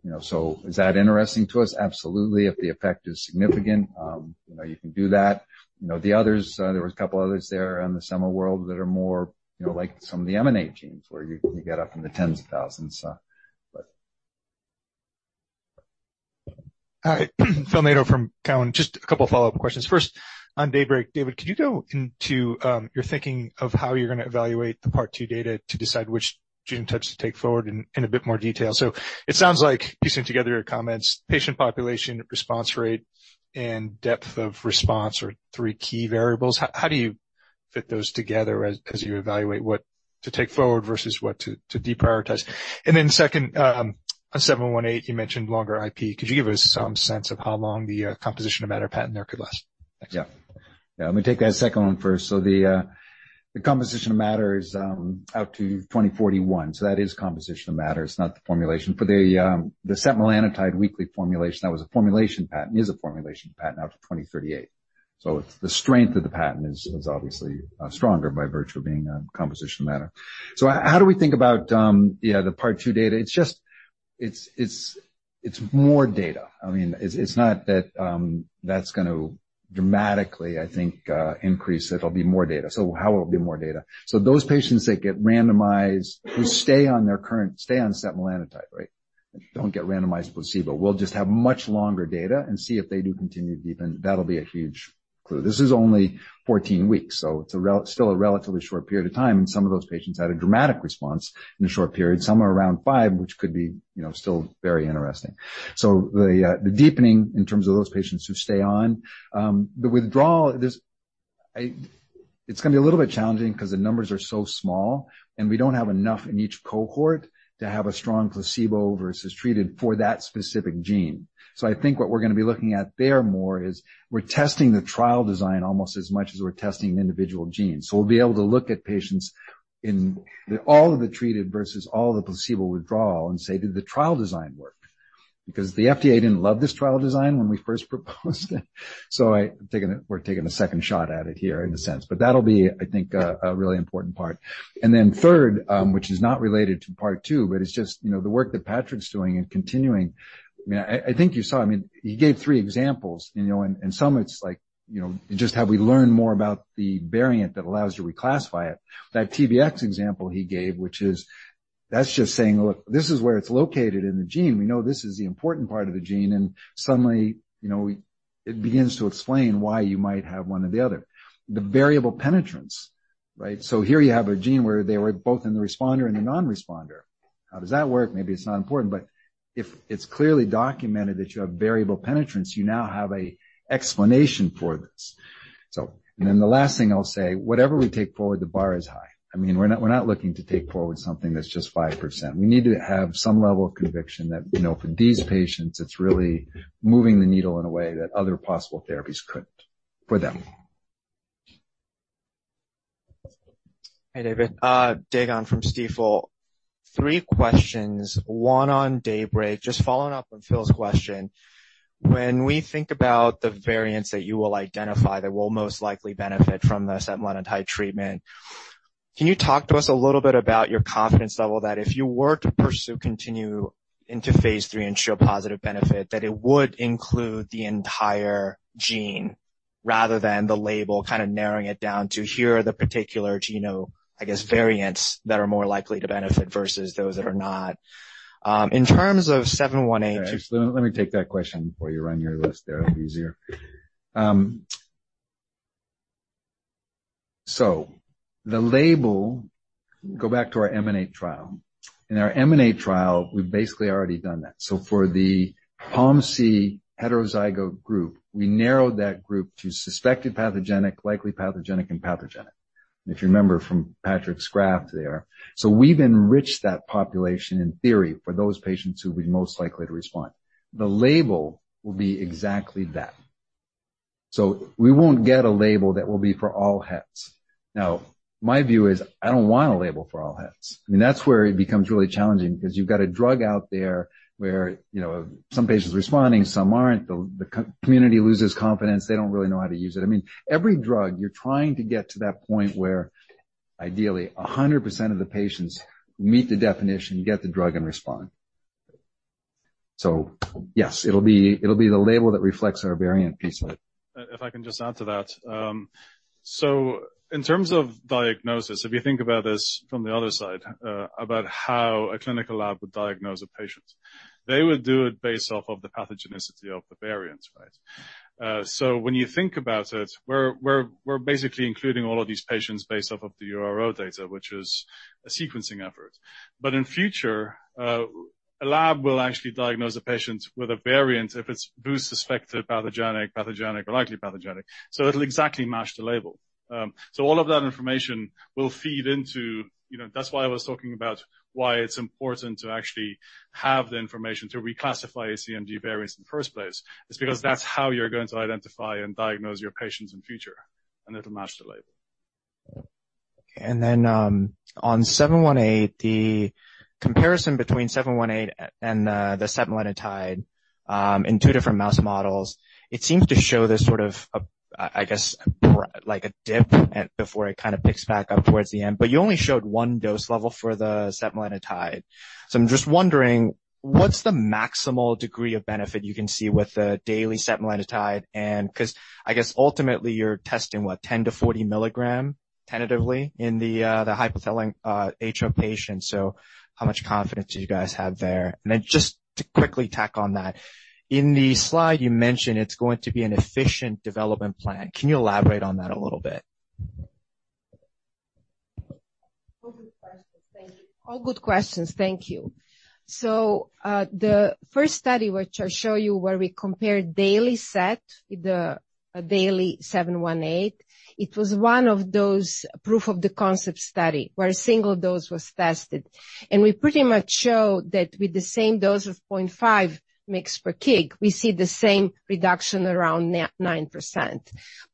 You know, so is that interesting to us? Absolutely. If the effect is significant, you know, you can do that. You know, the others, there was a couple of others there on the SEMA world that are more, you know, like some of the EMANATE genes, where you get up in the tens of thousands, but... Hi, Phil Nadeau from Cowen. Just a couple of follow-up questions. First, on DAYBREAK. David, could you go into your thinking of how you're gonna evaluate the part 2 data to decide which gene touch to take forward in a bit more detail? So it sounds like piecing together your comments, patient population, response rate, and depth of response are three key variables. How do you fit those together as you evaluate what to take forward versus what to deprioritize? And then second, on 718, you mentioned longer IP. Could you give us some sense of how long the composition of matter patent there could last? Thanks. Yeah. Yeah. Let me take that second one first. So the, the composition of matter is, out to 2041, so that is composition of matter. It's not the formulation. For the, the setmelanotide weekly formulation, that was a formulation patent, is a formulation patent out to 2038. So it's the strength of the patent is, is obviously, stronger by virtue of being a composition of matter. So how do we think about, yeah, the part 2 data? It's just, it's, it's, it's more data. I mean, it's, it's not that, that's gonna dramatically, I think, increase. It'll be more data. So how will it be more data? So those patients that get randomized, who stay on their current, stay on setmelanotide, right? Don't get randomized placebo. We'll just have much longer data and see if they do continue to deepen. That'll be a huge clue. This is only 14 weeks, so it's still a relatively short period of time, and some of those patients had a dramatic response in a short period. Some are around 5, which could be, you know, still very interesting. So the deepening in terms of those patients who stay on the withdrawal, it's gonna be a little bit challenging 'cause the numbers are so small, and we don't have enough in each cohort to have a strong placebo versus treated for that specific gene. So I think what we're gonna be looking at there more is we're testing the trial design almost as much as we're testing individual genes. So we'll be able to look at patients in all of the treated versus all the placebo withdrawal and say: Did the trial design work? Because the FDA didn't love this trial design when we first proposed it. So I-- we're taking a second shot at it here in a sense, but that'll be, I think, a really important part. And then third, which is not related to part two, but it's just, you know, the work that Patrick's doing and continuing. I mean, I think you saw, I mean, he gave three examples, you know, and some it's like, you know, just have we learned more about the variant that allows you to reclassify it? That TBX example he gave, which is... That's just saying, "Look, this is where it's located in the gene. We know this is the important part of the gene," and suddenly, you know, we-- it begins to explain why you might have one or the other. The variable penetrance, right? So here you have a gene where they were both in the responder and the non-responder... How does that work? Maybe it's not important, but if it's clearly documented that you have variable penetrance, you now have an explanation for this. So, and then the last thing I'll say, whatever we take forward, the bar is high. I mean, we're not, we're not looking to take forward something that's just 5%. We need to have some level of conviction that, you know, for these patients, it's really moving the needle in a way that other possible therapies couldn't for them. Hi, David. Dae Gon from Stifel. Three questions, one on DAYBREAK. Just following up on Phil's question. When we think about the variants that you will identify that will most likely benefit from the setmelanotide treatment, can you talk to us a little bit about your confidence level, that if you were to pursue, continue into phase 3 and show positive benefit, that it would include the entire gene rather than the label, kind of narrowing it down to here are the particular, I guess, variants that are more likely to benefit versus those that are not? In terms of 718- Actually, let me take that question before you run your list there. It'll be easier. So the label—go back to our EMANATE trial. In our EMANATE trial, we've basically already done that. So for the POMC heterozygote group, we narrowed that group to suspected pathogenic, likely pathogenic, and pathogenic. If you remember from Patrick's graph there. So we've enriched that population, in theory, for those patients who would be most likely to respond. The label will be exactly that. So we won't get a label that will be for all hets. Now, my view is, I don't want a label for all hets. I mean, that's where it becomes really challenging because you've got a drug out there where, you know, some patients are responding, some aren't. The community loses confidence. They don't really know how to use it. I mean, every drug, you're trying to get to that point where ideally 100% of the patients meet the definition, get the drug, and respond. So yes, it'll be, it'll be the label that reflects our variant piece of it. If I can just add to that. So in terms of diagnosis, if you think about this from the other side, about how a clinical lab would diagnose a patient, they would do it based off of the pathogenicity of the variants, right? So when you think about it, we're basically including all of these patients based off of the URO data, which is a sequencing effort. But in future, a lab will actually diagnose a patient with a variant if it's, who's suspected pathogenic, pathogenic, or likely pathogenic. So it'll exactly match the label. So all of that information will feed into... You know, that's why I was talking about why it's important to actually have the information to reclassify ACMG variants in the first place. It's because that's how you're going to identify and diagnose your patients in future, and it'll match the label. And then, on 718, the comparison between 718 and the setmelanotide in two different mouse models, it seems to show this sort of a, I guess, like a dip at before it kind of picks back up towards the end. But you only showed one dose level for the setmelanotide. So I'm just wondering, what's the maximal degree of benefit you can see with the daily setmelanotide? And 'cause I guess ultimately, you're testing, what, 10 mg-40 mg tentatively in the hypothalamic HO patient. So how much confidence do you guys have there? And then just to quickly tack on that, in the slide, you mentioned it's going to be an efficient development plan. Can you elaborate on that a little bit? All good questions. Thank you. All good questions. Thank you. So, the first study, which I'll show you, where we compared daily set with the daily 718, it was one of those proof of the concept study, where a single dose was tested. And we pretty much show that with the same dose of 0.5 mg per kg, we see the same reduction, around 9%.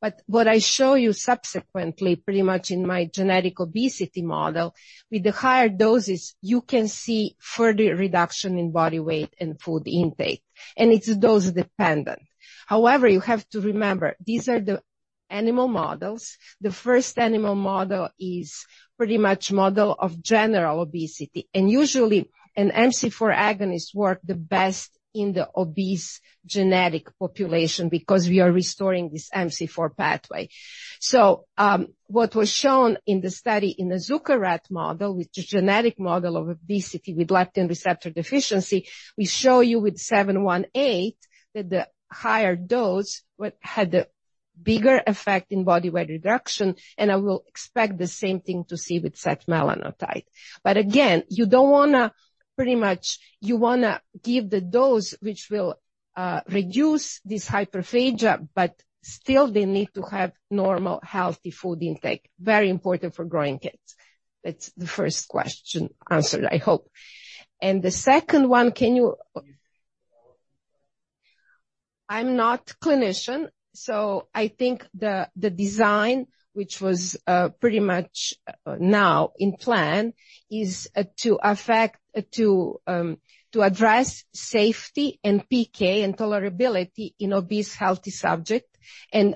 But what I show you subsequently, pretty much in my genetic obesity model, with the higher doses, you can see further reduction in body weight and food intake, and it's dose dependent. However, you have to remember, these are the animal models. The first animal model is pretty much model of general obesity, and usually, an MC4 agonist work the best in the obese genetic population because we are restoring this MC4 pathway. So, what was shown in the study in the Zucker rat model, which is a genetic model of obesity with leptin receptor deficiency, we show you with RM-718 that the higher dose had the bigger effect in body weight reduction, and I will expect the same thing to see with setmelanotide. But again, you don't wanna pretty much. You wanna give the dose which will reduce this hyperphagia, but still, they need to have normal, healthy food intake. Very important for growing kids. That's the first question answered, I hope. And the second one, I'm not clinician, so I think the design, which was pretty much now in plan, is to address safety and PK and tolerability in obese healthy subject.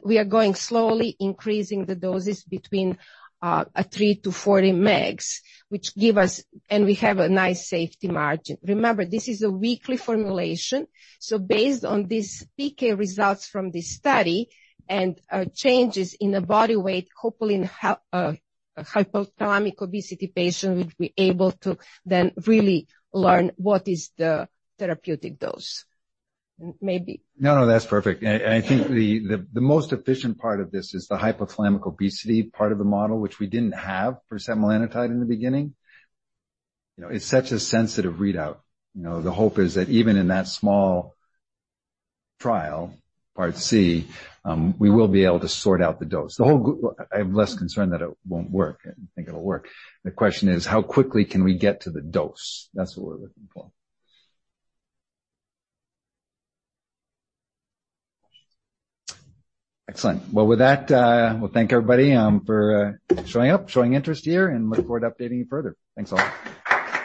We are going slowly, increasing the doses between a 3 mg-40 mg, which give us, and we have a nice safety margin. Remember, this is a weekly formulation, so based on these PK results from this study and changes in the body weight, hopefully in hypothalamic obesity patients, we'll be able to then really learn what is the therapeutic dose. Maybe. No, no, that's perfect. I think the most efficient part of this is the hypothalamic obesity part of the model, which we didn't have for setmelanotide in the beginning. You know, it's such a sensitive readout. You know, the hope is that even in that small trial, part C, we will be able to sort out the dose. I'm less concerned that it won't work. I think it'll work. The question is, how quickly can we get to the dose? That's what we're looking for. Excellent. Well, with that, we'll thank everybody for showing up, showing interest here, and look forward to updating you further. Thanks a lot.